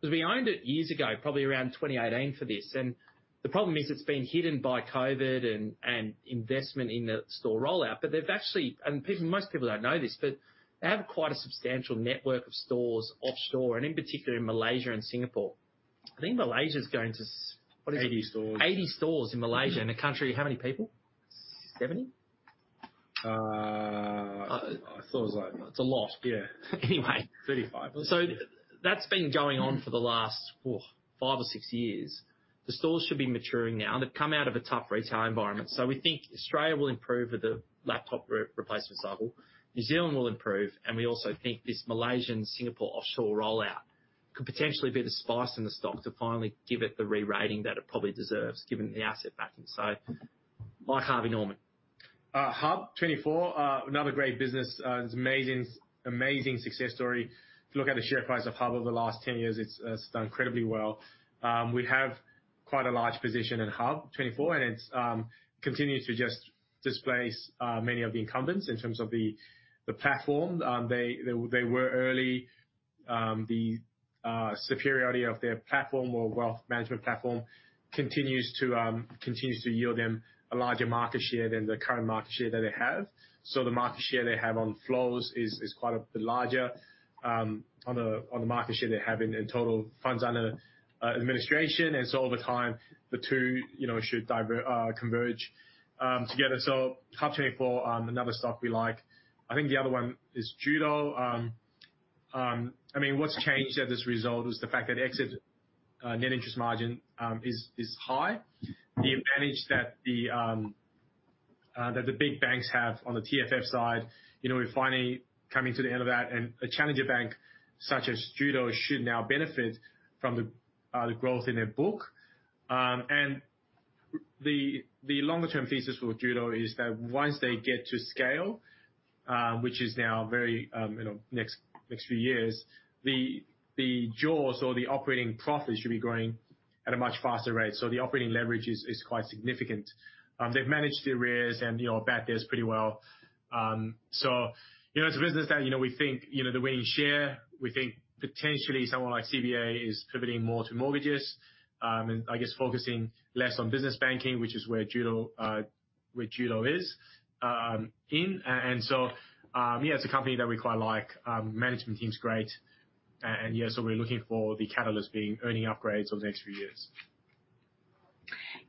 S1: because we owned it years ago, probably around 2018 for this, and the problem is it's been hidden by COVID and investment in the store rollout. But they've actually. And people, most people don't know this, but they have quite a substantial network of stores offshore and in particular, in Malaysia and Singapore. I think Malaysia's going to
S2: Eighty stores.
S1: Eighty stores in Malaysia, in a country, how many people? Seventy?
S2: I thought it was like-
S1: It's a lot.
S2: Yeah.
S1: Anyway.
S2: Thirty-five.
S1: So that's been going on for the last, oh, five or six years. The stores should be maturing now. They've come out of a tough retail environment. So we think Australia will improve with the laptop replacement cycle, New Zealand will improve, and we also think this Malaysian, Singapore offshore rollout could potentially be the spice in the stock to finally give it the re-rating that it probably deserves, given the asset backing. So like Harvey Norman.
S2: HUB24, another great business. It's amazing, amazing success story. If you look at the share price of HUB over the last 10 years, it's done incredibly well. We have quite a large position in HUB24, and it's continuing to just displace many of the incumbents in terms of the platform. They were early. The superiority of their platform or wealth management platform continues to yield them a larger market share than the current market share that they have. So the market share they have on flows is quite a bit larger on the market share they have in total funds under administration. And so over time, the two, you know, should converge together. So HUB24, another stock we like. I think the other one is Judo. I mean, what's changed at this result is the fact that exit net interest margin is high. The advantage that the big banks have on the TFF side, you know, we're finally coming to the end of that, and a challenger bank such as Judo should now benefit from the growth in their book. And the longer term thesis for Judo is that once they get to scale, which is now very, you know, next few years, the jaws or the operating profits should be growing at a much faster rate. So the operating leverage is quite significant. They've managed the arrears and, you know, bad debts pretty well. So, you know, it's a business that, you know, we think, you know, they're winning share. We think potentially someone like CBA is pivoting more to mortgages, and I guess focusing less on business banking, which is where Judo, where Judo is, in. And so, yeah, it's a company that we quite like. Management team's great, and yeah, so we're looking for the catalyst being earnings upgrades over the next few years.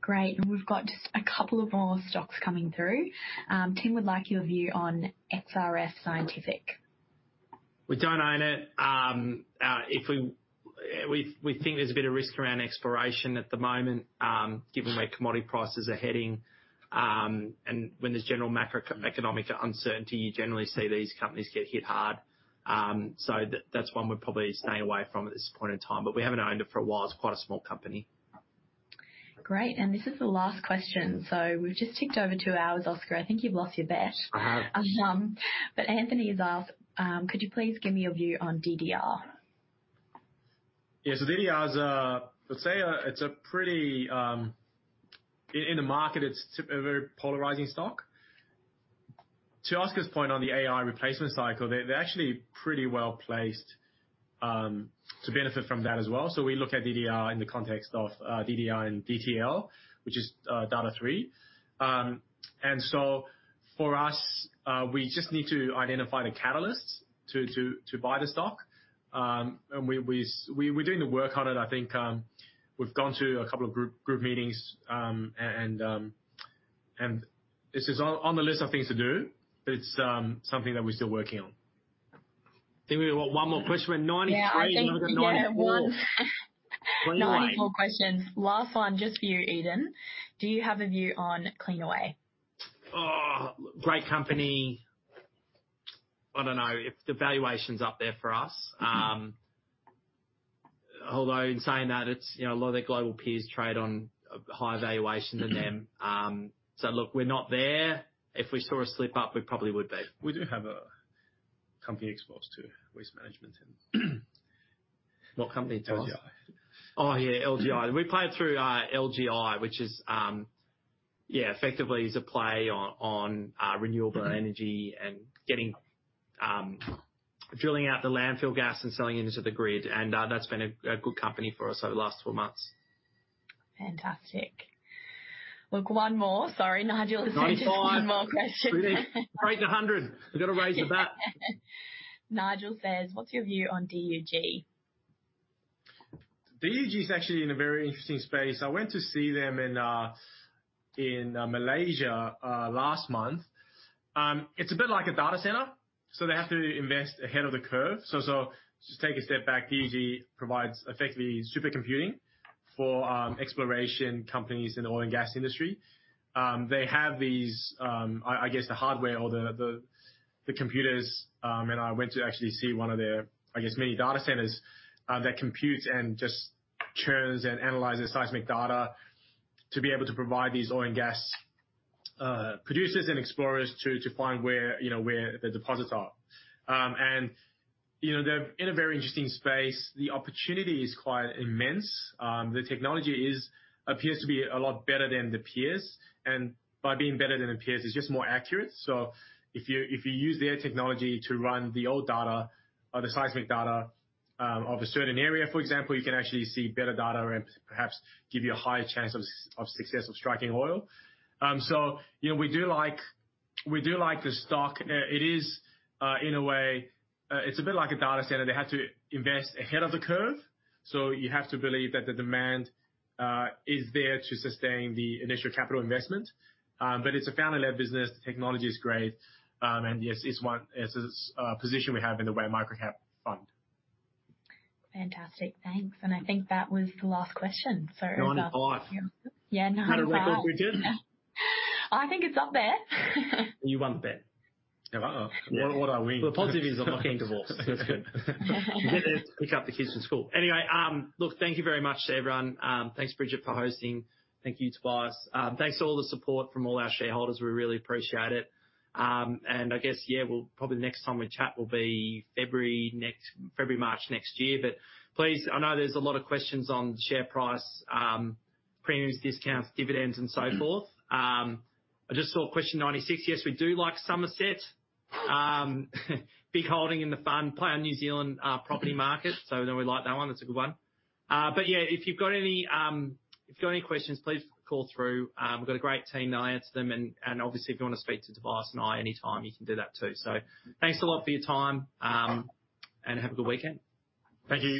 S3: Great. And we've got just a couple of more stocks coming through. Tim would like your view on XRF Scientific.
S1: We don't own it. If we think there's a bit of risk around exploration at the moment, given where commodity prices are heading, and when there's general macroeconomic uncertainty, you generally see these companies get hit hard, so that's one we're probably staying away from at this point in time, but we haven't owned it for a while. It's quite a small company.
S3: Great. And this is the last question. So we've just ticked over two hours, Oscar. I think you've lost your bet.
S2: I have.
S3: But Anthony has asked, "Could you please give me your view on DDR?
S2: Yeah. So DDR is a, let's say a, it's a pretty, in the market, it's a very polarizing stock. To Oscar's point on the AI replacement cycle, they're actually pretty well placed to benefit from that as well. So we look at DDR in the context of DDR and DTL, which is Data#3. And so for us, we just need to identify the catalysts to buy the stock. And we, we're doing the work on it. I think, we've gone to a couple of group meetings. And this is on the list of things to do, but it's something that we're still working on. I think we've got one more question. We're at ninety-three-
S3: Yeah, I think we get one.
S2: Ninety-four.
S3: Ninety-four questions. Last one, just for you, Eden. Do you have a view on Cleanaway?
S1: Oh, great company. I don't know if the valuation's up there for us. Although in saying that, it's, you know, a lot of their global peers trade on a higher valuation than them. So look, we're not there. If we saw a slip up, we probably would be.
S2: We do have a company exposed to waste management and
S1: What company, Tobias?
S2: LGI.
S1: Oh, yeah, LGI. We play it through LGI, which is, yeah, effectively is a play on renewable energy and getting drilling out the landfill gas and selling it into the grid. And that's been a good company for us over the last twelve months.
S3: Fantastic. Look, one more. Sorry, Nigel-
S2: Ninety-five.
S3: One more question.
S2: We're getting straight to a hundred. We've got to raise the bat.
S3: Nigel says, "What's your view on DUG?
S2: DUG is actually in a very interesting space. I went to see them in Malaysia last month. It's a bit like a data center, so they have to invest ahead of the curve. Just take a step back. DUG provides effectively supercomputing for exploration companies in the oil and gas industry. They have these, I guess, the hardware or the computers. I went to actually see one of their, I guess, mini data centers that computes and just churns and analyzes seismic data to be able to provide these oil and gas producers and explorers to find where, you know, where the deposits are. And, you know, they're in a very interesting space. The opportunity is quite immense. The technology is... appears to be a lot better than the peers, and by being better than the peers, it's just more accurate. So if you use their technology to run the old data or the seismic data of a certain area, for example, you can actually see better data and perhaps give you a higher chance of success of striking oil. So, you know, we do like, we do like the stock. It is, in a way, it's a bit like a data center. They have to invest ahead of the curve, so you have to believe that the demand is there to sustain the initial capital investment. But it's a founder-led business. The technology is great. And yes, it's one... It's a position we have in the WAM Microcap Fund.
S3: Fantastic. Thanks. I think that was the last question, so-
S2: Ninety-five.
S3: Yeah, ninety-five.
S2: Is that a record, Bridget?
S3: I think it's up there.
S1: You won the bet.
S2: Yeah, well, what do I win?
S1: The positive is I'm not getting divorced.
S2: That's good.
S1: You get to pick up the kids from school. Anyway, look, thank you very much to everyone. Thanks, Bridget, for hosting. Thank you, Tobias. Thanks to all the support from all our shareholders. We really appreciate it, and I guess, yeah, we'll probably the next time we chat will be February or March next year, but please, I know there's a lot of questions on share price, premiums, discounts, dividends, and so forth. I just saw question ninety-six. Yes, we do like Summerset. Big holding in the fund, play on New Zealand property market, so then we like that one. It's a good one, but yeah, if you've got any questions, please call through. We've got a great team, they'll answer them, and obviously, if you want to speak to Tobias and I anytime, you can do that, too. So thanks a lot for your time, and have a good weekend.
S2: Thank you.